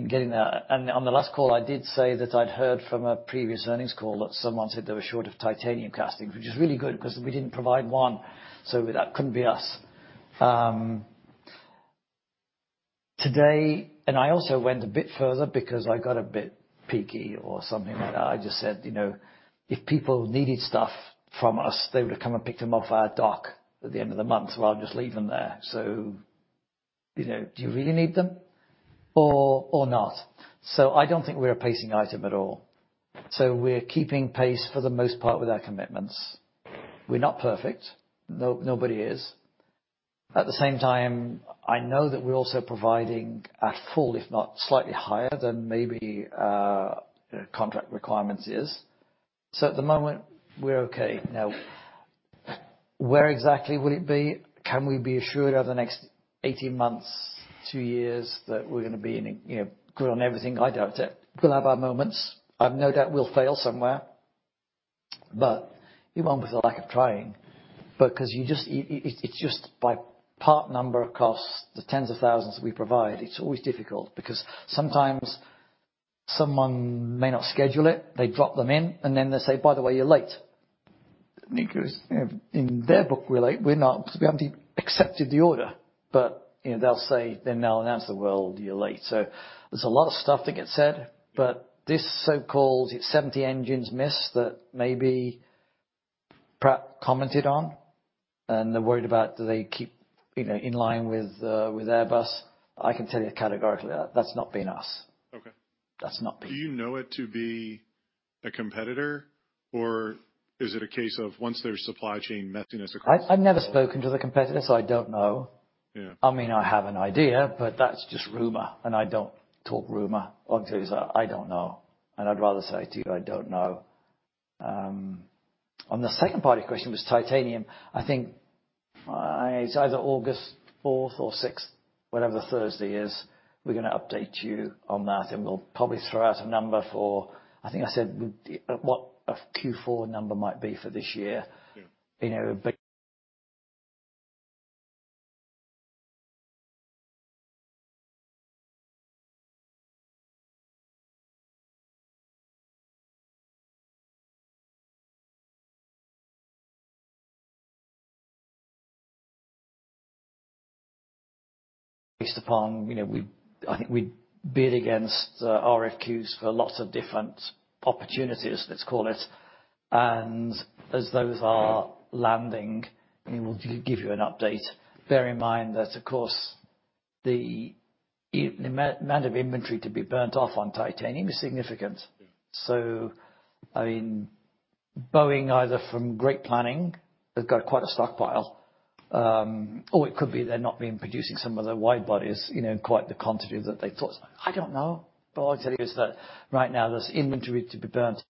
getting there. On the last call, I did say that I'd heard from a previous earnings call that someone said they were short of titanium castings, which is really good because we didn't provide one. So that couldn't be us. Today I also went a bit further because I got a bit peaky or something like that. I just said, you know, if people needed stuff from us, they would have come and picked them off our dock at the end of the month, so I'll just leave them there. You know, do you really need them or not? I don't think we're a pacing item at all. We're keeping pace for the most part with our commitments. We're not perfect. Nobody is. At the same time, I know that we're also providing at full, if not slightly higher than maybe our contract requirements is. At the moment, we're okay. Now, where exactly will it be? Can we be assured over the next 18 months, two years, that we're gonna be in a, you know, good on everything? I doubt it. We'll have our moments. I've no doubt we'll fail somewhere, but it won't be for lack of trying. It's just by part number across the tens of thousands we provide, it's always difficult because sometimes someone may not schedule it, they drop them in, and then they say, "By the way, you're late." In their book, we're late. We're not, because we haven't accepted the order. You know, they'll say, then they'll announce that, "Well, you're late." There's a lot of stuff that gets said, but this so-called 70 engines missed that maybe Pratt & Whitney commented on, and they're worried about do they keep, you know, in line with Airbus. I can tell you categorically that that's not been us. Okay. That's not been us. Do you know it to be a competitor, or is it a case of once there's supply chain messiness across the whole? I've never spoken to the competitor, so I don't know. Yeah. I mean, I have an idea, but that's just rumor, and I don't talk rumor. All I can tell you is that I don't know, and I'd rather say to you, I don't know. On the second part of your question was titanium. I think it's either August fourth or sixth, whenever Thursday is, we're gonna update you on that, and we'll probably throw out a number for what I think I said a Q4 number might be for this year. Yeah. You know, based upon, you know, I think we bid against RFQs for lots of different opportunities, let's call it. As those are landing, we will give you an update. Bear in mind that, of course, the amount of inventory to be burnt off on titanium is significant. Yeah. I mean, Boeing, either from great planning, they've got quite a stockpile. Or it could be they're not been producing some of the wide bodies, you know, in quite the quantity that they thought. I don't know. But all I'll tell you is that right now there's inventory to be burned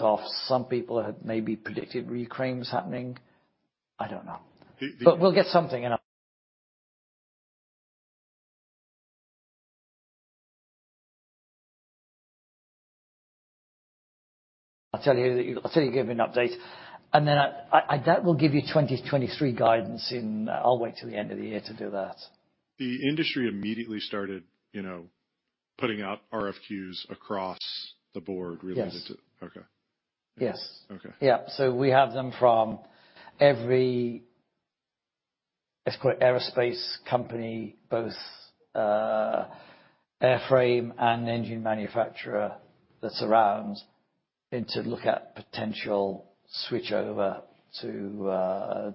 off. Some people had maybe predicted reclaims happening. I don't know. But we'll get something, and I'll tell you, give you an update. That will give you 2023 guidance. I'll wait 'til the end of the year to do that. The industry immediately started, you know, putting out RFQs across the board related to. Yes. Okay. Yes. Okay. We have them from every, let's call it, aerospace company, both airframe and engine manufacturer that surrounds, and to look at potential switchover to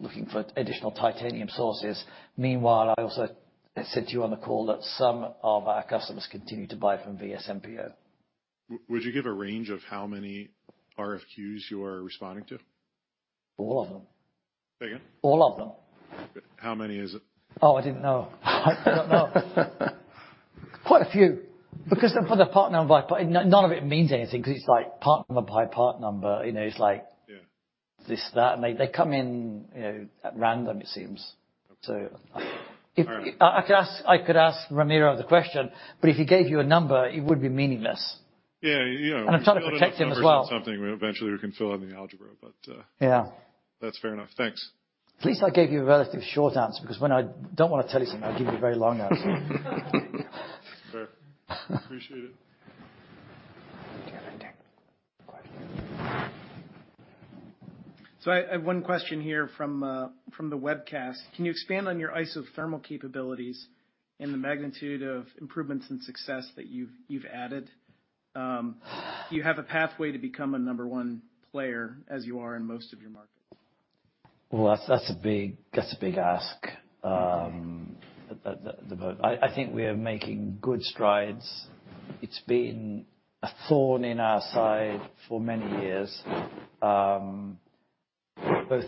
looking for additional titanium sources. Meanwhile, I also said to you on the call that some of our customers continue to buy from VSMPO-AVISMA. Would you give a range of how many RFQs you are responding to? All of them. Say again? All of them. How many is it? Oh, I didn't know. I don't know. Quite a few. Because for the part number, but none of it means anything, 'cause it's like part number by part number, you know, it's like. Yeah This, that, and they come in, you know, at random, it seems. Okay. So if- All right. I could ask Ramiro the question, but if he gave you a number, it would be meaningless. Yeah. You know. I'm trying to protect him as well. Fill in a number for something, eventually we can fill in the algebra, but, Yeah That's fair enough. Thanks. At least I gave you a relatively short answer, because when I don't wanna tell you something, I'll give you a very long answer. Fair. Appreciate it. Dammit, Dave. Quiet. I have one question here from the webcast. Can you expand on your isothermal capabilities and the magnitude of improvements and success that you've added? Do you have a pathway to become a number one player, as you are in most of your markets? Well, that's a big ask. I think we are making good strides. It's been a thorn in our side for many years. Both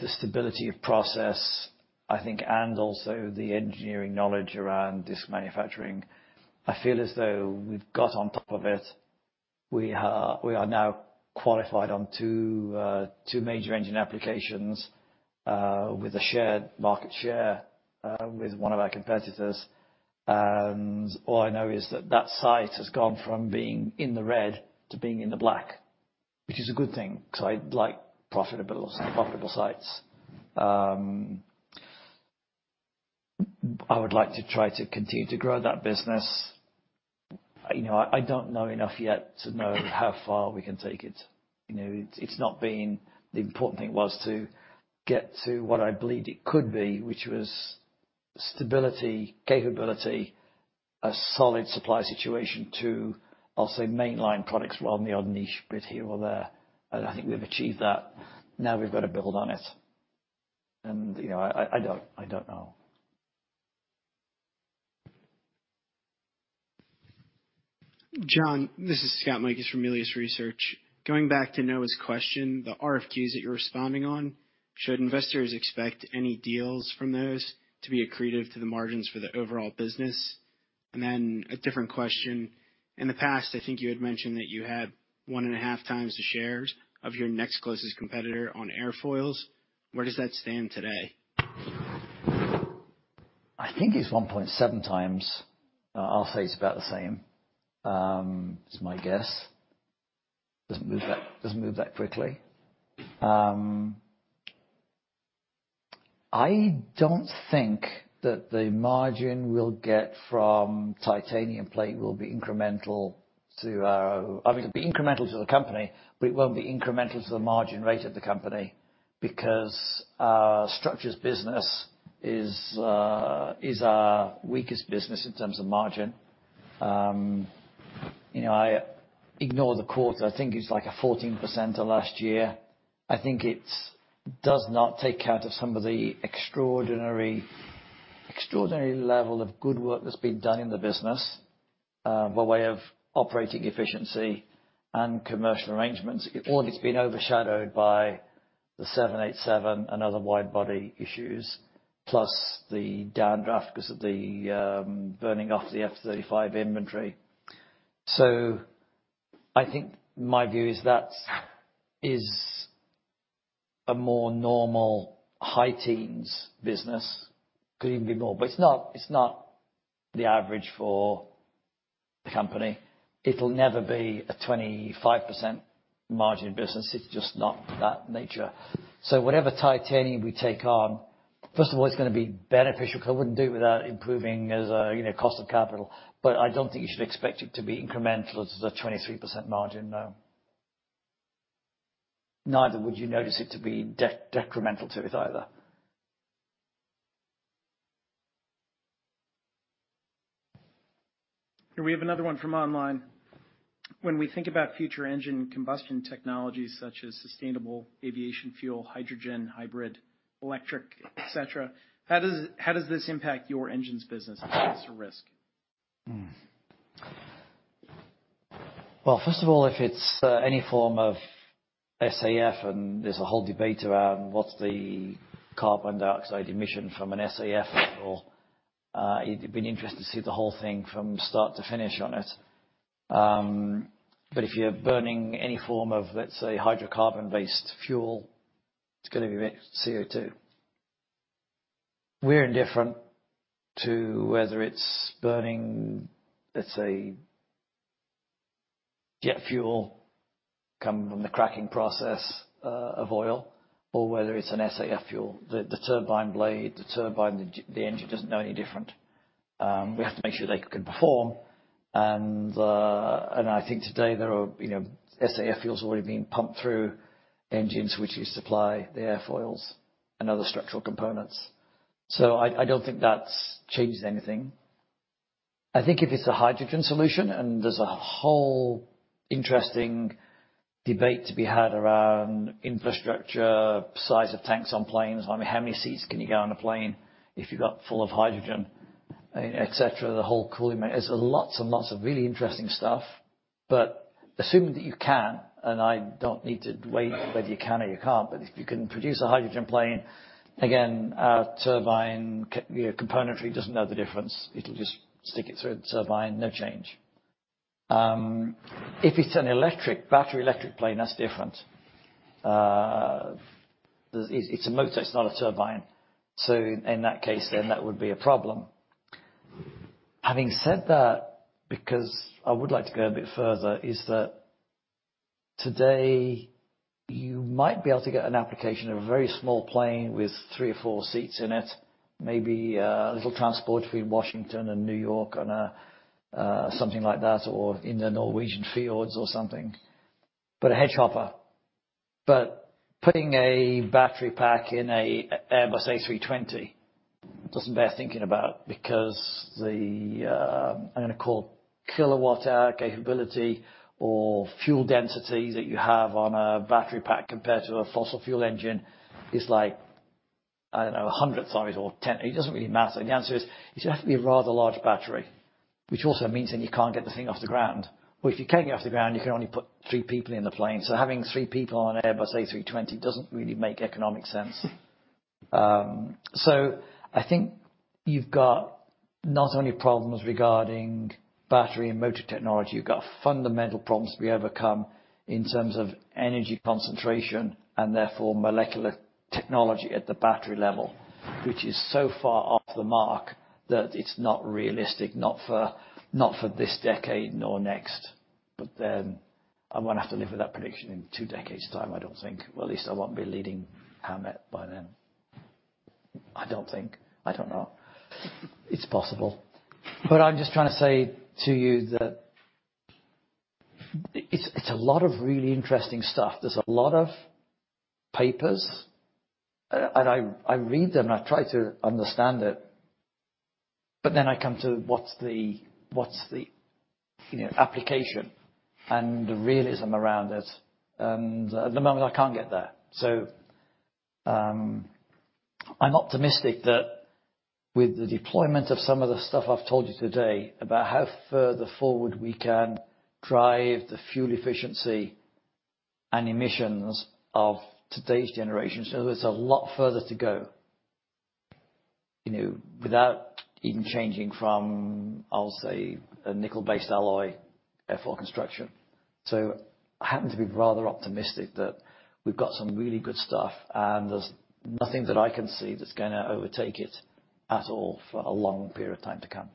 the stability of process, I think, and also the engineering knowledge around this manufacturing. I feel as though we've got on top of it. We are now qualified on two major engine applications, with a shared market share with one of our competitors. All I know is that site has gone from being in the red to being in the black, which is a good thing, 'cause I like profitability, profitable sites. I would like to try to continue to grow that business. You know, I don't know enough yet to know how far we can take it. You know, it's not been. The important thing was to get to what I believed it could be, which was stability, capability, a solid supply situation to also mainline products rather than the odd niche bit here or there. I think we've achieved that. Now we've got to build on it. You know, I don't know. John, this is Scott Deuschle from Melius Research. Going back to Noah's question, the RFQs that you're responding on, should investors expect any deals from those to be accretive to the margins for the overall business? Then a different question. In the past, I think you had mentioned that you had 1.5x the shares of your next closest competitor on airfoils. Where does that stand today. I think it's 1.7x. I'll say it's about the same. That's my guess. Doesn't move that quickly. I don't think that the margin we'll get from titanium plate will be incremental to our... I mean, it'll be incremental to the company, but it won't be incremental to the margin rate of the company because our structures business is our weakest business in terms of margin. You know, ignore the quarter. I think it's like a 14% last year. I think it does not take away from some of the extraordinary level of good work that's been done in the business by way of operating efficiency and commercial arrangements. It's been overshadowed by the 787 and other wide-body issues, plus the downdraft 'cause of the burning off the F-35 inventory. I think my view is that is a more normal high teens business. Could even be more. It's not the average for the company. It'll never be a 25% margin business. It's just not that nature. Whatever titanium we take on, first of all, it's gonna to be beneficial, 'cause I wouldn't do it without improving as a, you know, cost of capital. I don't think you should expect it to be incremental to the 23% margin, no. Neither would you notice it to be detrimental to it either. Here we have another one from online. When we think about future engine combustion technologies such as sustainable aviation fuel, hydrogen, hybrid electric, et cetera, how does this impact your engines business? Is this a risk? Well, first of all, if it's any form of SAF, and there's a whole debate around what's the carbon dioxide emission from an SAF fuel, it'd be interesting to see the whole thing from start to finish on it. If you're burning any form of, let's say, hydrocarbon-based fuel, it's gonna be emitting CO2. We're indifferent to whether it's burning, let's say, jet fuel coming from the cracking process of oil, or whether it's an SAF fuel. The turbine blade, the turbine, the engine doesn't know any different. We have to make sure they can perform. I think today there are, you know, SAF fuel's already being pumped through engines which we supply the airfoils and other structural components. I don't think that's changed anything. I think if it's a hydrogen solution, and there's a whole interesting debate to be had around infrastructure, size of tanks on planes. I mean, how many seats can you get on a plane if you got full of hydrogen, etc.? The whole cooling system. There's lots and lots of really interesting stuff. Assuming that you can, and I don't need to weigh whether you can or you can't, but if you can produce a hydrogen plane, again, our turbine componentry doesn't know the difference. It'll just stick it through the turbine, no change. If it's a battery electric plane, that's different. It's a motor, it's not a turbine. In that case, that would be a problem. Having said that, because I would like to go a bit further, is that today you might be able to get an application of a very small plane with three or four seats in it. Maybe, a little transport between Washington and New York on a something like that, or in the Norwegian fields or something, but a hedgehopper. Putting a battery pack in an Airbus A320 doesn't bear thinking about because the, I'm gonna call kilowatt hour capability or fuel density that you have on a battery pack compared to a fossil fuel engine is like, I don't know, a hundredth size or ten. It doesn't really matter. The answer is, it has to be a rather large battery, which also means then you can't get the thing off the ground. Well, if you can't get off the ground, you can only put three people in the plane. Having three people on an Airbus A320 doesn't really make economic sense. I think you've got not only problems regarding battery and motor technology, you've got fundamental problems to be overcome in terms of energy concentration, and therefore molecular technology at the battery level, which is so far off the mark that it's not realistic, not for this decade nor next. I won't have to live with that prediction in two decades time, I don't think. Well, at least I won't be leading Howmet by then. I don't think. I don't know. It's possible. I'm just trying to say to you that it's a lot of really interesting stuff. There's a lot of papers, and I read them and I try to understand it, but then I come to what's the, you know, application and the realism around it. At the moment I can't get there. I'm optimistic that with the deployment of some of the stuff I've told you today about how further forward we can drive the fuel efficiency and emissions of today's generation. There's a lot further to go, you know, without even changing from, I'll say a nickel-based alloy airfoil construction. I happen to be rather optimistic that we've got some really good stuff and there's nothing that I can see that's gonna overtake it at all for a long period of time to come.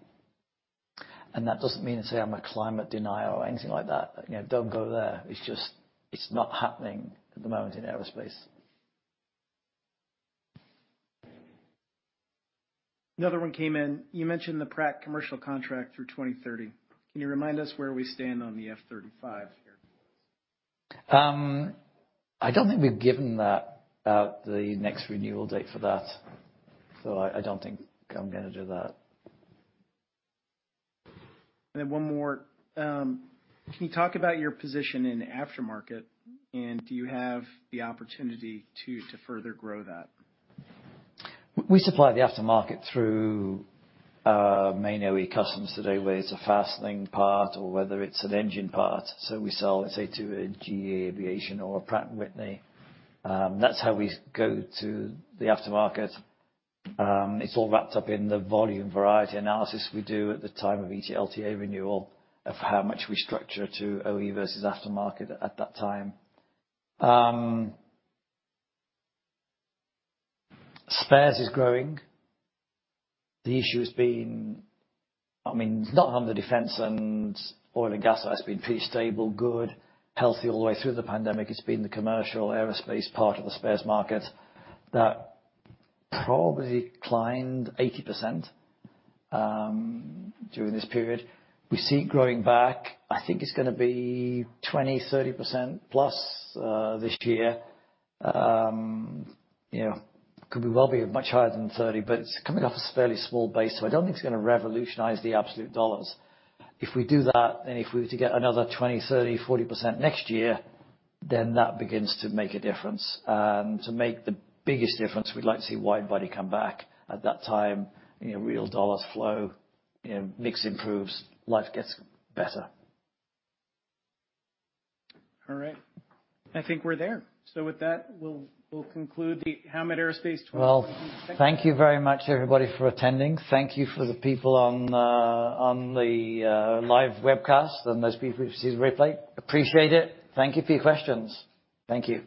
That doesn't mean to say I'm a climate denier or anything like that. You know, don't go there. It's just, it's not happening at the moment in aerospace. Another one came in. You mentioned the Pratt & Whitney commercial contract through 2030. Can you remind us where we stand on the F-35? I don't think we've given that out, the next renewal date for that, so I don't think I'm gonna do that. One more. Can you talk about your position in aftermarket, and do you have the opportunity to further grow that? We supply the aftermarket through our main OE customers today, whether it's a fastening part or whether it's an engine part. We sell, let's say to a GE Aerospace or a Pratt & Whitney, that's how we go to the aftermarket. It's all wrapped up in the volume variety analysis we do at the time of each LTA renewal of how much we structure to OE versus aftermarket at that time. Spares is growing. The issue has been. I mean, it's not in the defense and oil and gas that's been pretty stable, good, healthy all the way through the pandemic. It's been the commercial aerospace part of the spares market that probably declined 80% during this period. We see it growing back. I think it's gonna be 20%-30% plus this year. You know, could well be much higher than 30%, but it's coming off as a fairly small base, so I don't think it's gonna revolutionize the absolute dollars. If we do that, and if we were to get another 20%, 30%, 40% next year, then that begins to make a difference. To make the biggest difference, we'd like to see wide body come back at that time, you know, real dollars flow, you know, mix improves, life gets better. All right. I think we're there. With that, we'll conclude the Howmet Aerospace 2022. Well, thank you very much everybody for attending. Thank you for the people on the live webcast and those people who've seen the replay. Appreciate it. Thank you.